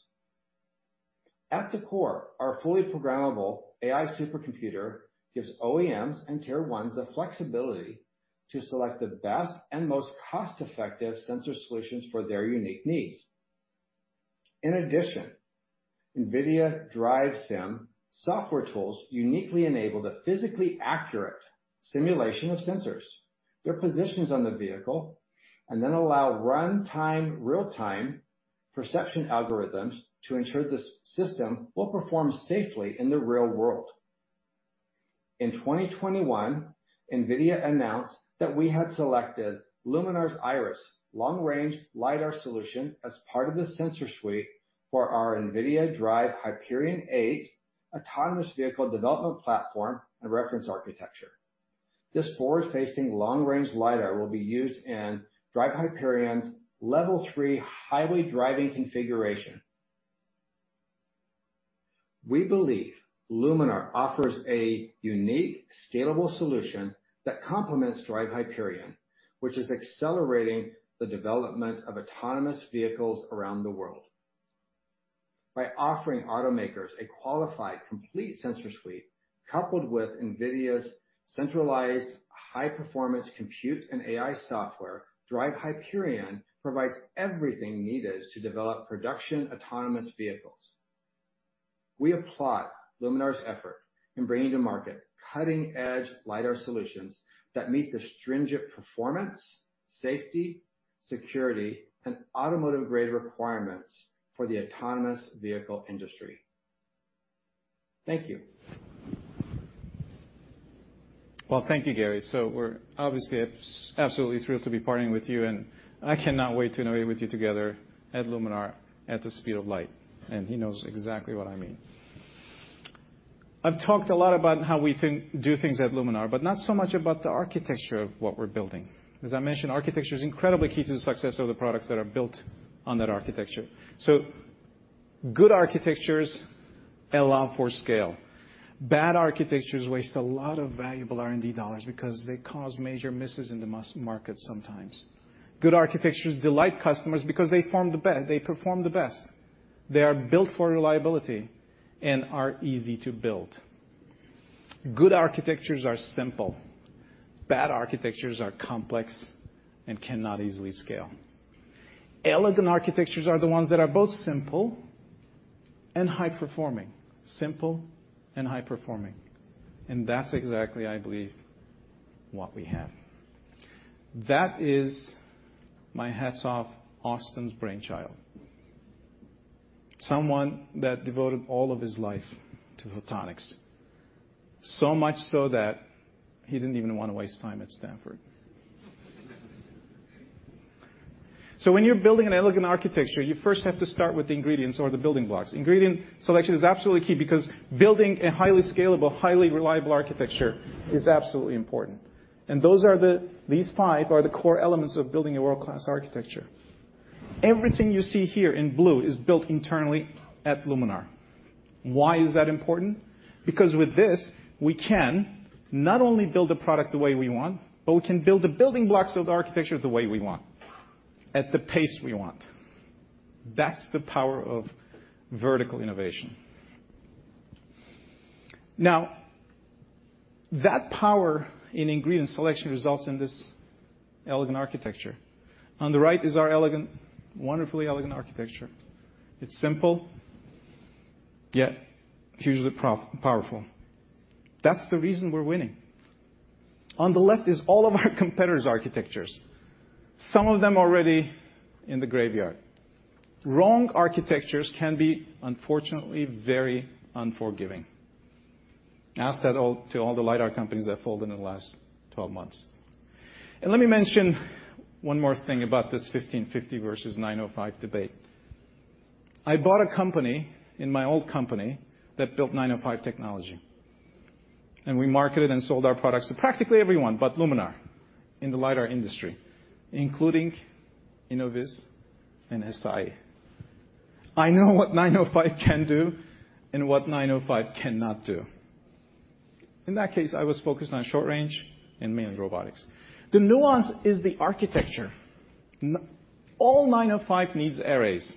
At the core, our fully programmable AI supercomputer gives OEMs and tier ones the flexibility to select the best and most cost-effective sensor solutions for their unique needs. NVIDIA DRIVE Sim software tools uniquely enable the physically accurate simulation of sensors, their positions on the vehicle, and then allow runtime real-time perception algorithms to ensure the system will perform safely in the real world. In 2021, NVIDIA announced that we had selected Luminar's Iris long-range lidar solution as part of the sensor suite for our NVIDIA DRIVE Hyperion 8 autonomous vehicle development platform and reference architecture. This forward-facing long-range lidar will be used in DRIVE Hyperion's Level 3 highway driving configuration. We believe Luminar offers a unique scalable solution that complements DRIVE Hyperion, which is accelerating the development of autonomous vehicles around the world. Offering automakers a qualified, complete sensor suite coupled with NVIDIA's centralized high-performance compute and AI software, DRIVE Hyperion provides everything needed to develop production autonomous vehicles. We applaud Luminar's effort in bringing to market cutting-edge lidar solutions that meet the stringent performance, safety, security, and automotive-grade requirements for the autonomous vehicle industry. Thank you. Well, thank you, Gary. We're obviously absolutely thrilled to be partnering with you, and I cannot wait to innovate with you together at Luminar at the speed of light, and he knows exactly what I mean. I've talked a lot about how we think do things at Luminar, but not so much about the architecture of what we're building. As I mentioned, architecture is incredibly key to the success of the products that are built on that architecture. Good architectures allow for scale. Bad architectures waste a lot of valuable R&D dollars because they cause major misses in the mass market sometimes. Good architectures delight customers because they perform the best. They are built for reliability and are easy to build. Good architectures are simple. Bad architectures are complex and cannot easily scale. Elegant architectures are the ones that are both simple and high-performing. Simple and high-performing. That's exactly, I believe, what we have. That is, my hats off, Austin's brainchild. Someone that devoted all of his life to photonics. Much so that he didn't even wanna waste time at Stanford. When you're building an elegant architecture, you first have to start with the ingredients or the building blocks. Ingredient selection is absolutely key because building a highly scalable, highly reliable architecture is absolutely important. Those are the... These five are the core elements of building a world-class architecture. Everything you see here in blue is built internally at Luminar. Why is that important? Because with this, we can not only build a product the way we want, but we can build the building blocks of the architecture the way we want, at the pace we want. That's the power of vertical innovation. That power in ingredient selection results in this elegant architecture. On the right is our elegant, wonderfully elegant architecture. It's simple, yet hugely powerful. That's the reason we're winning. On the left is all of our competitors' architectures. Some of them already in the graveyard. Wrong architectures can be, unfortunately, very unforgiving. Ask that to all the lidar companies that folded in the last 12 months. Let me mention one more thing about this 1550 versus 905 debate. I bought a company in my old company that built 905 technology, and we marketed and sold our products to practically everyone but Luminar in the lidar industry, including Innoviz and SI. I know what 905 can do and what 905 cannot do. In that case, I was focused on short range and manned robotics. The nuance is the architecture. 905 needs arrays.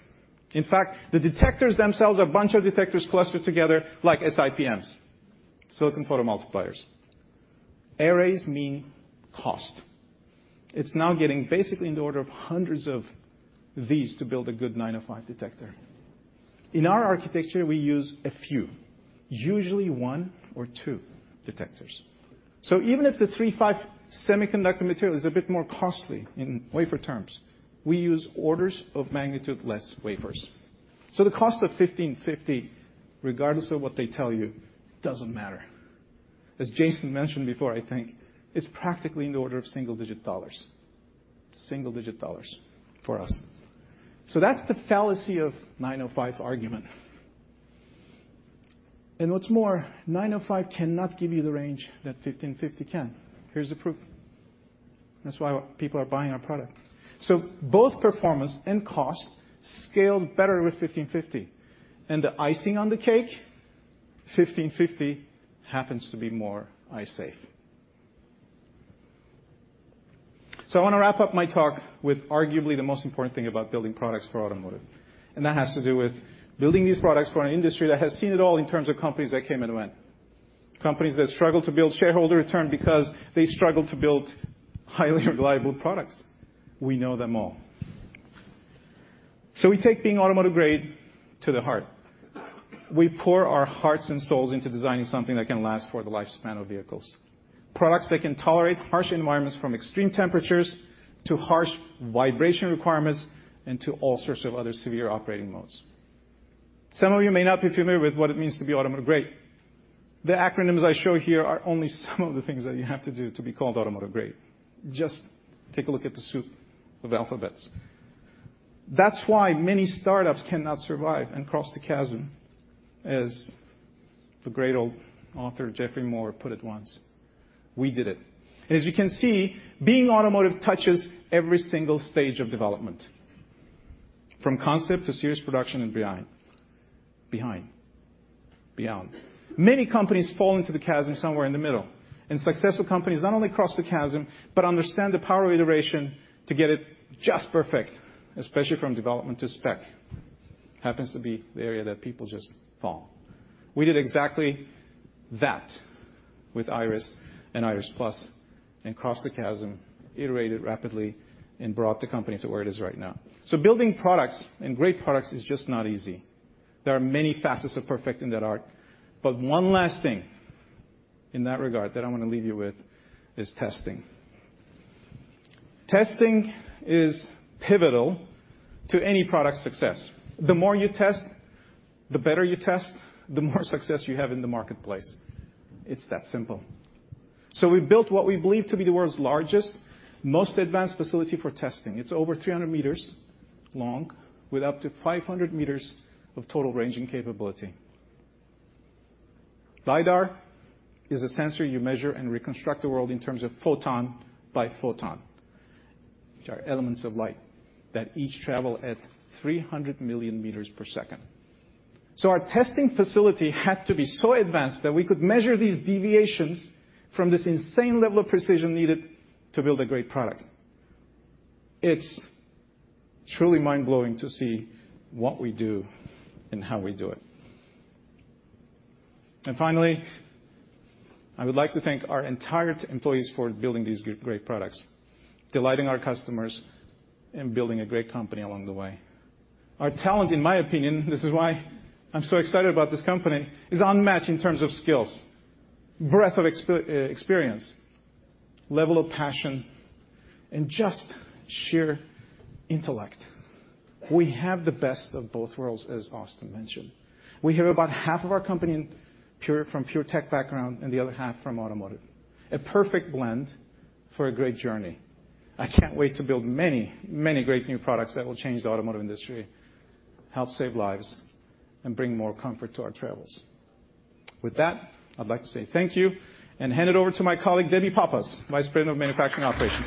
In fact, the detectors themselves are a bunch of detectors clustered together like SiPMs, silicon photomultipliers. Arrays mean cost. It's now getting basically in the order of hundreds of these to build a good 905 detector. In our architecture, we use a few, usually 1 or 2 detectors. Even if the III-V semiconductor material is a bit more costly in wafer terms, we use orders of magnitude less wafers. The cost of 1550, regardless of what they tell you, doesn't matter. As Jason mentioned before, I think it's practically in the order of single-digit dollars. Single-digit dollars for us. That's the fallacy of 905 argument. What's more, 905 cannot give you the range that 1550 can. Here's the proof. That's why people are buying our product. Both performance and cost scale better with 1550. The icing on the cake, 1550 happens to be more eye safe. I wanna wrap up my talk with arguably the most important thing about building products for automotive, and that has to do with building these products for an industry that has seen it all in terms of companies that came and went. Companies that struggle to build shareholder return because they struggle to build highly reliable products. We know them all. We take being automotive-grade to the heart. We pour our hearts and souls into designing something that can last for the lifespan of vehicles. Products that can tolerate harsh environments from extreme temperatures to harsh vibration requirements, and to all sorts of other severe operating modes. Some of you may not be familiar with what it means to be automotive-grade. The acronyms I show here are only some of the things that you have to do to be called automotive-grade. Just take a look at the soup of alphabets. That's why many startups cannot survive and cross the chasm, as the great old author Geoffrey Moore put it once. We did it. As you can see, being automotive touches every single stage of development, from concept to serious production and beyond. Many companies fall into the chasm somewhere in the middle, and successful companies not only cross the chasm, but understand the power of iteration to get it just perfect, especially from development to spec. Happens to be the area that people just fall. We did exactly that with Iris and Iris+, and crossed the chasm, iterated rapidly, and brought the company to where it is right now. Building products and great products is just not easy. There are many facets of perfecting that art, but one last thing in that regard that I want to leave you with is testing. Testing is pivotal to any product success. The more you test, the better you test, the more success you have in the marketplace. It's that simple. We built what we believe to be the world's largest, most advanced facility for testing. It's over 300 meters long with up to 500 meters of total ranging capability. lidar is a sensor you measure and reconstruct the world in terms of photon by photon, which are elements of light that each travel at 300 million meters per second. Our testing facility had to be so advanced that we could measure these deviations from this insane level of precision needed to build a great product. It's truly mind-blowing to see what we do and how we do it. Finally, I would like to thank our entire employees for building these great products, delighting our customers, and building a great company along the way. Our talent, in my opinion, this is why I'm so excited about this company, is unmatched in terms of skills, breadth of experience, level of passion, and just sheer intellect. We have the best of both worlds, as Austin mentioned. We have about half of our company pure, from pure tech background and the other half from automotive. A perfect blend for a great journey. I can't wait to build many great new products that will change the automotive industry, help save lives, and bring more comfort to our travels. With that, I'd like to say thank you and hand it over to my colleague, Debbie Pappas, Vice President of Manufacturing Operations.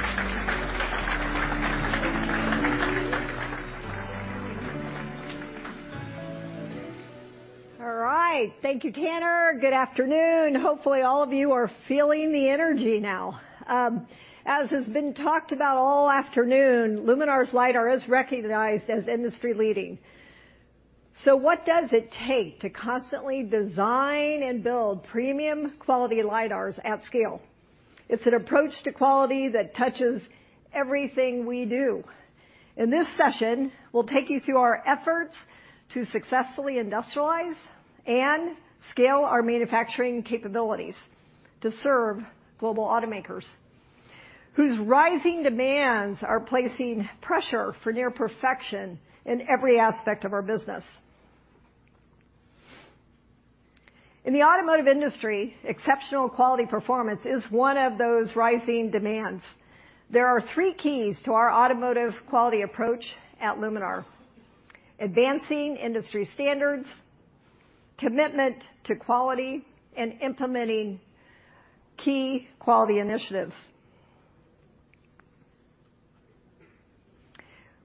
All right. Thank you, Tanner. Good afternoon. Hopefully, all of you are feeling the energy now. As has been talked about all afternoon, Luminar's lidar is recognized as industry-leading. What does it take to constantly design and build premium quality lidars at scale? It's an approach to quality that touches everything we do. In this session, we'll take you through our efforts to successfully industrialize and scale our manufacturing capabilities to serve global automakers whose rising demands are placing pressure for near perfection in every aspect of our business. In the automotive industry, exceptional quality performance is one of those rising demands. There are three keys to our automotive quality approach at Luminar: advancing industry standards, commitment to quality, and implementing key quality initiatives.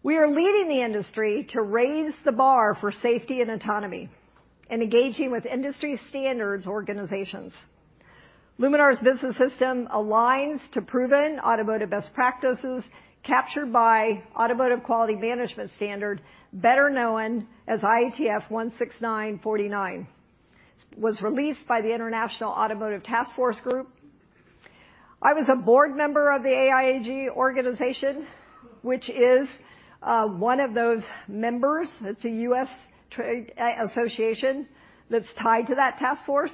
We are leading the industry to raise the bar for safety and autonomy and engaging with industry standards organizations. Luminar's business system aligns to proven automotive best practices captured by Automotive Quality Management Standard, better known as IATF 16949. Was released by the International Automotive Task Force Group. I was a board member of the AIAG organization, which is one of those members. It's a U.S. trade association that's tied to that task force.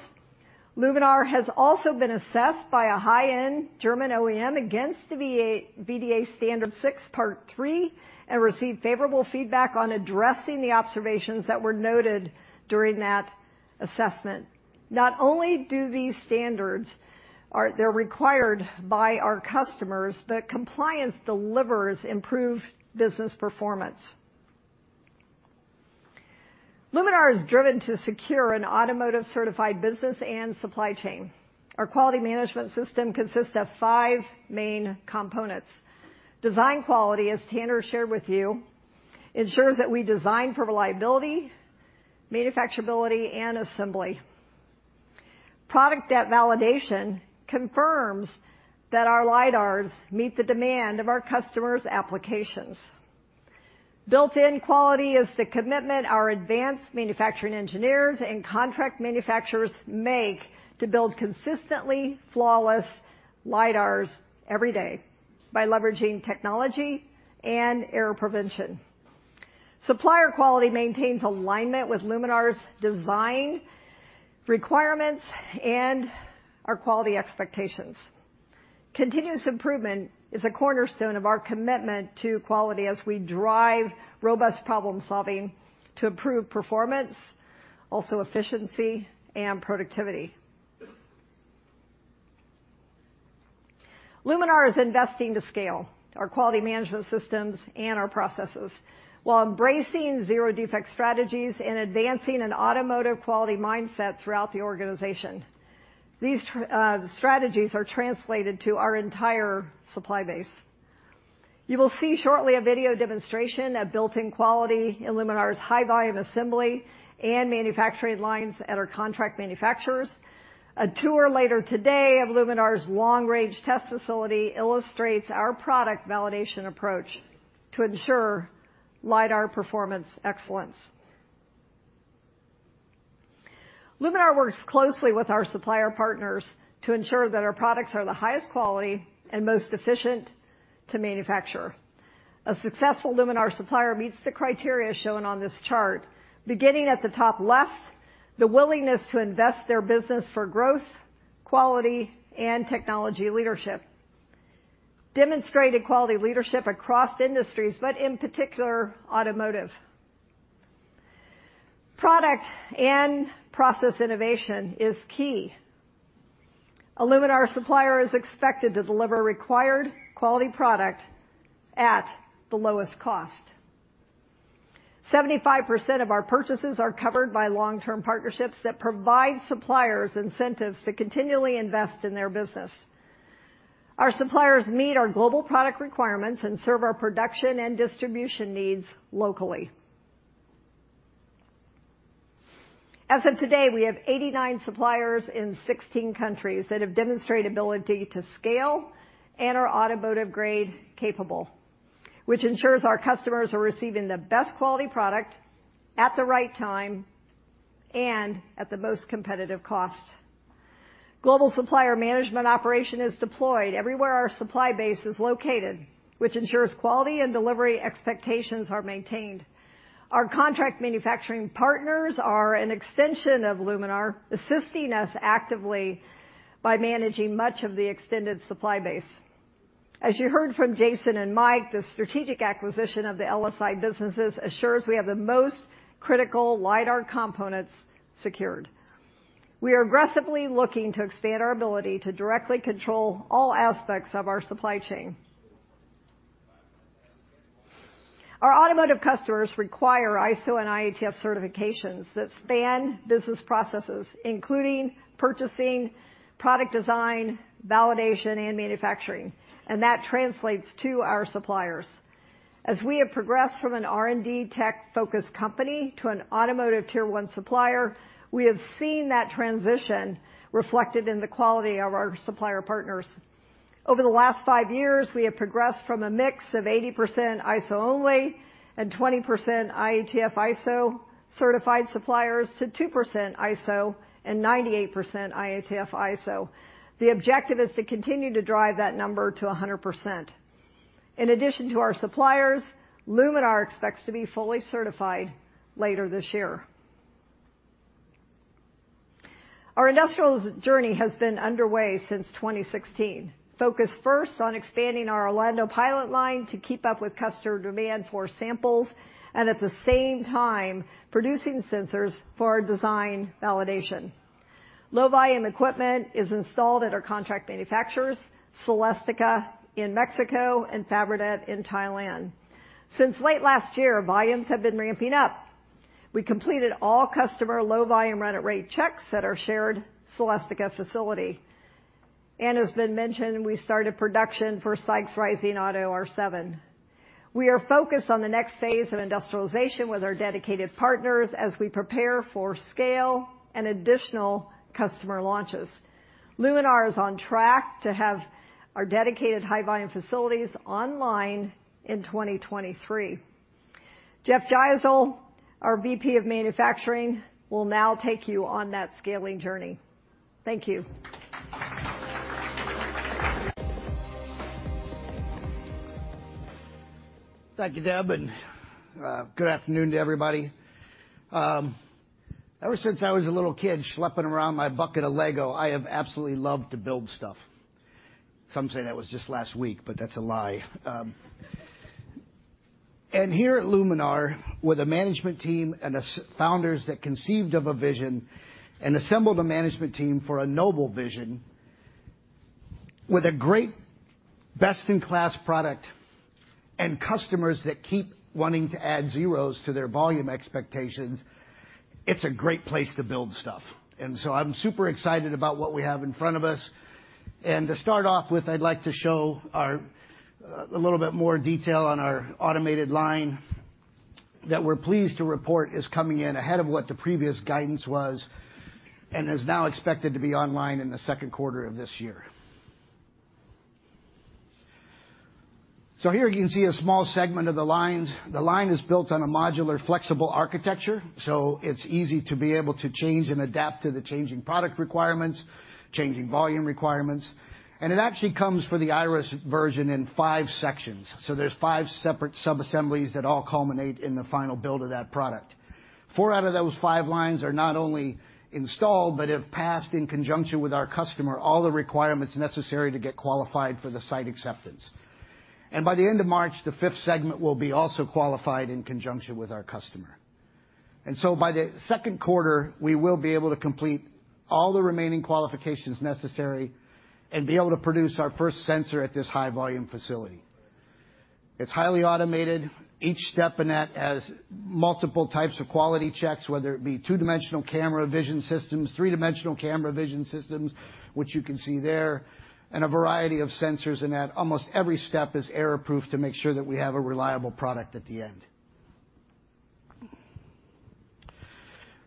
Luminar has also been assessed by a high-end German OEM against the VDA 6.3 Standard, and received favorable feedback on addressing the observations that were noted during that assessment. Not only do these standards they're required by our customers, compliance delivers improved business performance. Luminar is driven to secure an automotive certified business and supply chain. Our quality management system consists of five main components. Design quality, as Tanner shared with you, ensures that we design for reliability, manufacturability, and assembly. Product validation confirms that our lidars meet the demand of our customers' applications. Built-in quality is the commitment our advanced manufacturing engineers and contract manufacturers make to build consistently flawless lidars every day by leveraging technology and error prevention. Supplier quality maintains alignment with Luminar's design requirements and our quality expectations. Continuous improvement is a cornerstone of our commitment to quality as we drive robust problem-solving to improve performance, also efficiency and productivity. Luminar is investing to scale our quality management systems and our processes while embracing zero defect strategies and advancing an automotive quality mindset throughout the organization. These strategies are translated to our entire supply base. You will see shortly a video demonstration of built-in quality in Luminar's high volume assembly and manufacturing lines at our contract manufacturers. A tour later today of Luminar's long-range test facility illustrates our product validation approach to ensure lidar performance excellence. Luminar works closely with our supplier partners to ensure that our products are the highest quality and most efficient to manufacture. A successful Luminar supplier meets the criteria shown on this chart. Beginning at the top left, the willingness to invest their business for growth, quality, and technology leadership. Demonstrated quality leadership across industries, but in particular, automotive. Product and process innovation is key. A Luminar supplier is expected to deliver required quality product at the lowest cost. 75% of our purchases are covered by long-term partnerships that provide suppliers incentives to continually invest in their business. Our suppliers meet our global product requirements and serve our production and distribution needs locally. As of today, we have 89 suppliers in 16 countries that have demonstrated ability to scale and are automotive grade capable, which ensures our customers are receiving the best quality product at the right time and at the most competitive cost. Global supplier management operation is deployed everywhere our supply base is located, which ensures quality and delivery expectations are maintained. Our contract manufacturing partners are an extension of Luminar, assisting us actively by managing much of the extended supply base. As you heard from Jason and Mike, the strategic acquisition of the LSI businesses assures we have the most critical lidar components secured. We are aggressively looking to expand our ability to directly control all aspects of our supply chain. Our automotive customers require ISO and IATF certifications that span business processes, including purchasing, product design, validation, and manufacturing. That translates to our suppliers. As we have progressed from an R&D tech-focused company to an automotive tier one supplier, we have seen that transition reflected in the quality of our supplier partners. Over the last five years, we have progressed from a mix of 80% ISO only and 20% IATF ISO certified suppliers to 2% ISO and 98% IATF ISO. The objective is to continue to drive that number to 100%. In addition to our suppliers, Luminar expects to be fully certified later this year. Our industrials journey has been underway since 2016. Focused first on expanding our Orlando pilot line to keep up with customer demand for samples and at the same time producing sensors for our design validation. Low volume equipment is installed at our contract manufacturers, Celestica in Mexico and Fabrinet in Thailand. Since late last year, volumes have been ramping up. We completed all customer low volume run at rate checks at our shared Celestica facility. As been mentioned, we started production for SAIC's Rising Auto R7. We are focused on the next phase of industrialization with our dedicated partners as we prepare for scale and additional customer launches. Luminar is on track to have our dedicated high volume facilities online in 2023. Jeff Gisel, our VP of manufacturing, will now take you on that scaling journey. Thank you. Thank you, Deb. Good afternoon to everybody. Ever since I was a little kid schlepping around my bucket of LEGO, I have absolutely loved to build stuff. Some say that was just last week, but that's a lie. Here at Luminar, with a management team and founders that conceived of a vision and assembled a management team for a noble vision, with a great best-in-class product and customers that keep wanting to add zeros to their volume expectations, it's a great place to build stuff. I'm super excited about what we have in front of us. To start off with, I'd like to show our a little bit more detail on our automated line that we're pleased to report is coming in ahead of what the previous guidance was and is now expected to be online in the second quarter of this year. Here you can see a small segment of the lines. The line is built on a modular flexible architecture, so it's easy to be able to change and adapt to the changing product requirements, changing volume requirements. It actually comes for the Iris version in 5 sections. There's 5 separate sub-assemblies that all culminate in the final build of that product. 4 out of those 5 lines are not only installed, but have passed in conjunction with our customer, all the requirements necessary to get qualified for the site acceptance. By the end of March, the fifth segment will be also qualified in conjunction with our customer. By the second quarter, we will be able to complete all the remaining qualifications necessary and be able to produce our first sensor at this high volume facility. It's highly automated. Each step in that has multiple types of quality checks, whether it be two-dimensional camera vision systems, three-dimensional camera vision systems, which you can see there, and a variety of sensors in that. Almost every step is error-proof to make sure that we have a reliable product at the end.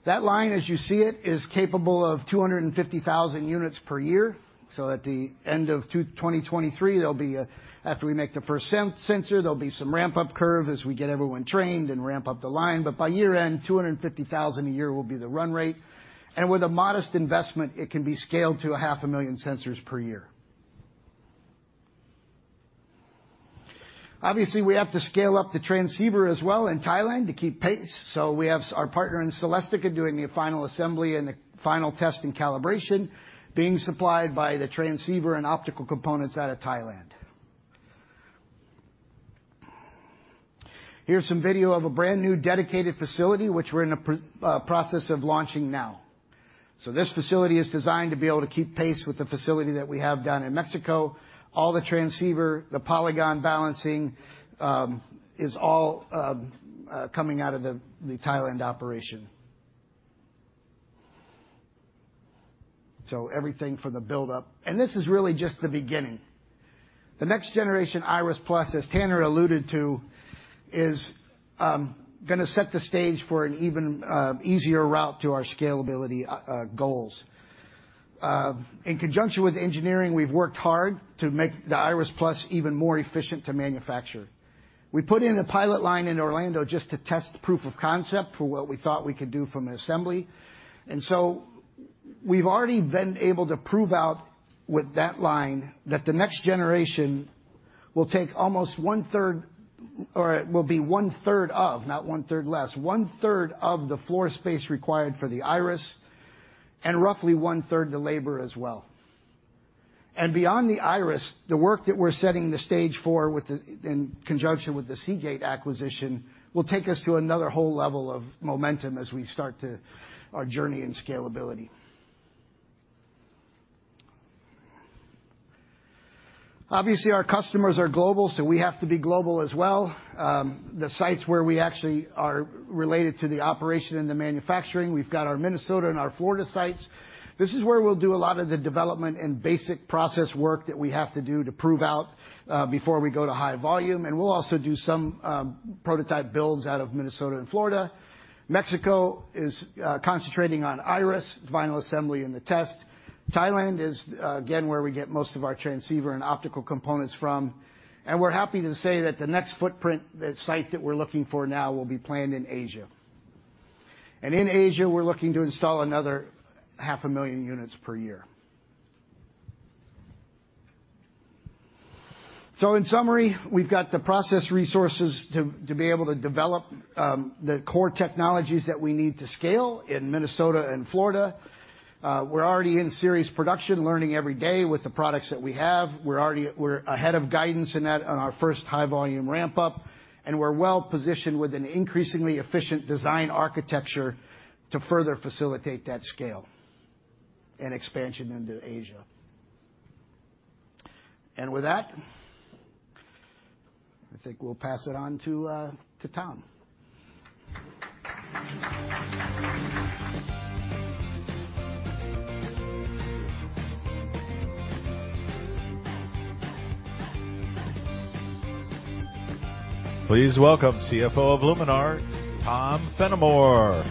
That line, as you see it, is capable of 250,000 units per year. At the end of 2023, there'll be after we make the first sensor, there'll be some ramp-up curve as we get everyone trained and ramp up the line. By year-end, 250,000 a year will be the run rate. With a modest investment, it can be scaled to a half a million sensors per year. Obviously, we have to scale up the transceiver as well in Thailand to keep pace. We have our partner in Celestica doing the final assembly and the final test and calibration being supplied by the transceiver and optical components out of Thailand. Here's some video of a brand-new dedicated facility which we're in the process of launching now. This facility is designed to be able to keep pace with the facility that we have down in Mexico. All the transceiver, the polygon balancing, is all coming out of the Thailand operation. Everything for the build-up. This is really just the beginning. The next generation Iris+, as Tanner alluded to, is gonna set the stage for an even easier route to our scalability goals. In conjunction with engineering, we've worked hard to make the Iris+ even more efficient to manufacture. We put in a pilot line in Orlando just to test proof of concept for what we thought we could do from an assembly. We've already been able to prove out with that line that the next generation will take almost one-third, or will be one-third of, not one-third less, one-third of the floor space required for the Iris and roughly one-third the labor as well. Beyond the Iris, the work that we're setting the stage for with the, in conjunction with the Seagate acquisition will take us to another whole level of momentum as we start to our journey in scalability. Obviously, our customers are global, so we have to be global as well. The sites where we actually are related to the operation and the manufacturing, we've got our Minnesota and our Florida sites. This is where we'll do a lot of the development and basic process work that we have to do to prove out before we go to high volume. We'll also do some prototype builds out of Minnesota and Florida. Mexico is concentrating on Iris, final assembly and the test. Thailand is, again, where we get most of our transceiver and optical components from. We're happy to say that the next footprint, the site that we're looking for now will be planned in Asia. In Asia, we're looking to install another 500,000 units per year. In summary, we've got the process resources to be able to develop the core technologies that we need to scale in Minnesota and Florida. We're already in series production, learning every day with the products that we have. We're already ahead of guidance in that on our first high volume ramp-up, and we're well-positioned with an increasingly efficient design architecture to further facilitate that scale and expansion into Asia. With that, I think we'll pass it on to Tom. Please welcome CFO of Luminar, Tom Fennimore.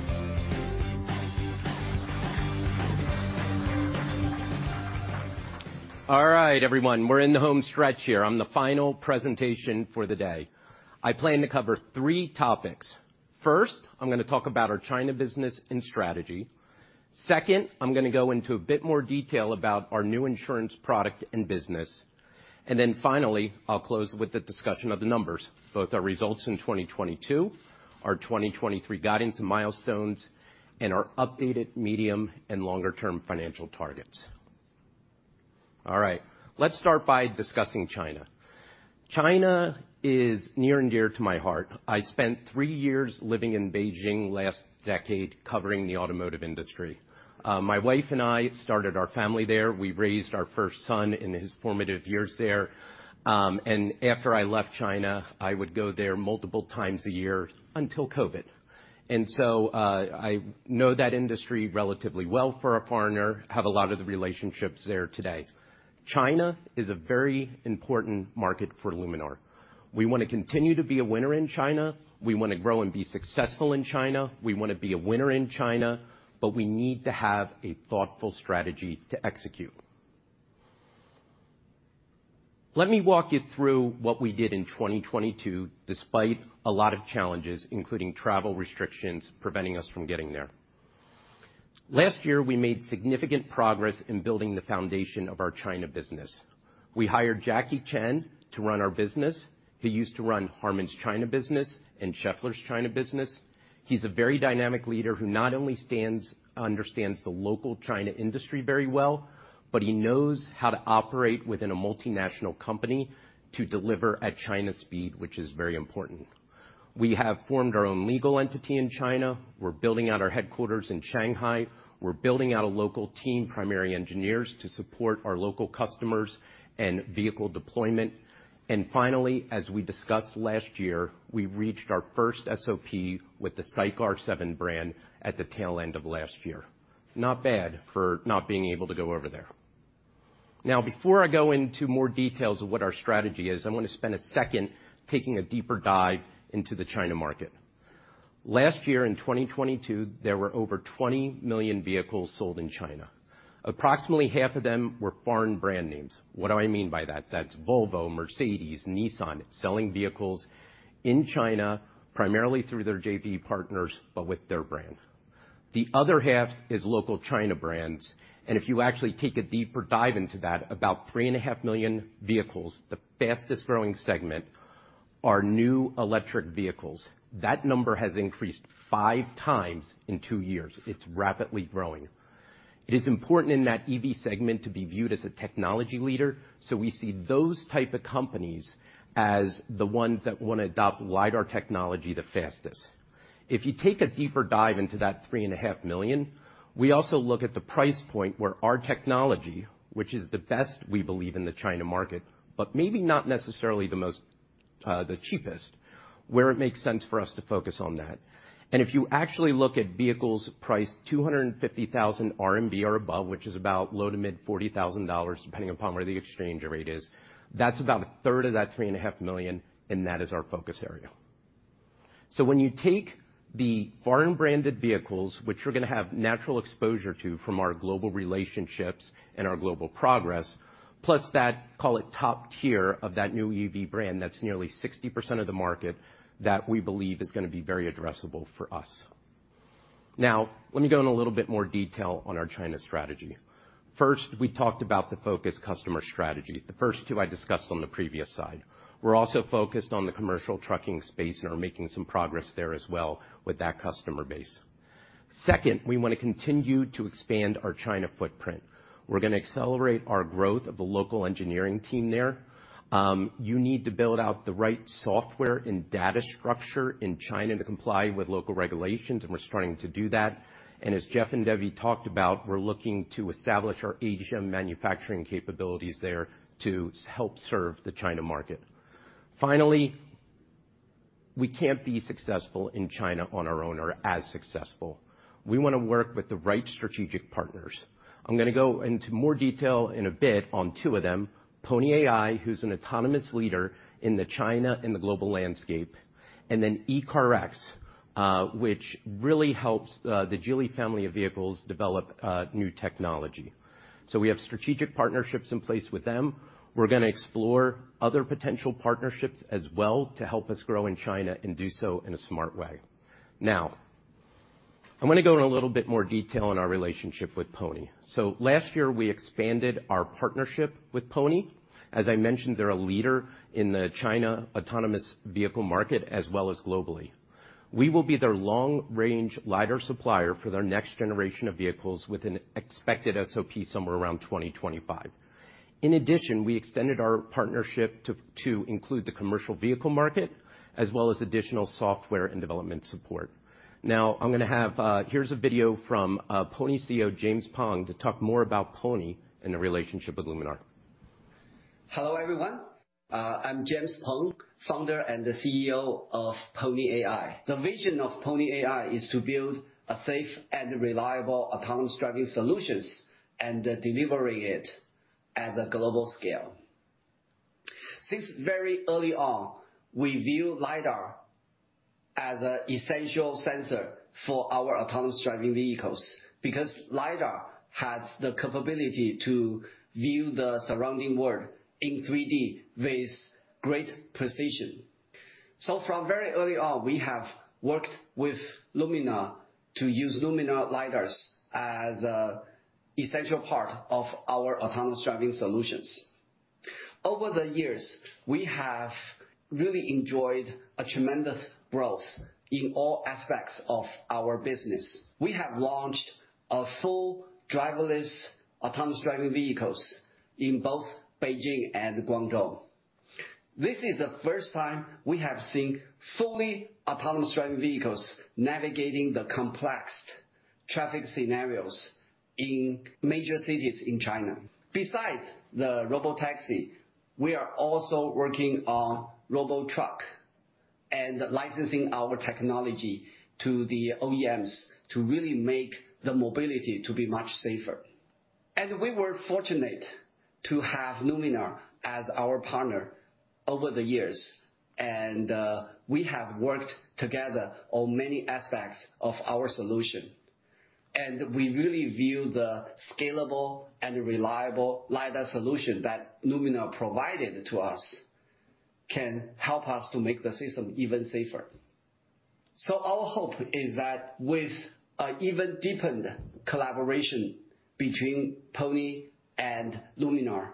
All right, everyone. We're in the home stretch here on the final presentation for the day. I plan to cover three topics. First, I'm gonna talk about our China business and strategy. Second, I'm gonna go into a bit more detail about our new insurance product and business. Finally, I'll close with the discussion of the numbers, both our results in 2022, our 2023 guidance and milestones, and our updated medium and longer-term financial targets. All right, let's start by discussing China. China is near and dear to my heart. I spent three years living in Beijing last decade covering the automotive industry. My wife and I started our family there. We raised our first son in his formative years there. After I left China, I would go there multiple times a year until COVID. I know that industry relatively well for a foreigner, have a lot of the relationships there today. China is a very important market for Luminar. We wanna continue to be a winner in China. We wanna grow and be successful in China. We wanna be a winner in China, we need to have a thoughtful strategy to execute. Let me walk you through what we did in 2022, despite a lot of challenges, including travel restrictions preventing us from getting there. Last year, we made significant progress in building the foundation of our China business. We hired Jackie Chen to run our business. He used to run Harman's China business and Schaeffler's China business. He's a very dynamic leader, who not only understands the local China industry very well, but he knows how to operate within a multinational company to deliver at China speed, which is very important. We have formed our own legal entity in China. We're building out our headquarters in Shanghai. We're building out a local team, primary engineers, to support our local customers and vehicle deployment. Finally, as we discussed last year, we reached our first SOP with the Rising Auto R7 brand at the tail end of last year. Not bad for not being able to go over there. Before I go into more details of what our strategy is, I wanna spend a second taking a deeper dive into the China market. Last year, in 2022, there were over 20 million vehicles sold in China. Approximately half of them were foreign brand names. What do I mean by that? That's Volvo, Mercedes, Nissan, selling vehicles in China, primarily through their JV partners, but with their brands. The other half is local China brands, if you actually take a deeper dive into that, about 3.5 million vehicles, the fastest-growing segment, are new electric vehicles. That number has increased five times in two years. It's rapidly growing. It is important in that EV segment to be viewed as a technology leader, we see those type of companies as the ones that wanna adopt lidar technology the fastest. If you take a deeper dive into that 3.5 million, we also look at the price point where our technology, which is the best, we believe, in the China market, but maybe not necessarily the most, the cheapest, where it makes sense for us to focus on that. If you actually look at vehicles priced 250,000 RMB or above, which is about low to mid $40,000, depending upon where the exchange rate is, that's about a third of that $3.5 million, that is our focus area. When you take the foreign-branded vehicles, which we're gonna have natural exposure to from our global relationships and our global progress, plus that, call it, top tier of that new EV brand, that's nearly 60% of the market that we believe is gonna be very addressable for us. Let me go in a little bit more detail on our China strategy. We talked about the focus customer strategy, the first two I discussed on the previous side. We're also focused on the commercial trucking space, are making some progress there as well with that customer base. Second, we wanna continue to expand our China footprint. We're gonna accelerate our growth of the local engineering team there. You need to build out the right software and data structure in China to comply with local regulations, and we're starting to do that. As Jeff Gisel and Debbie Pappas talked about, we're looking to establish our Asia manufacturing capabilities there to help serve the China market. Finally, we can't be successful in China on our own or as successful. We wanna work with the right strategic partners. I'm gonna go into more detail in a bit on two of them, Pony.ai, who's an autonomous leader in the China and the global landscape, and then ECARX, which really helps the Geely family of vehicles develop new technology. We have strategic partnerships in place with them. We're gonna explore other potential partnerships as well to help us grow in China and do so in a smart way. I'm gonna go in a little bit more detail on our relationship with Pony. Last year, we expanded our partnership with Pony. As I mentioned, they're a leader in the China autonomous vehicle market, as well as globally. We will be their long-range lidar supplier for their next generation of vehicles with an expected SOP somewhere around 2025. In addition, we extended our partnership to include the commercial vehicle market, as well as additional software and development support. I'm gonna have here's a video from Pony CEO, James Peng, to talk more about Pony and the relationship with Luminar. Hello everyone. I'm James Peng, Founder and the CEO of Pony.ai. The vision of Pony.ai is to build a safe and reliable autonomous driving solutions and delivering it at a global scale. Since very early on, we view lidar as an essential sensor for our autonomous driving vehicles, because lidar has the capability to view the surrounding world in 3D with great precision. From very early on, we have worked with Luminar to use Luminar lidars as an essential part of our autonomous driving solutions. Over the years, we have really enjoyed a tremendous growth in all aspects of our business. We have launched a full driverless autonomous driving vehicles in both Beijing and Guangzhou. This is the first time we have seen fully autonomous driving vehicles navigating the complex traffic scenarios in major cities in China. Besides the robotaxi, we are also working on robo-truck and licensing our technology to the OEMs to really make the mobility to be much safer. We were fortunate to have Luminar as our partner over the years, and we have worked together on many aspects of our solution. We really view the scalable and reliable lidar solution that Luminar provided to us can help us to make the system even safer. Our hope is that with an even deepened collaboration between Pony and Luminar,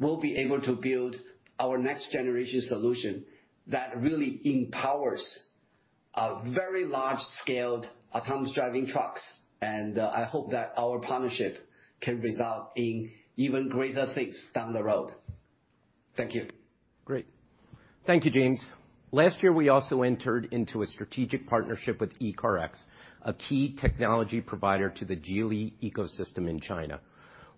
we'll be able to build our next generation solution that really empowers a very large scaled autonomous driving trucks. I hope that our partnership can result in even greater things down the road. Thank you. Great. Thank you, James. Last year, we also entered into a strategic partnership with ECARX, a key technology provider to the Geely ecosystem in China.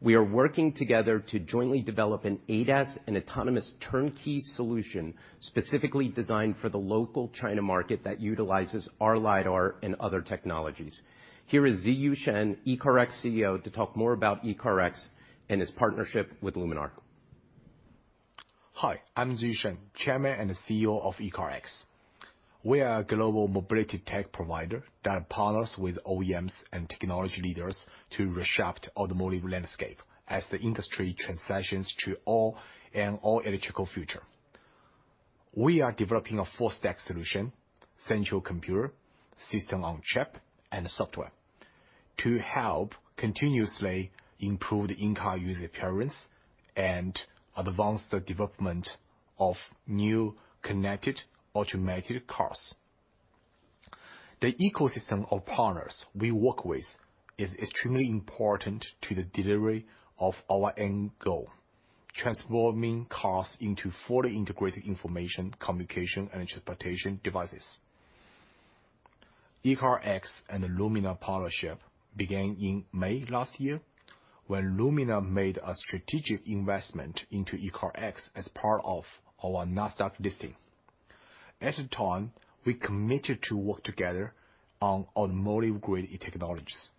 We are working together to jointly develop an ADAS and autonomous turnkey solution, specifically designed for the local China market that utilizes our lidar and other technologies. Here is Ziyu Shen, ECARX CEO, to talk more about ECARX and its partnership with Luminar. Hi, I'm Ziyu Shen, Chairman and CEO of ECARX. We are a global mobility tech provider that partners with OEMs and technology leaders to reshaped automotive landscape as the industry transitions to an all-electrical future. We are developing a full-stack solution, central computer, System-on-Chip, and software to help continuously improve the in-car user experience and advance the development of new connected automated cars. The ecosystem of partners we work with is extremely important to the delivery of our end goal, transforming cars into fully integrated information, communication, and transportation devices. ECARX and the Luminar partnership began in May last year, when Luminar made a strategic investment into ECARX as part of our Nasdaq listing. At the time, we committed to work together on automotive grade technologies,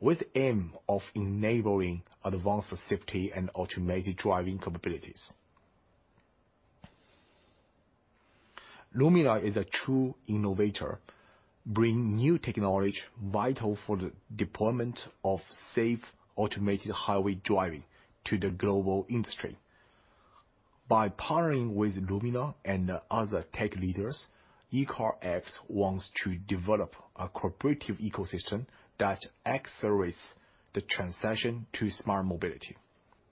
with aim of enabling advanced safety and automated driving capabilities. Luminar is a true innovator, bringing new technology vital for the deployment of safe, automated highway driving to the global industry. By partnering with Luminar and other tech leaders, ECARX wants to develop a cooperative ecosystem that accelerates the transition to smart mobility.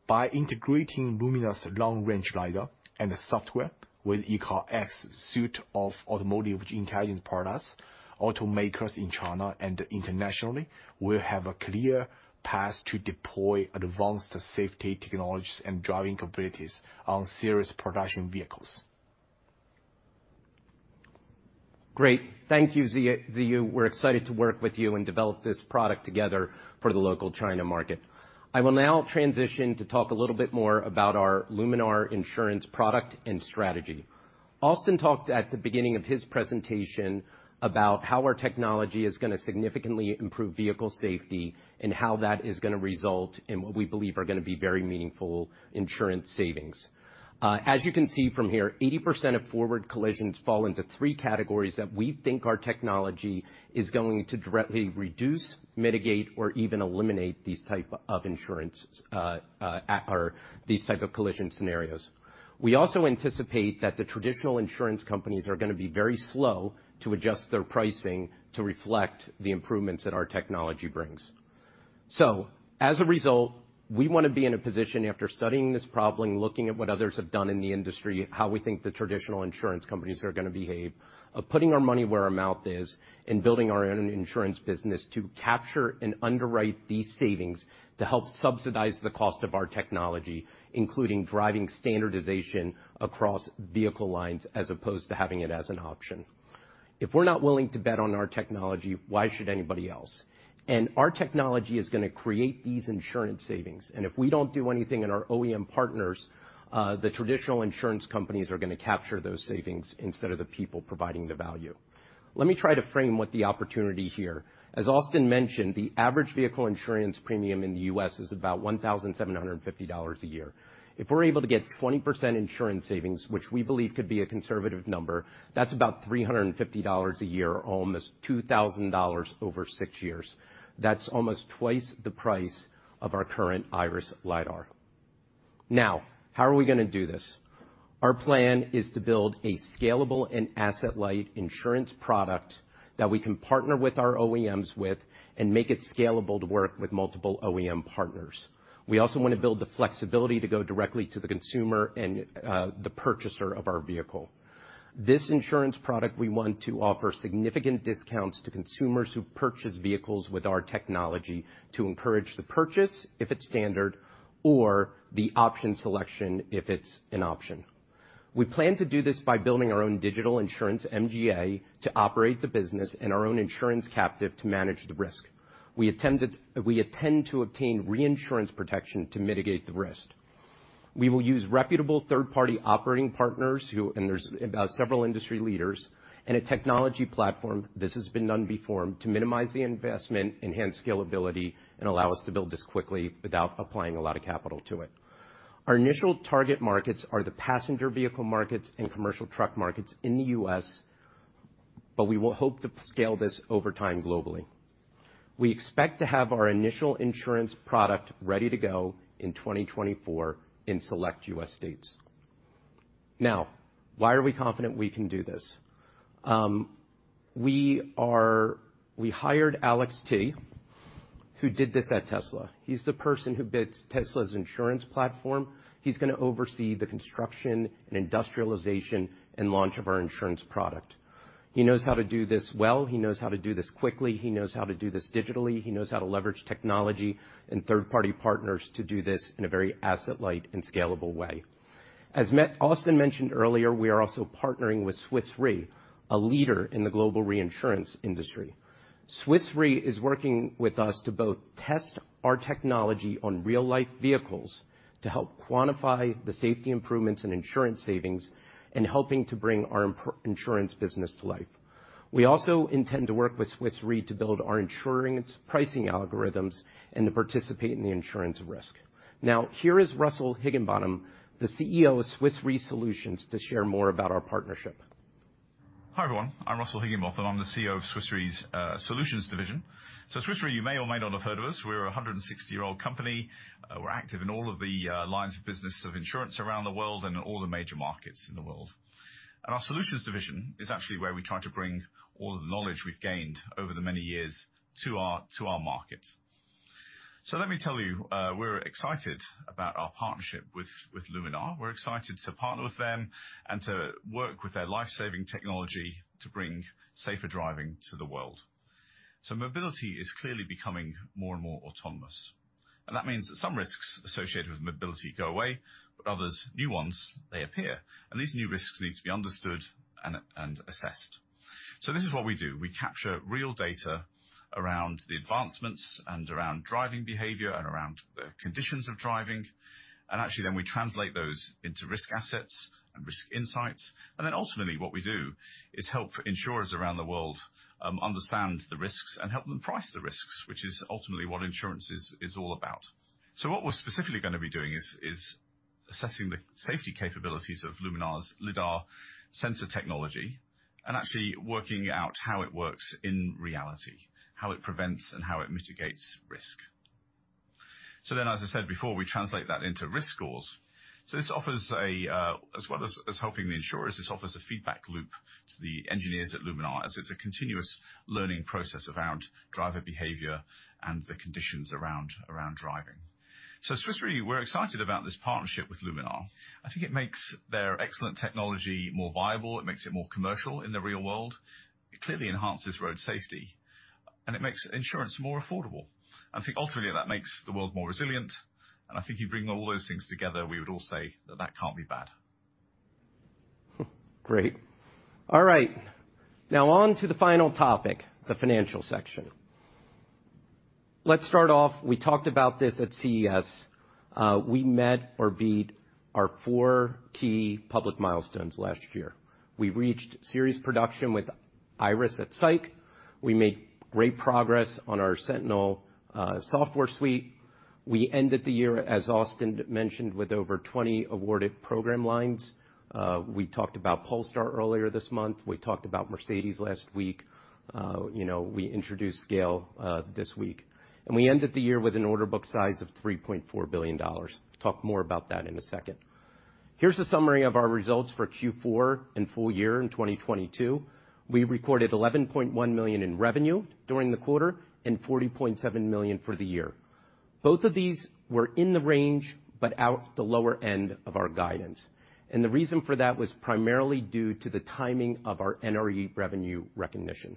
By integrating Luminar's long-range lidar and software with ECARX suite of automotive intelligence products, automakers in China and internationally will have a clear path to deploy advanced safety technologies and driving capabilities on serious production vehicles. Great. Thank you, Ziyu. We're excited to work with you and develop this product together for the local China market. I will now transition to talk a little bit more about our Luminar Insurance product and strategy. Austin talked at the beginning of his presentation about how our technology is gonna significantly improve vehicle safety, and how that is gonna result in what we believe are gonna be very meaningful insurance savings. As you can see from here, 80% of forward collisions fall into three categories that we think our technology is going to directly reduce, mitigate, or even eliminate these type of insurance or these type of collision scenarios. We also anticipate that the traditional insurance companies are gonna be very slow to adjust their pricing to reflect the improvements that our technology brings. As a result, we want to be in a position after studying this problem, looking at what others have done in the industry, how we think the traditional insurance companies are gonna behave, of putting our money where our mouth is in building our own insurance business to capture and underwrite these savings to help subsidize the cost of our technology, including driving standardization across vehicle lines as opposed to having it as an option. If we're not willing to bet on our technology, why should anybody else? Our technology is gonna create these insurance savings. If we don't do anything in our OEM partners, the traditional insurance companies are gonna capture those savings instead of the people providing the value. Let me try to frame what the opportunity here. As Austin mentioned, the average vehicle insurance premium in the U.S. is about $1,750 a year. If we're able to get 20% insurance savings, which we believe could be a conservative number, that's about $350 a year, almost $2,000 over 6 years. That's almost twice the price of our current Iris lidar. How are we gonna do this? Our plan is to build a scalable and asset-light insurance product that we can partner with our OEMs with and make it scalable to work with multiple OEM partners. We also wanna build the flexibility to go directly to the consumer and the purchaser of our vehicle. This insurance product we want to offer significant discounts to consumers who purchase vehicles with our technology to encourage the purchase if it's standard or the option selection if it's an option. We plan to do this by building our own digital insurance MGA to operate the business and our own insurance captive to manage the risk. We intend to obtain reinsurance protection to mitigate the risk. We will use reputable third-party operating partners who. There's about several industry leaders and a technology platform, this has been done before, to minimize the investment, enhance scalability, and allow us to build this quickly without applying a lot of capital to it. Our initial target markets are the passenger vehicle markets and commercial truck markets in the U.S., but we will hope to scale this over time globally. We expect to have our initial insurance product ready to go in 2024 in select U.S. states. Why are we confident we can do this? We hired Alex T, who did this at Tesla. He's the person who built Tesla's insurance platform. He's gonna oversee the construction and industrialization and launch of our insurance product. He knows how to do this well. He knows how to do this quickly. He knows how to do this digitally. He knows how to leverage technology and third-party partners to do this in a very asset-light and scalable way. As Matt Austin mentioned earlier, we are also partnering with Swiss Re, a leader in the global reinsurance industry. Swiss Re is working with us to both test our technology on real-life vehicles to help quantify the safety improvements and insurance savings and helping to bring our insurance business to life. We also intend to work with Swiss Re to build our insurance pricing algorithms and to participate in the insurance risk. Here is Russell Higginbotham, the CEO of Swiss Re Solutions, to share more about our partnership. Hi, everyone. I'm Russell Higginbotham. I'm the CEO of Swiss Re's Solutions division. Swiss Re, you may or may not have heard of us, we're a 160-year-old company. We're active in all of the lines of business of insurance around the world and in all the major markets in the world. Our Solutions division is actually where we try to bring all the knowledge we've gained over the many years to our market. Let me tell you, we're excited about our partnership with Luminar. We're excited to partner with them and to work with their life-saving technology to bring safer driving to the world. Mobility is clearly becoming more and more autonomous, and that means that some risks associated with mobility go away, but others, new ones, they appear. These new risks need to be understood and assessed. This is what we do. We capture real data around the advancements and around driving behavior and around the conditions of driving. Actually, then we translate those into risk assets and risk insights. Ultimately, what we do is help insurers around the world understand the risks and help them price the risks, which is ultimately what insurance is all about. What we're specifically gonna be doing is assessing the safety capabilities of Luminar's lidar sensor technology and actually working out how it works in reality, how it prevents and how it mitigates risk. As I said before, we translate that into risk scores. This offers a, as well as helping the insurers, this offers a feedback loop to the engineers at Luminar as it's a continuous learning process around driver behavior and the conditions around driving. At Swiss Re, we're excited about this partnership with Luminar. I think it makes their excellent technology more viable. It makes it more commercial in the real world. It clearly enhances road safety, and it makes insurance more affordable. I think ultimately, that makes the world more resilient, and I think if you bring all those things together, we would all say that that can't be bad. Great. All right. Now on to the final topic, the financial section. Let's start off, we talked about this at CES. We met or beat our 4 key public milestones last year. We reached series production with Iris at SAIC. We made great progress on our Sentinel software suite. We ended the year, as Austin mentioned, with over 20 awarded program lines. We talked about Polestar earlier this month. We talked about Mercedes last week. You know, we introduced Scale this week. We ended the year with an order book size of $3.4 billion. Talk more about that in a second. Here's a summary of our results for Q4 and full year in 2022. We recorded $11.1 million in revenue during the quarter and $40.7 million for the year. Both of these were in the range, but out the lower end of our guidance. The reason for that was primarily due to the timing of our NRE revenue recognition.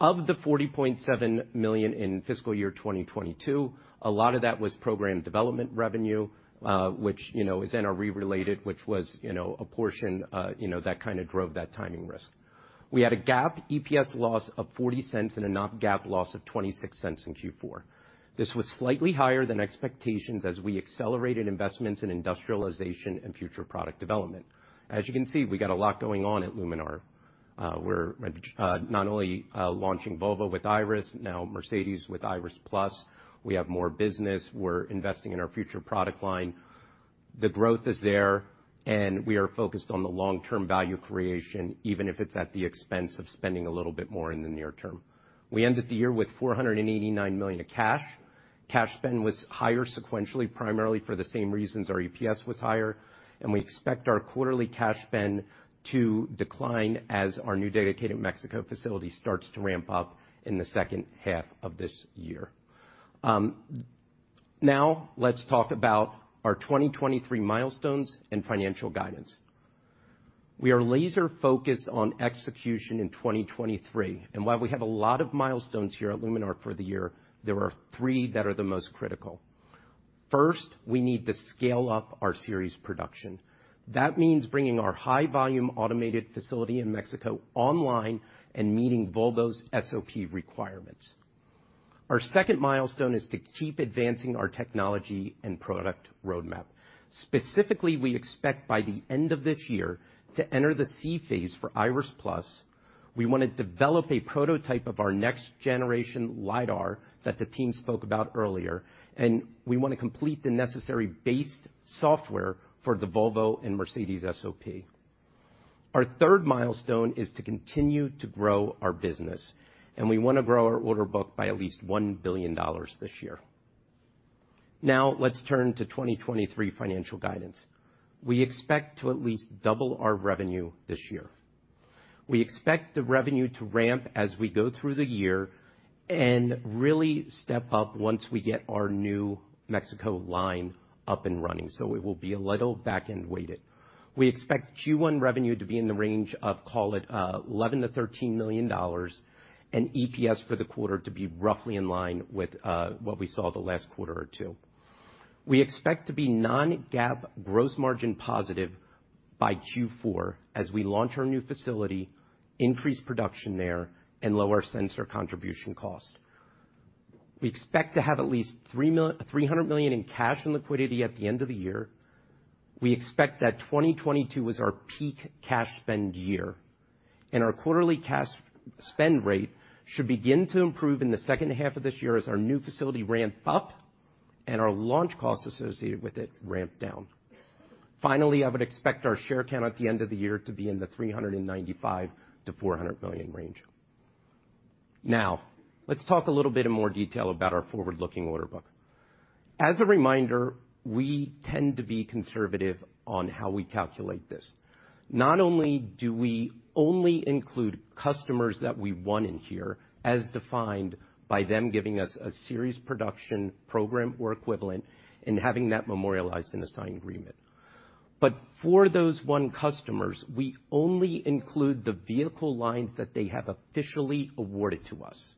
Of the $40.7 million in fiscal year 2022, a lot of that was program development revenue, which, you know, is NRE related, which was, you know, a portion, you know, that kind of drove that timing risk. We had a GAAP EPS loss of $0.40 and a non-GAAP loss of $0.26 in Q4. This was slightly higher than expectations as we accelerated investments in industrialization and future product development. As you can see, we got a lot going on at Luminar. We're not only launching Volvo with Iris, now Mercedes with Iris+. We have more business. We're investing in our future product line. The growth is there. We are focused on the long-term value creation, even if it's at the expense of spending a little bit more in the near term. We ended the year with $489 million of cash. Cash spend was higher sequentially, primarily for the same reasons our EPS was higher. We expect our quarterly cash spend to decline as our new dedicated Mexico facility starts to ramp up in the second half of this year. Now let's talk about our 2023 milestones and financial guidance. We are laser-focused on execution in 2023. While we have a lot of milestones here at Luminar for the year, there are three that are the most critical. First, we need to scale up our series production. That means bringing our high volume automated facility in Mexico online and meeting Volvo's SOP requirements. Our second milestone is to keep advancing our technology and product roadmap. Specifically, we expect by the end of this year to enter the seed phase for Iris+. We wanna develop a prototype of our next generation lidar that the team spoke about earlier, and we wanna complete the necessary base software for the Volvo and Mercedes SOP. Our third milestone is to continue to grow our business, and we wanna grow our order book by at least $1 billion this year. Now let's turn to 2023 financial guidance. We expect to at least double our revenue this year. We expect the revenue to ramp as we go through the year and really step up once we get our new Mexico line up and running, so it will be a little back-end weighted. We expect Q1 revenue to be in the range of, call it, $11 million-$13 million, and EPS for the quarter to be roughly in line with what we saw the last quarter or two. We expect to be non-GAAP gross margin positive by Q4 as we launch our new facility, increase production there and lower sensor contribution cost. We expect to have at least $300 million in cash and liquidity at the end of the year. We expect that 2022 was our peak cash spend year, and our quarterly cash spend rate should begin to improve in the second half of this year as our new facility ramp up and our launch costs associated with it ramp down. Finally, I would expect our share count at the end of the year to be in the 395 million-400 million range. Now let's talk a little bit in more detail about our forward-looking order book. As a reminder, we tend to be conservative on how we calculate this. Not only do we only include customers that we won in here, as defined by them giving us a series production program or equivalent and having that memorialized in a signed agreement, but for those won customers, we only include the vehicle lines that they have officially awarded to us.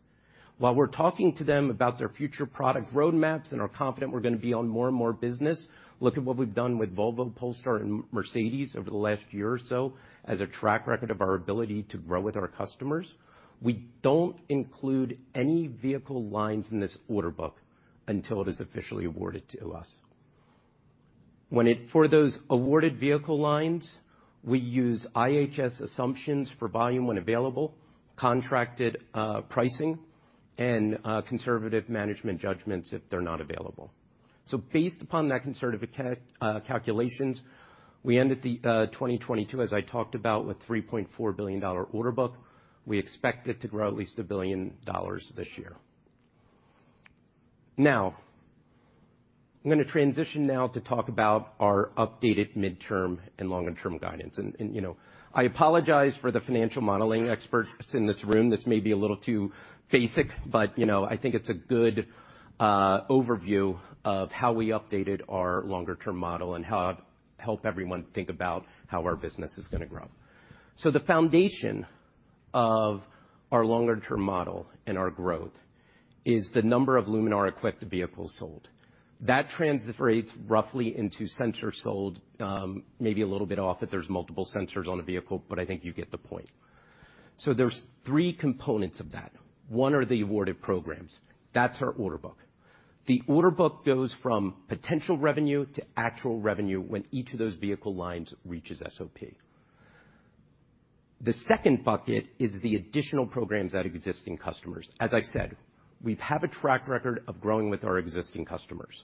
While we're talking to them about their future product roadmaps and are confident we're gonna be on more and more business, look at what we've done with Volvo, Polestar, and Mercedes over the last year or so as a track record of our ability to grow with our customers. We don't include any vehicle lines in this order book until it is officially awarded to us. For those awarded vehicle lines, we use IHS assumptions for volume when available, contracted pricing, and conservative management judgments if they're not available. Based upon that conservative calculations, we ended the 2022, as I talked about, with a $3.4 billion order book. We expect it to grow at least $1 billion this year. I'm gonna transition now to talk about our updated midterm and longer-term guidance. You know, I apologize for the financial modeling experts in this room. This may be a little too basic, but, you know, I think it's a good overview of how we updated our longer-term model and how it help everyone think about how our business is gonna grow. The foundation of our longer-term model and our growth is the number of Luminar-equipped vehicles sold. That translates roughly into sensors sold, maybe a little bit off if there's multiple sensors on a vehicle, but I think you get the point. There's three components of that. One are the awarded programs. That's our order book. The order book goes from potential revenue to actual revenue when each of those vehicle lines reaches SOP. The second bucket is the additional programs at existing customers. As I said, we have a track record of growing with our existing customers.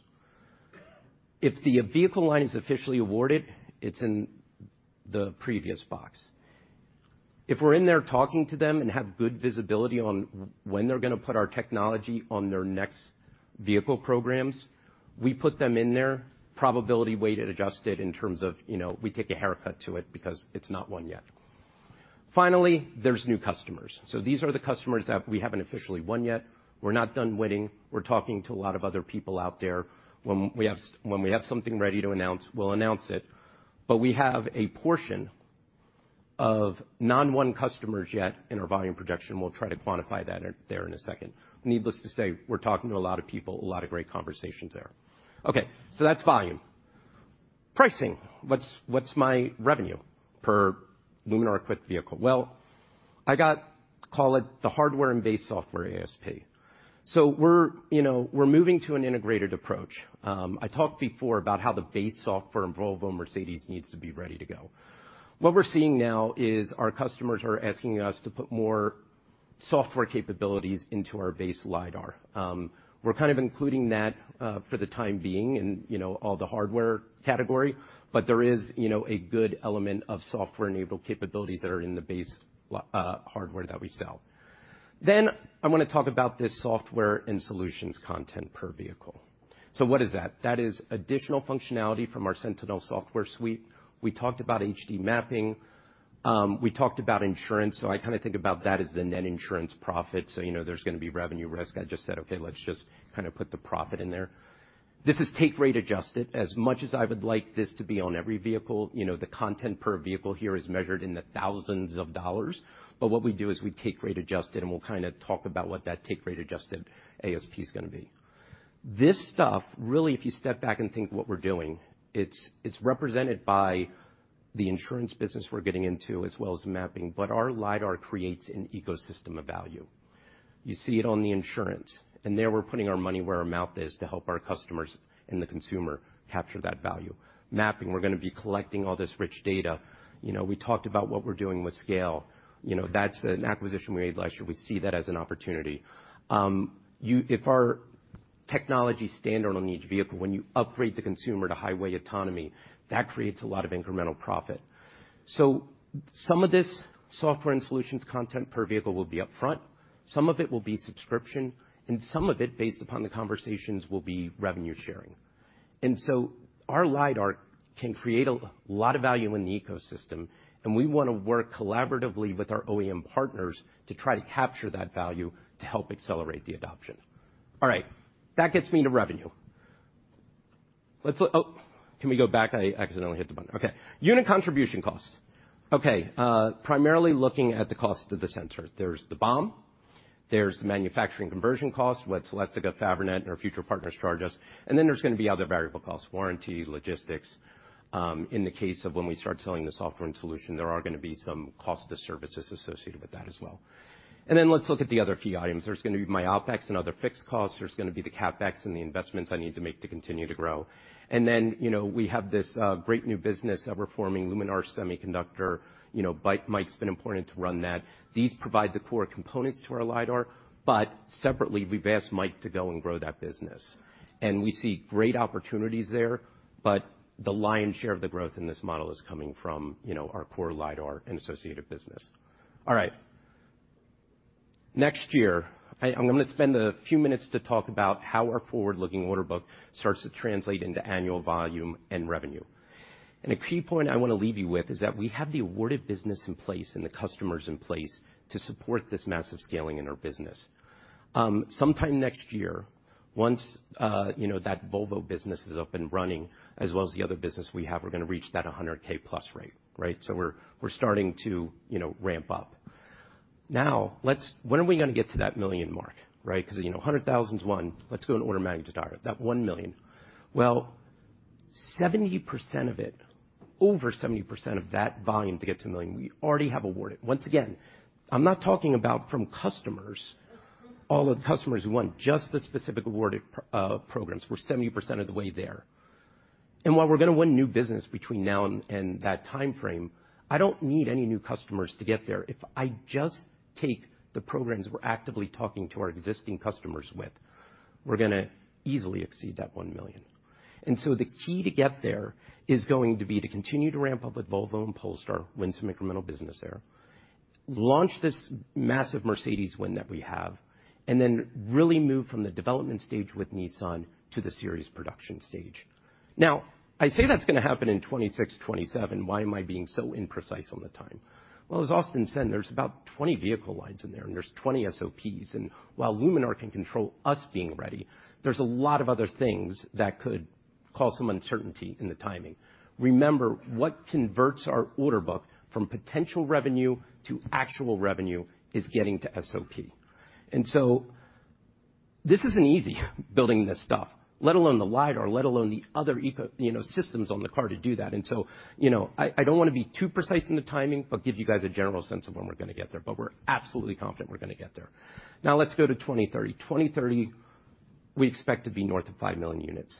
If the vehicle line is officially awarded, it's in the previous box. If we're in there talking to them and have good visibility on when they're gonna put our technology on their next vehicle programs, we put them in there probability weighted, adjusted in terms of, you know, we take a haircut to it because it's not won yet. Finally, there's new customers. These are the customers that we haven't officially won yet. We're not done winning. We're talking to a lot of other people out there. When we have something ready to announce, we'll announce it. We have a portion of non-won customers yet in our volume projection. We'll try to quantify that there in a second. Needless to say, we're talking to a lot of people, a lot of great conversations there. Okay, that's volume. Pricing. What's my revenue per Luminar-equipped vehicle? Well, I got, call it the hardware and base software ASP. We're, you know, we're moving to an integrated approach. I talked before about how the base software for Volvo and Mercedes needs to be ready to go. What we're seeing now is our customers are asking us to put more software capabilities into our base lidar. We're kind of including that for the time being in, you know, all the hardware category, there is, you know, a good element of software-enabled capabilities that are in the base hardware that we sell. I wanna talk about this software and solutions content per vehicle. What is that? That is additional functionality from our Sentinel software suite. We talked about HD mapping. We talked about insurance. I kind of think about that as the net insurance profit, so, you know, there's gonna be revenue risk. I just said, "Okay, let's just kinda put the profit in there." This is take rate adjusted. As much as I would like this to be on every vehicle, you know, the content per vehicle here is measured in the thousands of dollars. What we do is we take rate adjust it, and we'll kinda talk about what that take rate adjusted ASP is gonna be. This stuff, really, if you step back and think what we're doing, it's represented by the insurance business we're getting into as well as the mapping, but our lidar creates an ecosystem of value. You see it on the insurance. There, we're putting our money where our mouth is to help our customers and the consumer capture that value. Mapping, we're gonna be collecting all this rich data. You know, we talked about what we're doing with Scale. You know, that's an acquisition we made last year. We see that as an opportunity. If our technology's standard on each vehicle, when you upgrade the consumer to highway autonomy, that creates a lot of incremental profit. Some of this software and solutions content per vehicle will be up front, some of it will be subscription, and some of it, based upon the conversations, will be revenue sharing. Our lidar can create a lot of value in the ecosystem, and we wanna work collaboratively with our OEM partners to try to capture that value to help accelerate the adoption. That gets me to revenue. Let's look. Can we go back? I accidentally hit the button. Okay. Unit contribution costs. Okay, primarily looking at the cost of the sensor. There's the BOM, there's the manufacturing conversion cost, what Celestica, Fabrinet, and our future partners charge us. There's gonna be other variable costs, warranty, logistics. In the case of when we start selling the software and solution, there are gonna be some cost to services associated with that as well. Let's look at the other key items. There's gonna be my OpEx and other fixed costs. There's gonna be the CapEx and the investments I need to make to continue to grow. You know, we have this great new business that we're forming, Luminar Semiconductor. You know, B-Mike's been appointed to run that. These provide the core components to our lidar. Separately, we've asked Mike to go and grow that business. We see great opportunities there, but the lion's share of the growth in this model is coming from, you know, our core lidar and associated business. All right. Next year, I'm gonna spend a few minutes to talk about how our forward-looking order book starts to translate into annual volume and revenue. A key point I wanna leave you with is that we have the awarded business in place and the customers in place to support this massive scaling in our business. Sometime next year, once, you know, that Volvo business is up and running, as well as the other business we have, we're gonna reach that 100K+ rate, right? We're starting to, you know, ramp up. When are we gonna get to that 1 million mark, right? Cause, you know, 100,000’s one. Let's go in order of magnitude higher, that 1 million. Well, 70% of it, over 70% of that volume to get to 1 million, we already have awarded. Once again, I'm not talking about from customers, all of the customers we want, just the specific awarded programs. We're 70% of the way there. While we're gonna win new business between now and that timeframe, I don't need any new customers to get there. If I just take the programs we're actively talking to our existing customers with, we're gonna easily exceed that 1 million. The key to get there is going to be to continue to ramp up with Volvo and Polestar, win some incremental business there, launch this massive Mercedes win that we have, and then really move from the development stage with Nissan to the series production stage. I say that's gonna happen in 2026, 2027. Why am I being so imprecise on the time? Well, as Austin said, there's about 20 vehicle lines in there, and there's 20 SOPs. While Luminar can control us being ready, there's a lot of other things that could cause some uncertainty in the timing. Remember, what converts our order book from potential revenue to actual revenue is getting to SOP. This isn't easy building this stuff, let alone the lidar, let alone the other eco, you know, systems on the car to do that. You know, I don't wanna be too precise in the timing, but give you guys a general sense of when we're gonna get there, but we're absolutely confident we're gonna get there. Now let's go to 2030. 2030, we expect to be north of 5 million units.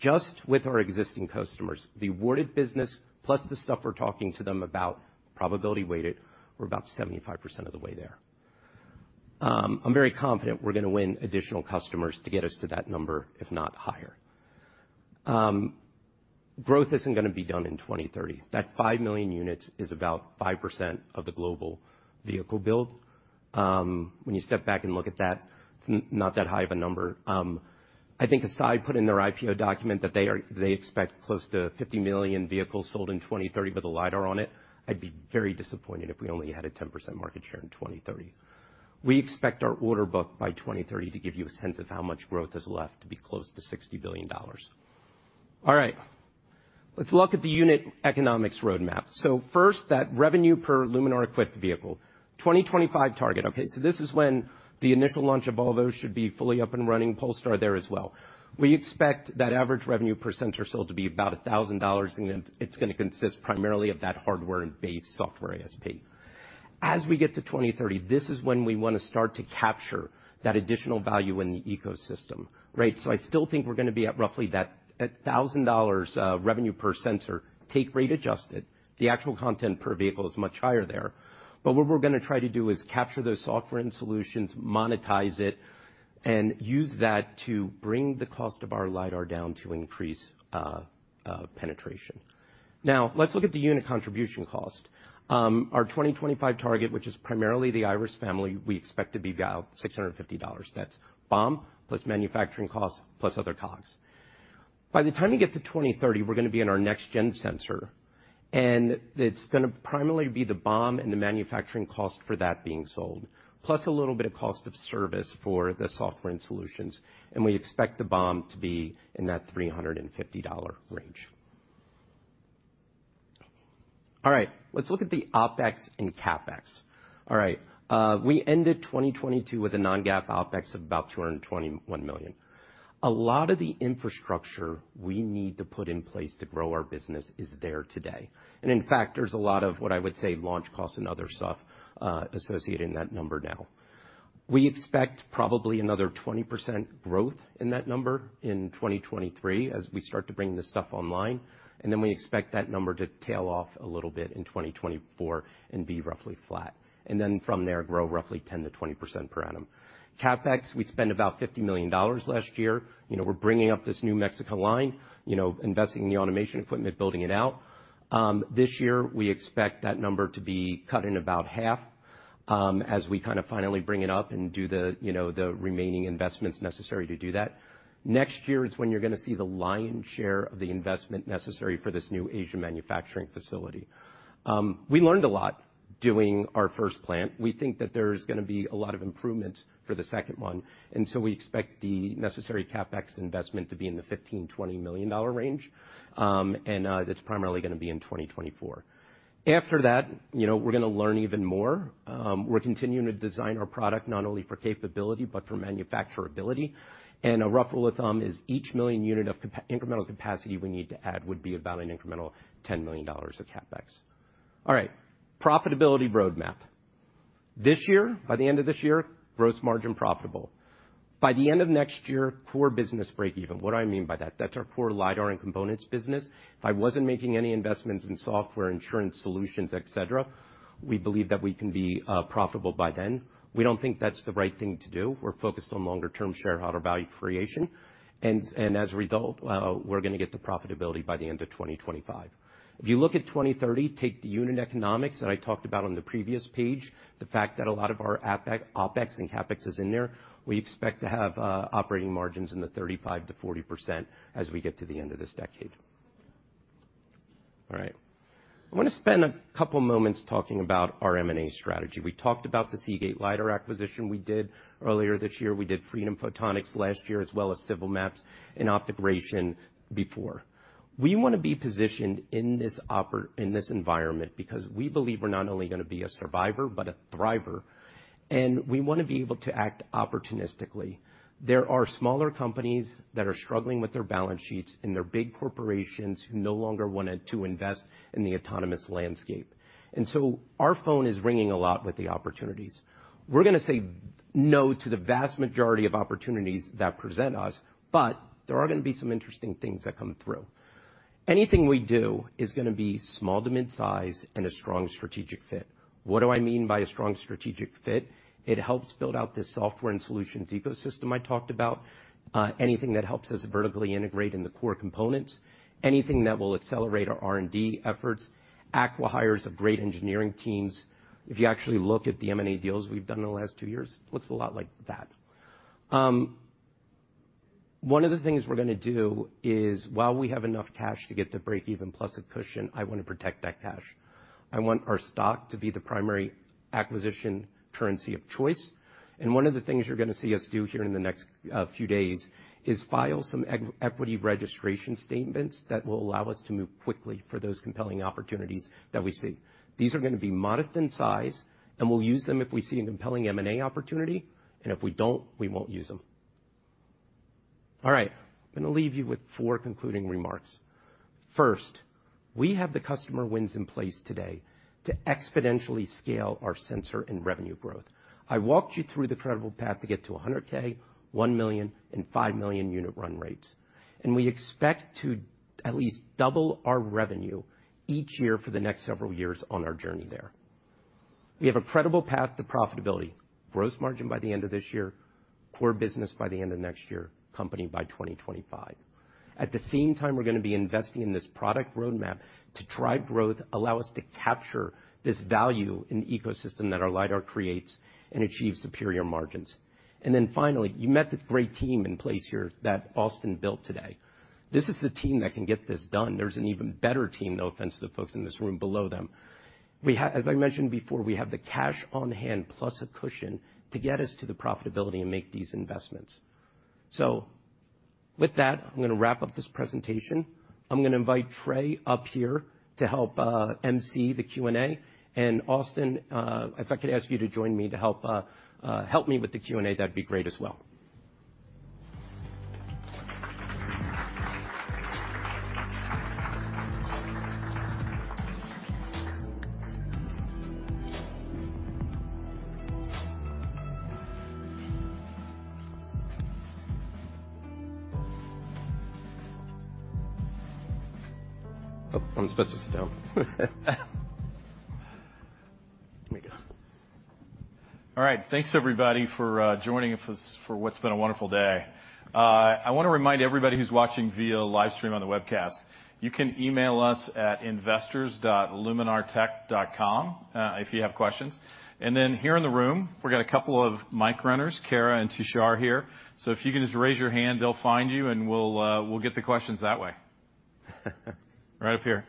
Just with our existing customers, the awarded business plus the stuff we're talking to them about, probability weighted, we're about 75% of the way there. I'm very confident we're gonna win additional customers to get us to that number, if not higher. Growth isn't gonna be done in 2030. That 5 million units is about 5% of the global vehicle build. When you step back and look at that, it's not that high of a number. I think Hesai put in their IPO document that they expect close to $50 million vehicles sold in 2030 with a lidar on it. I'd be very disappointed if we only had a 10% market share in 2030. We expect our order book by 2030 to give you a sense of how much growth is left to be close to $60 billion. Let's look at the unit economics roadmap. First, that revenue per Luminar-equipped vehicle. 2025 target. This is when the initial launch of Volvo should be fully up and running. Polestar there as well. We expect that average revenue per sensor sold to be about $1,000, it's gonna consist primarily of that hardware and base software ASP. As we get to 2030, this is when we wanna start to capture that additional value in the ecosystem, right? I still think we're gonna be at roughly that $1,000 revenue per sensor, take rate adjusted. The actual content per vehicle is much higher there. What we're gonna try to do is capture those software and solutions, monetize it, and use that to bring the cost of our lidar down to increase penetration. Let's look at the unit contribution cost. Our 2025 target, which is primarily the Iris family, we expect to be about $650. That's BOM, plus manufacturing costs, plus other COGS. By the time we get to 2030, we're gonna be in our next-gen sensor, and it's gonna primarily be the BOM and the manufacturing cost for that being sold, plus a little bit of cost of service for the software and solutions. We expect the BOM to be in that $350 range. All right, let's look at the OpEx and CapEx. All right, we ended 2022 with a non-GAAP OpEx of about $221 million. A lot of the infrastructure we need to put in place to grow our business is there today. In fact, there's a lot of what I would say launch costs and other stuff associated in that number now. We expect probably another 20% growth in that number in 2023 as we start to bring this stuff online. We expect that number to tail off a little bit in 2024 and be roughly flat, then from there, grow roughly 10%-20% per annum. CapEx, we spent about $50 million last year. You know, we're bringing up this new Mexico line, you know, investing in the automation equipment, building it out. This year we expect that number to be cut in about half, as we kind of finally bring it up and do the, you know, the remaining investments necessary to do that. Next year is when you're gonna see the lion's share of the investment necessary for this new Asia manufacturing facility. We learned a lot doing our first plant. We think that there's gonna be a lot of improvements for the second one, and so we expect the necessary CapEx investment to be in the $15 million-$20 million range. That's primarily gonna be in 2024. After that, you know, we're gonna learn even more. We're continuing to design our product not only for capability but for manufacturability. A rough rule of thumb is each 1 million unit of incremental capacity we need to add would be about an incremental $10 million of CapEx. All right, profitability roadmap. This year, by the end of this year, gross margin profitable. By the end of next year, core business break even. What do I mean by that? That's our core lidar and components business. If I wasn't making any investments in software, insurance solutions, etc., we believe that we can be profitable by then. We don't think that's the right thing to do. We're focused on longer term shareholder value creation. As a result, we're gonna get to profitability by the end of 2025. If you look at 2030, take the unit economics that I talked about on the previous page, the fact that a lot of our OpEx and CapEx is in there, we expect to have operating margins in the 35%-40% as we get to the end of this decade. All right, I wanna spend a couple moments talking about our M&A strategy. We talked about the Seagate lidar acquisition we did earlier this year. We did Freedom Photonics last year, as well as Civil Maps and OptoGration before. We wanna be positioned in this environment because we believe we're not only gonna be a survivor, but a thriver, and we wanna be able to act opportunistically. There are smaller companies that are struggling with their balance sheets and there are big corporations who no longer wanted to invest in the autonomous landscape. Our phone is ringing a lot with the opportunities. We're gonna say no to the vast majority of opportunities that present us, but there are gonna be some interesting things that come through. Anything we do is gonna be small to mid-size and a strong strategic fit. What do I mean by a strong strategic fit? It helps build out the software and solutions ecosystem I talked about. Anything that helps us vertically integrate in the core components, anything that will accelerate our R&D efforts. Acqui-hires of great engineering teams. If you actually look at the M&A deals we've done in the last two years, looks a lot like that. One of the things we're gonna do is while we have enough cash to get to breakeven plus a cushion, I wanna protect that cash. I want our stock to be the primary acquisition currency of choice. One of the things you're gonna see us do here in the next few days is file some equity registration statements that will allow us to move quickly for those compelling opportunities that we see. These are gonna be modest in size, and we'll use them if we see a compelling M&A opportunity, and if we don't, we won't use them. All right. I'm gonna leave you with four concluding remarks. First, we have the customer wins in place today to exponentially scale our sensor and revenue growth. I walked you through the credible path to get to 100K, 1 million and 5 million unit run rates. We expect At least double our revenue each year for the next several years on our journey there. We have a credible path to profitability. Gross margin by the end of this year, core business by the end of next year, company by 2025. At the same time, we're gonna be investing in this product road map to drive growth, allow us to capture this value in the ecosystem that our lidar creates and achieve superior margins. Finally, you met the great team in place here that Austin built today. This is the team that can get this done. There's an even better team, no offense to the folks in this room, below them. As I mentioned before, we have the cash on hand plus a cushion to get us to the profitability and make these investments. With that, I'm gonna wrap up this presentation. I'm gonna invite Trey up here to help MC the Q&A. Austin, if I could ask you to join me to help help me with the Q&A, that'd be great as well. Oh, I'm supposed to sit down. All right. Thanks, everybody, for joining us for what's been a wonderful day. I wanna remind everybody who's watching via livestream on the webcast, you can email us at investors.luminartech.com if you have questions. Then here in the room we've got a couple of mic runners, Kara and Tushar here. If you can just raise your hand, they'll find you, and we'll get the questions that way. Right up here.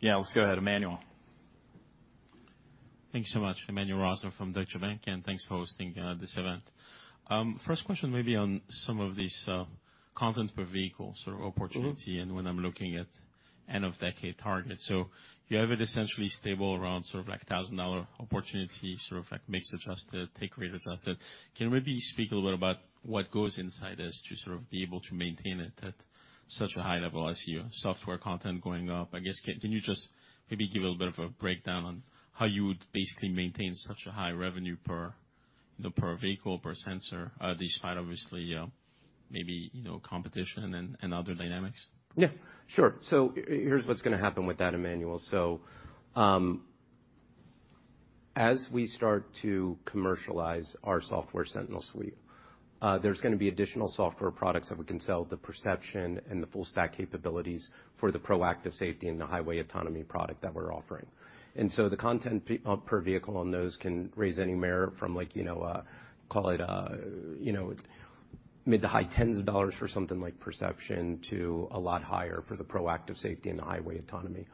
Yeah, let's go ahead, Emmanuel. Thank you so much. Emmanuel Rosner from Deutsche Bank, and thanks for hosting this event. First question maybe on some of these content per vehicle sort of opportunity and when I'm looking at end of decade targets. You have it essentially stable around sort of like $1,000 opportunity, sort of like mixed adjusted take rate adjusted. Can you maybe speak a little bit about what goes inside this to sort of be able to maintain it at such a high level as you? Software content going up. I guess can you just maybe give a little bit of a breakdown on how you would basically maintain such a high revenue per, you know, per vehicle, per sensor, despite obviously, maybe, you know, competition and other dynamics? Yeah, sure. Here's what's gonna happen with that, Emmanuel. As we start to commercialize our Software Sentinel suite, there's gonna be additional software products that we can sell, the perception and the full stack capabilities for the proactive safety and the highway autonomy product that we're offering. The content per vehicle on those can raise anywhere from like, you know, call it, you know, mid to high $10s for something like perception to a lot higher for the proactive safety and the highway autonomy.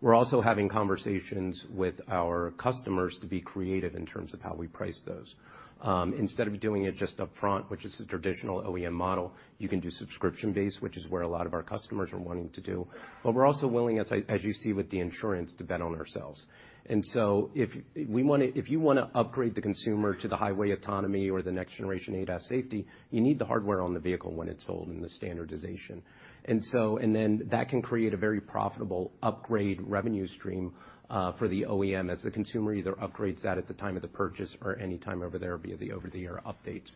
We're also having conversations with our customers to be creative in terms of how we price those. Instead of doing it just up front, which is the traditional OEM model, you can do subscription-based, which is where a lot of our customers are wanting to do. We're also willing, as you see with the insurance, to bet on ourselves. If you wanna upgrade the consumer to the highway autonomy or the next generation ADAS safety, you need the hardware on the vehicle when it's sold and the standardization. That can create a very profitable upgrade revenue stream for the OEM as the consumer either upgrades that at the time of the purchase or any time over there via the over-the-air updates.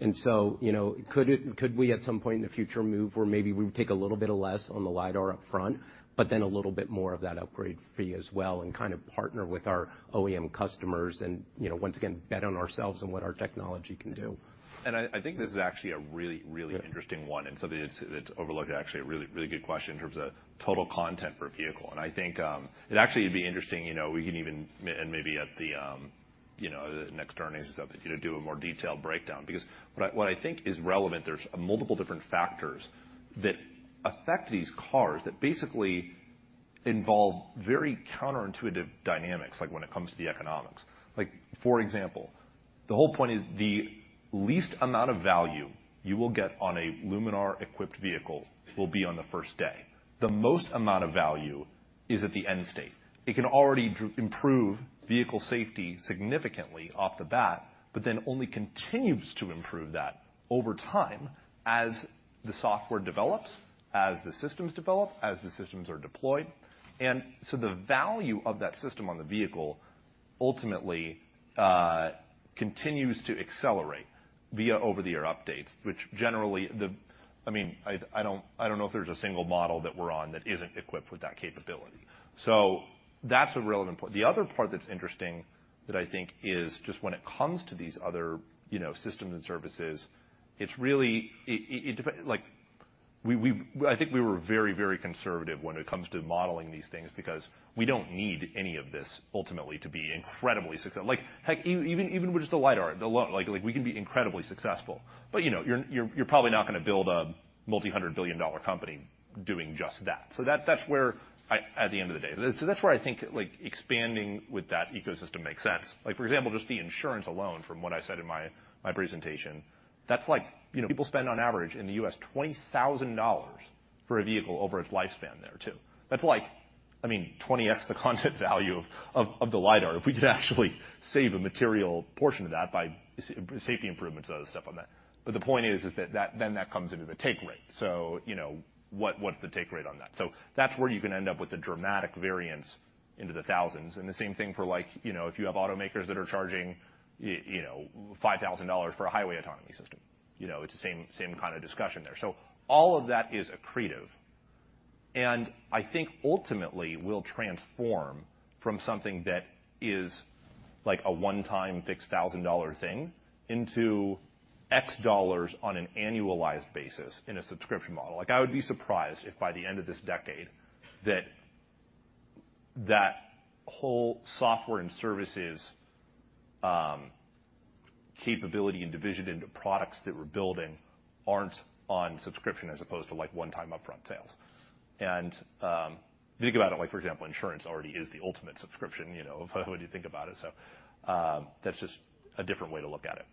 You know, could we at some point in the future move where maybe we would take a little bit less on the lidar up front but then a little bit more of that upgrade fee as well and kind of partner with our OEM customers and, you know, once again, bet on ourselves and what our technology can do. I think this is actually a really interesting one and something that's overlooked. Actually a really good question in terms of total content per vehicle. I think it actually would be interesting, you know, we can even maybe at the, you know, next earnings or something to do a more detailed breakdown. What I think is relevant, there's multiple different factors that affect these cars that basically involve very counterintuitive dynamics, like when it comes to the economics. Like for example, the whole point is the least amount of value you will get on a Luminar-equipped vehicle will be on the first day. The most amount of value is at the end state. It can already improve vehicle safety significantly off the bat, then only continues to improve that over time as the software develops, as the systems develop, as the systems are deployed. So the value of that system on the vehicle ultimately, continues to accelerate via over-the-air updates, which generally the... I mean, I don't know if there's a single model that we're on that isn't equipped with that capability. That's a relevant point. The other part that's interesting that I think is just when it comes to these other, you know, systems and services, it's really... It depen... Like we... I think we were very, very conservative when it comes to modeling these things because we don't need any of this ultimately to be incredibly successful. Like heck, even with just the lidar, Like, like we can be incredibly successful. you know, you're, you're probably not gonna build a multi-hundred billion dollar company doing just that. That, that's where I, at the end of the day, that's where I think like expanding with that ecosystem makes sense. Like, for example, just the insurance alone from what I said in my presentation, that's like, you know, people spend on average in the U.S. $20,000 for a vehicle over its lifespan there too. That's like, I mean, 20x the content value of the lidar. If we could actually save a material portion of that by safety improvements and other stuff on that. The point is that then that comes into the take rate. you know, what's the take rate on that? That's where you can end up with a dramatic variance into the thousands. The same thing for like, you know, if you have automakers that are charging you know, $5,000 for a highway autonomy system. You know, it's the same kind of discussion there. All of that is accretive. And I think ultimately will transform from something that is like a one-time fixed $1,000 thing into X dollars on an annualized basis in a subscription model. I would be surprised if by the end of this decade that whole software and services capability and division into products that we're building aren't on subscription as opposed to like one-time upfront sales. If you think about it, like for example, insurance already is the ultimate subscription, you know, if you think about it. That's just a different way to look at it.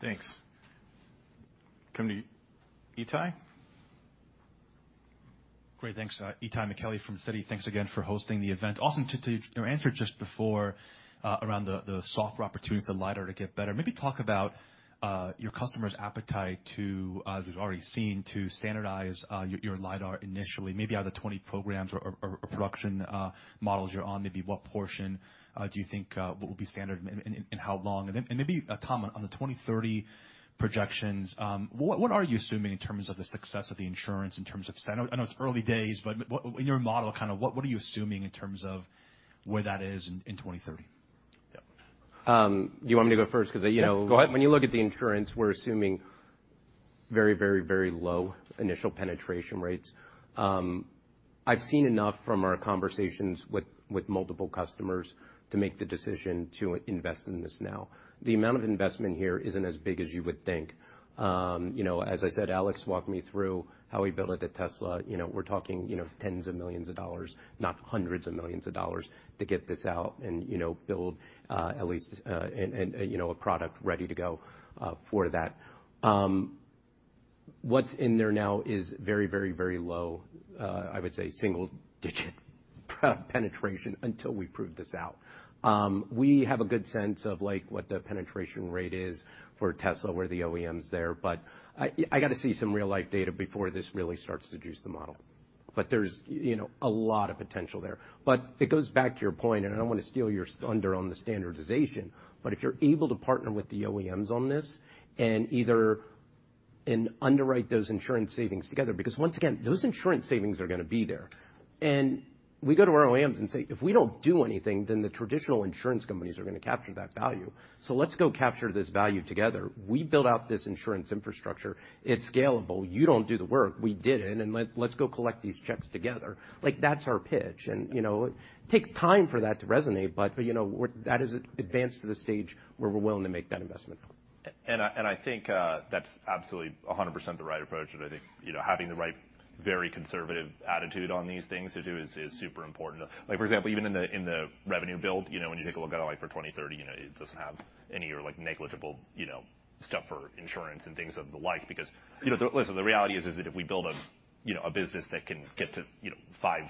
Thanks. Coming to Itay. Great. Thanks. Itay Michaeli from Citi. Thanks again for hosting the event. Austin, to your answer just before, around the software opportunity for lidar to get better, maybe talk about your customers' appetite to, as we've already seen, to standardize your lidar initially, maybe out of the 20 programs or production models you're on, maybe what portion do you think will be standard and how long? Maybe, Tom, on the 2030 projections, what are you assuming in terms of the success of the insurance in terms of signups? I know it's early days, but what, in your model, kind of what are you assuming in terms of where that is in 2030? Yeah. Do you want me to go first? Cause, you know. Yeah. Go ahead. When you look at the insurance, we're assuming very, very, very low initial penetration rates. I've seen enough from our conversations with multiple customers to make the decision to invest in this now. The amount of investment here isn't as big as you would think. As I said, Alex walked me through how we built it at Tesla. We're talking tens of millions of dollars, not hundreds of millions of dollars to get this out and build at least a product ready to go for that. What's in there now is very, very, very low, I would say single-digit penetration until we prove this out. We have a good sense of like what the penetration rate is for Tesla or the OEMs there, but I gotta see some real-life data before this really starts to juice the model. There's, you know, a lot of potential there. It goes back to your point, and I don't wanna steal your thunder on the standardization, but if you're able to partner with the OEMs on this and underwrite those insurance savings together, because once again, those insurance savings are gonna be there. We go to our OEMs and say, "If we don't do anything, then the traditional insurance companies are gonna capture that value. Let's go capture this value together. We built out this insurance infrastructure. It's scalable. You don't do the work. We did it, and let's go collect these checks together." Like, that's our pitch and, you know, it takes time for that to resonate, but, you know, that is advanced to the stage where we're willing to make that investment now. I think that's absolutely 100% the right approach. I think, you know, having the right, very conservative attitude on these things too is super important. Like, for example, even in the revenue build, you know, when you take a look at it like for 2030, you know, it doesn't have any or like negligible, you know, stuff for insurance and things of the like because, you know, the Listen, the reality is that if we build a, you know, a business that can get to, you know, $5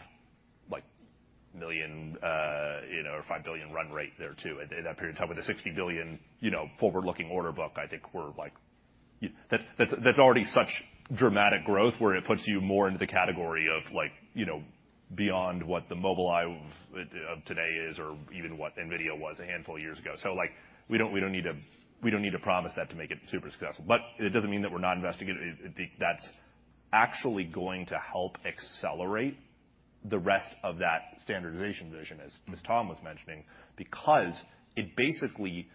million, or $5 billion run rate there too at that period of time with a $60 billion, you know, forward-looking order book, I think we're like. That's already such dramatic growth where it puts you more into the category of like, you know, beyond what the Mobileye of today is or even what NVIDIA was a handful of years ago. We don't need to promise that to make it super successful. It doesn't mean that we're not investigating. I think that's actually going to help accelerate the rest of that standardization vision, as Tom was mentioning, because it basically.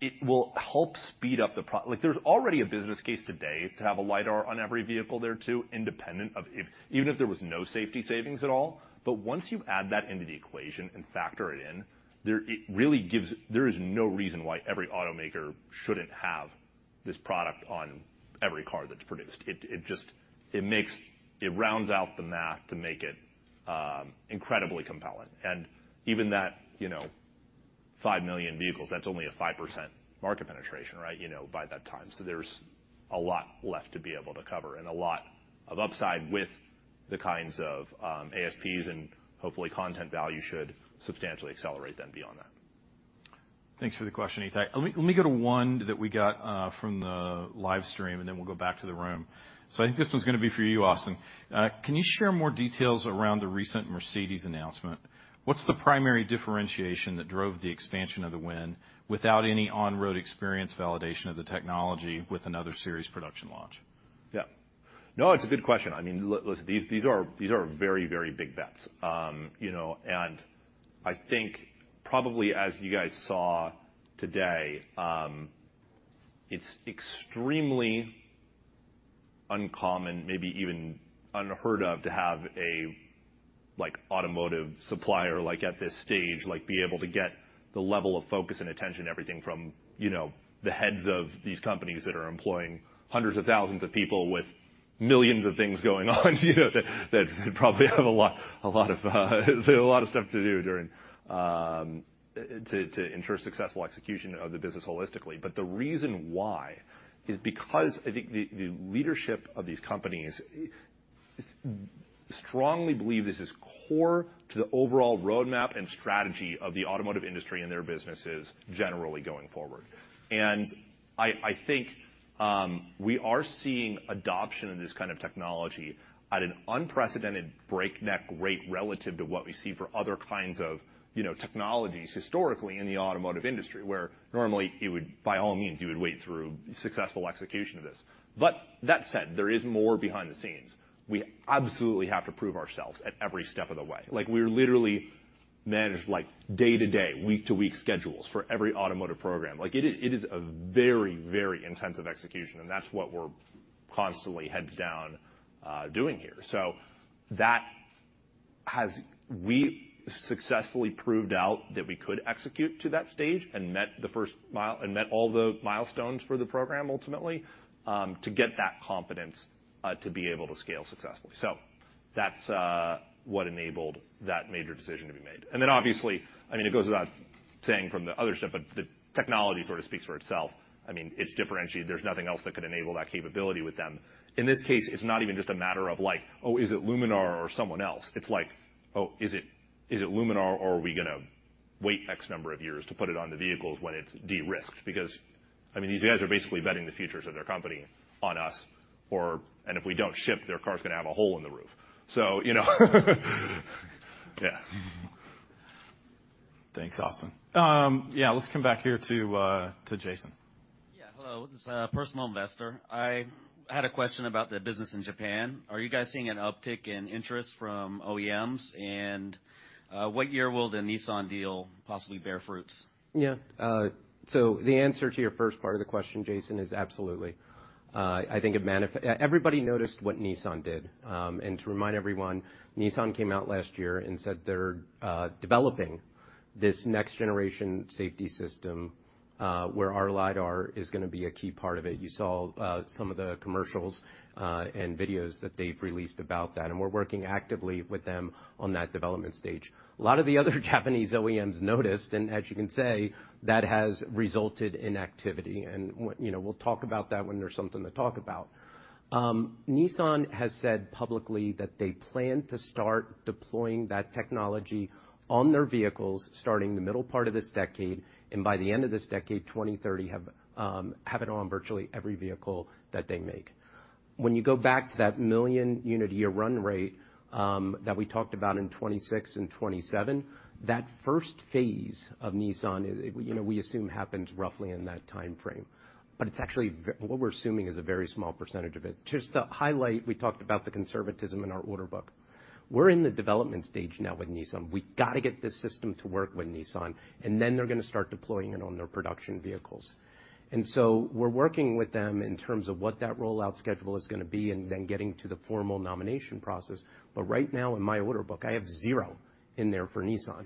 It will help speed up the pro. Like there's already a business case today to have a lidar on every vehicle there too, independent of if even if there was no safety savings at all. Once you add that into the equation and factor it in, there is no reason why every automaker shouldn't have this product on every car that's produced. It just makes. It rounds out the math to make it incredibly compelling. Even that, you know, 5 million vehicles, that's only a 5% market penetration, right, you know, by that time. There's a lot left to be able to cover and a lot of upside with the kinds of ASPs and hopefully content value should substantially accelerate then beyond that. Thanks for the question, Itay. Let me go to one that we got from the live stream, and then we'll go back to the room. I think this one's gonna be for you, Austin. Can you share more details around the recent Mercedes announcement? What's the primary differentiation that drove the expansion of the win without any on-road experience validation of the technology with another series production launch? Yeah. No, it's a good question. I mean, look, listen, these are very, very big bets. You know, I think probably as you guys saw today, it's extremely uncommon, maybe even unheard of, to have a, like, automotive supplier, like, at this stage, like, be able to get the level of focus and attention, everything from, you know, the heads of these companies that are employing hundreds of thousands of people with millions of things going on, you know, that probably have a lot of stuff to do during to ensure successful execution of the business holistically. The reason why is because I think the leadership of these companies strongly believe this is core to the overall roadmap and strategy of the automotive industry and their businesses generally going forward. I think, we are seeing adoption of this kind of technology at an unprecedented breakneck rate relative to what we see for other kinds of, you know, technologies historically in the automotive industry, where normally you would, by all means, you would wait through successful execution of this. That said, there is more behind the scenes. We absolutely have to prove ourselves at every step of the way. Like, we manage like day-to-day, week-to-week schedules for every automotive program. Like it is a very intensive execution, and that's what we're constantly heads down doing here. We successfully proved out that we could execute to that stage and met all the milestones for the program ultimately to get that confidence to be able to scale successfully. That's what enabled that major decision to be made. Then obviously, I mean, it goes without saying from the other stuff, the technology sort of speaks for itself. I mean, it's differentiated. There's nothing else that could enable that capability with them. In this case, it's not even just a matter of like, oh, is it Luminar or someone else? It's like, oh, is it, is it Luminar, or are we gonna wait X number of years to put it on the vehicles when it's de-risked? I mean, these guys are basically betting the futures of their company on us, and if we don't ship, their car's gonna have a hole in the roof. You know. Yeah. Thanks, Austin. Yeah, let's come back here to Jason. Yeah. Hello. This is a personal investor. I had a question about the business in Japan. Are you guys seeing an uptick in interest from OEMs? What year will the Nissan deal possibly bear fruits? Yeah. The answer to your first part of the question, Jason, is absolutely. I think Everybody noticed what Nissan did. To remind everyone, Nissan came out last year and said they're developing this next generation safety system, where our lidar is gonna be a key part of it. You saw some of the commercials, and videos that they've released about that, and we're working actively with them on that development stage. A lot of the other Japanese OEMs noticed, and as you can say, that has resulted in activity. You know, we'll talk about that when there's something to talk about. Nissan has said publicly that they plan to start deploying that technology on their vehicles starting the middle part of this decade, and by the end of this decade, 2030, have it on virtually every vehicle that they make. When you go back to that 1 million unit a year run rate that we talked about in 2026 and 2027, that first phase of Nissan, you know, we assume happens roughly in that timeframe. It's actually what we're assuming is a very small percentage of it. Just to highlight, we talked about the conservatism in our order book. We're in the development stage now with Nissan. We've gotta get this system to work with Nissan, and then they're gonna start deploying it on their production vehicles. We're working with them in terms of what that rollout schedule is gonna be and then getting to the formal nomination process. Right now in my order book, I have 0 in there for Nissan,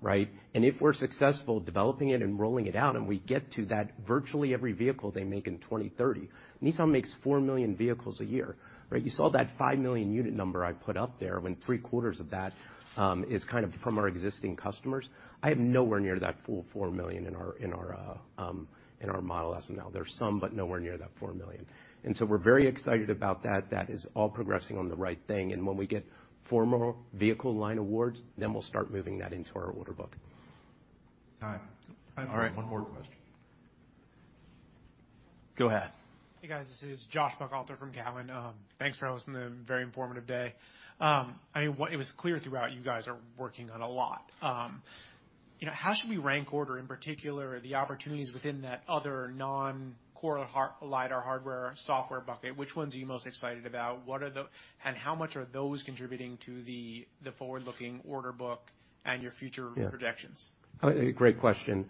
right? If we're successful developing it and rolling it out, and we get to that virtually every vehicle they make in 2030, Nissan makes 4 million vehicles a year, right? You saw that 5 million unit number I put up there, when three-quarters of that is kind of from our existing customers. I have nowhere near that full 4 million in our model as of now. There's some, but nowhere near that 4 million. We're very excited about that. That is all progressing on the right thing. When we get formal vehicle line awards, then we'll start moving that into our order book. All right. All right. One more question. Go ahead. Hey, guys. This is Joshua Buchalter from TD Cowen. Thanks for hosting a very informative day. I mean, what it was clear throughout, you guys are working on a lot. you know, how should we rank order, in particular, the opportunities within that other non-core lidar hardware, software bucket? Which ones are you most excited about? How much are those contributing to the forward-looking order book and your future. Yeah. Projections? Great question.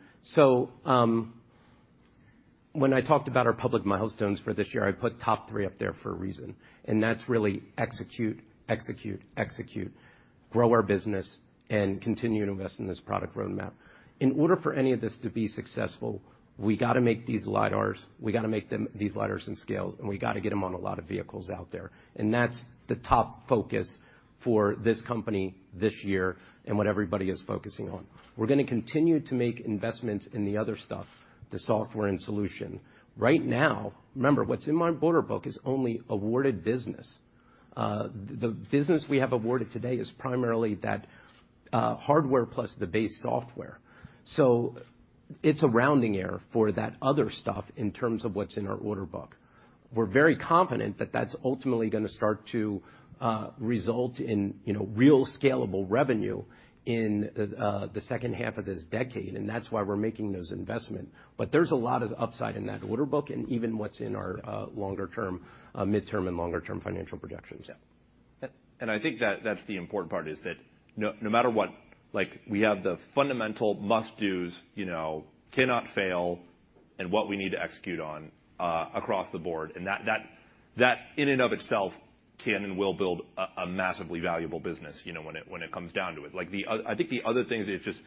When I talked about our public milestones for this year, I put top three up there for a reason, That's really execute, execute, grow our business, and continue to invest in this product roadmap. In order for any of this to be successful, we gotta make these lidars, we gotta make these lidars in scale, and we gotta get them on a lot of vehicles out there. That's the top focus for this company this year and what everybody is focusing on. We're gonna continue to make investments in the other stuff, the software and solution. Right now, remember, what's in my order book is only awarded business. The business we have awarded today is primarily that hardware plus the base software. It's a rounding error for that other stuff in terms of what's in our order book. We're very confident that that's ultimately gonna start to result in, you know, real scalable revenue in the second half of this decade, and that's why we're making those investment. There's a lot of upside in that order book and even what's in our longer-term, midterm and longer-term financial projections. I think that that's the important part is that no matter what, like, we have the fundamental must-dos, you know, cannot fail and what we need to execute on across the board. That in and of itself can and will build a massively valuable business, you know, when it comes down to it. Like I think the other things, it just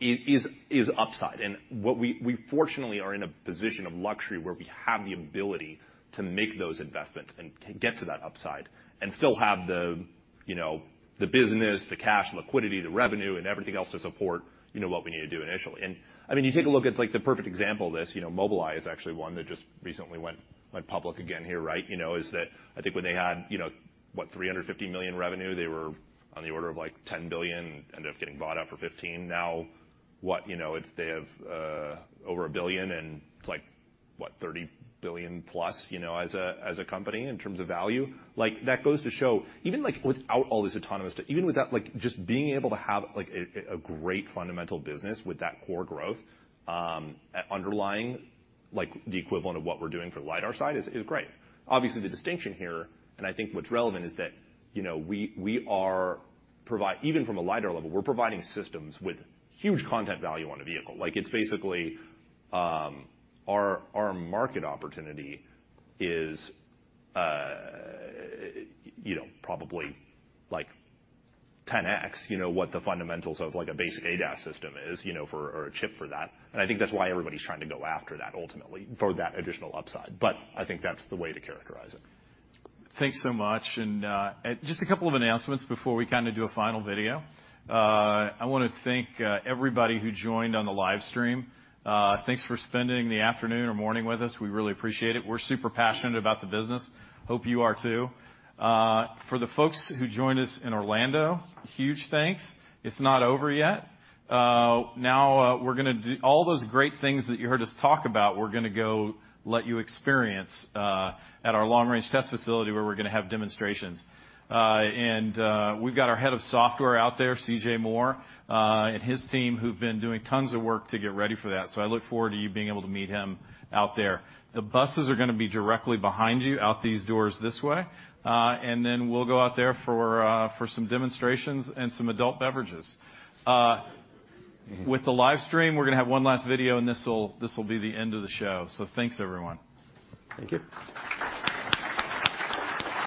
is upside. What we fortunately are in a position of luxury where we have the ability to make those investments and to get to that upside and still have the, you know, the business, the cash, liquidity, the revenue, and everything else to support, you know, what we need to do initially. I mean, you take a look, it's like the perfect example of this. You know, Mobileye is actually one that just recently went public again here, right? You know, is that I think when they had, you know, what, $350 million revenue, they were on the order of like $10 billion, ended up getting bought out for $15 billion. Now what? You know, it's, they have over $1 billion, and it's like, what? $30 billion plus, you know, as a, as a company in terms of value. Like, that goes to show even, like, without all this autonomous, even without, like, just being able to have, like, a great fundamental business with that core growth underlying, like, the equivalent of what we're doing for the lidar side is great. Obviously, the distinction here, and I think what's relevant is that, you know, we are provide. Even from a lidar level, we're providing systems with huge content value on a vehicle. Like, it's basically, our market opportunity is, you know, probably like 10x, you know, what the fundamentals of like a basic ADAS system is, you know, for or a chip for that. I think that's why everybody's trying to go after that ultimately for that additional upside. I think that's the way to characterize it. Thanks so much. Just a couple of announcements before we kind of do a final video. I wanna thank everybody who joined on the live stream. Thanks for spending the afternoon or morning with us. We really appreciate it. We're super passionate about the business. Hope you are too. For the folks who joined us in Orlando, huge thanks. It's not over yet. Now, we're gonna do all those great things that you heard us talk about, we're gonna go let you experience at our long-range test facility, where we're gonna have demonstrations. And, we've got our Head of Software out there, CJ Moore, and his team, who've been doing tons of work to get ready for that. I look forward to you being able to meet him out there. The buses are gonna be directly behind you out these doors this way. Then we'll go out there for some demonstrations and some adult beverages. With the live stream, we're gonna have one last video, this will be the end of the show. Thanks, everyone. Thank you.